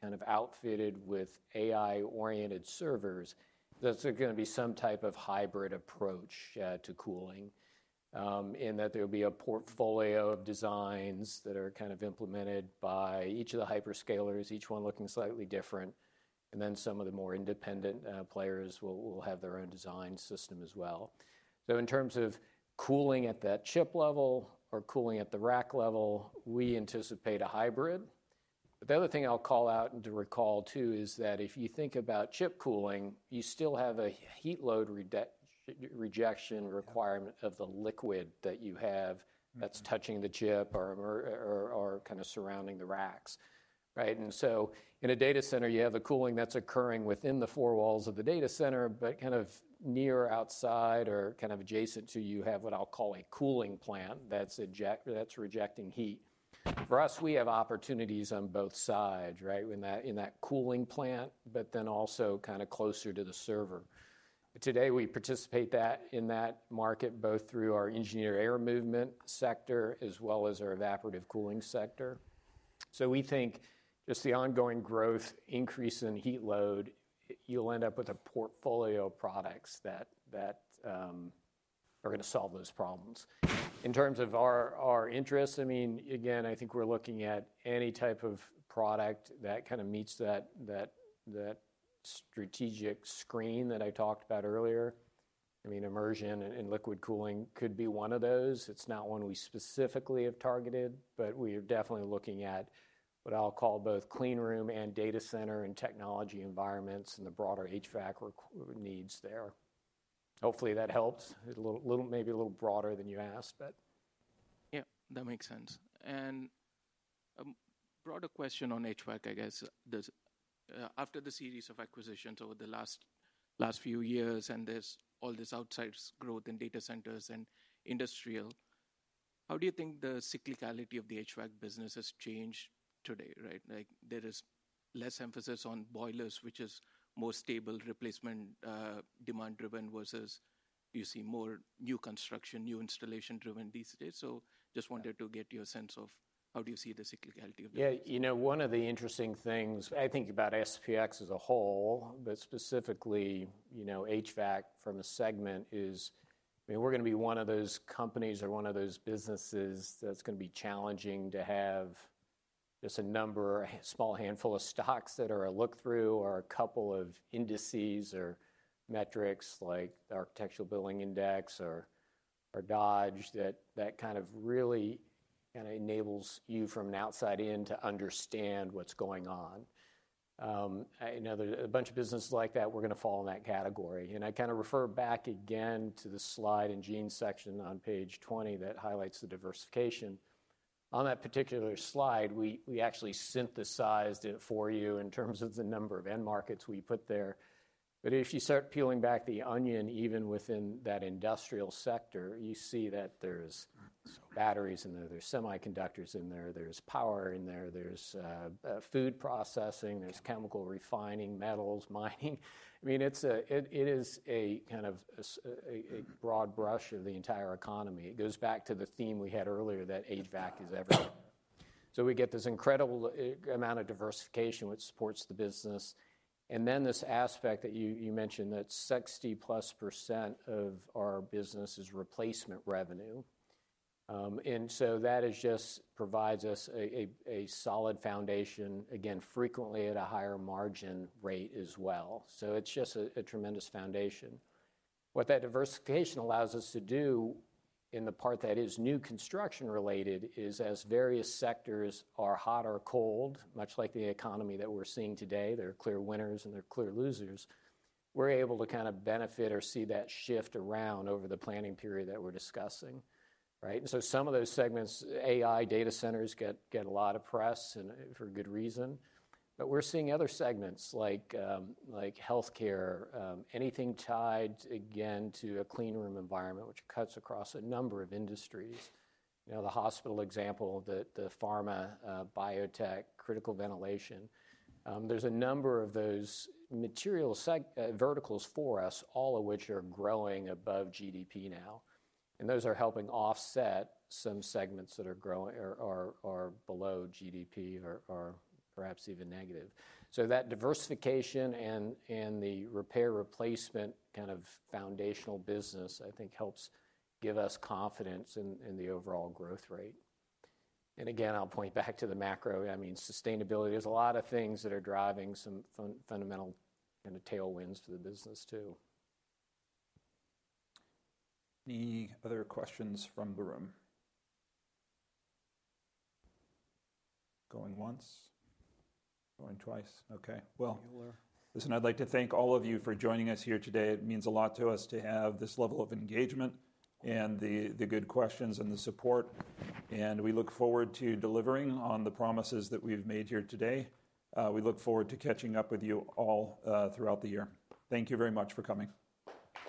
kind of outfitted with AI-oriented servers, that's going to be some type of hybrid approach to cooling in that there will be a portfolio of designs that are kind of implemented by each of the hyperscalers, each one looking slightly different. And then some of the more independent players will have their own design system as well. In terms of cooling at that chip level or cooling at the rack level, we anticipate a hybrid. But the other thing I'll call out and to recall too is that if you think about chip cooling, you still have a heat load rejection requirement of the liquid that you have that's touching the chip or kind of surrounding the racks, right? And so in a data center, you have a cooling that's occurring within the four walls of the data center but kind of near or outside or kind of adjacent to you have what I'll call a cooling plant that's rejecting heat. For us, we have opportunities on both sides, right, in that cooling plant but then also kind of closer to the server. Today, we participate in that market both through our engineered air movement sector as well as our evaporative cooling sector. So we think just the ongoing growth, increase in heat load, you'll end up with a portfolio of products that are going to solve those problems. In terms of our interests, I mean, again, I think we're looking at any type of product that kind of meets that strategic screen that I talked about earlier. I mean, immersion and liquid cooling could be one of those. It's not one we specifically have targeted. But we are definitely looking at what I'll call both clean room and data center and technology environments and the broader HVAC needs there. Hopefully, that helps. It's maybe a little broader than you asked, but. Yeah. That makes sense. And a broader question on HVAC, I guess. After the series of acquisitions over the last few years and all this outside growth in data centers and industrial, how do you think the cyclicality of the HVAC business has changed today, right? There is less emphasis on boilers, which is more stable, replacement demand-driven, versus you see more new construction, new installation-driven these days. So just wanted to get your sense of how do you see the cyclicality of the business. Yeah. One of the interesting things I think about SPX as a whole but specifically HVAC from a segment is, I mean, we're going to be one of those companies or one of those businesses that's going to be challenging to have just a small handful of stocks that are a look-through or a couple of indices or metrics like the Architectural Building Index or Dodge that kind of really kind of enables you from an outside in to understand what's going on. A bunch of businesses like that, we're going to fall in that category. I kind of refer back again to the slide in Gene's section on page 20 that highlights the diversification. On that particular slide, we actually synthesized it for you in terms of the number of end markets we put there. But if you start peeling back the onion, even within that industrial sector, you see that there's batteries in there. There's semiconductors in there. There's power in there. There's food processing. There's chemical refining, metals, mining. I mean, it is kind of a broad brush of the entire economy. It goes back to the theme we had earlier that HVAC is everything. So we get this incredible amount of diversification, which supports the business. And then this aspect that you mentioned that 60%+ of our business is replacement revenue. And so that just provides us a solid foundation, again, frequently at a higher margin rate as well. So it's just a tremendous foundation. What that diversification allows us to do in the part that is new construction-related is as various sectors are hot or cold, much like the economy that we're seeing today, there are clear winners, and there are clear losers. We're able to kind of benefit or see that shift around over the planning period that we're discussing, right? And so some of those segments, AI, data centers get a lot of press for good reason. But we're seeing other segments like health care, anything tied, again, to a clean room environment, which cuts across a number of industries, the hospital example, the pharma, biotech, critical ventilation. There's a number of those material verticals for us, all of which are growing above GDP now. And those are helping offset some segments that are below GDP or perhaps even negative. So that diversification and the repair-replacement kind of foundational business, I think, helps give us confidence in the overall growth rate. And again, I'll point back to the macro. I mean, sustainability is a lot of things that are driving some fundamental kind of tailwinds for the business too. Any other questions from the room? Going once. Going twice. Okay. Well, listen, I'd like to thank all of you for joining us here today. It means a lot to us to have this level of engagement and the good questions and the support. We look forward to delivering on the promises that we've made here today. We look forward to catching up with you all throughout the year. Thank you very much for coming.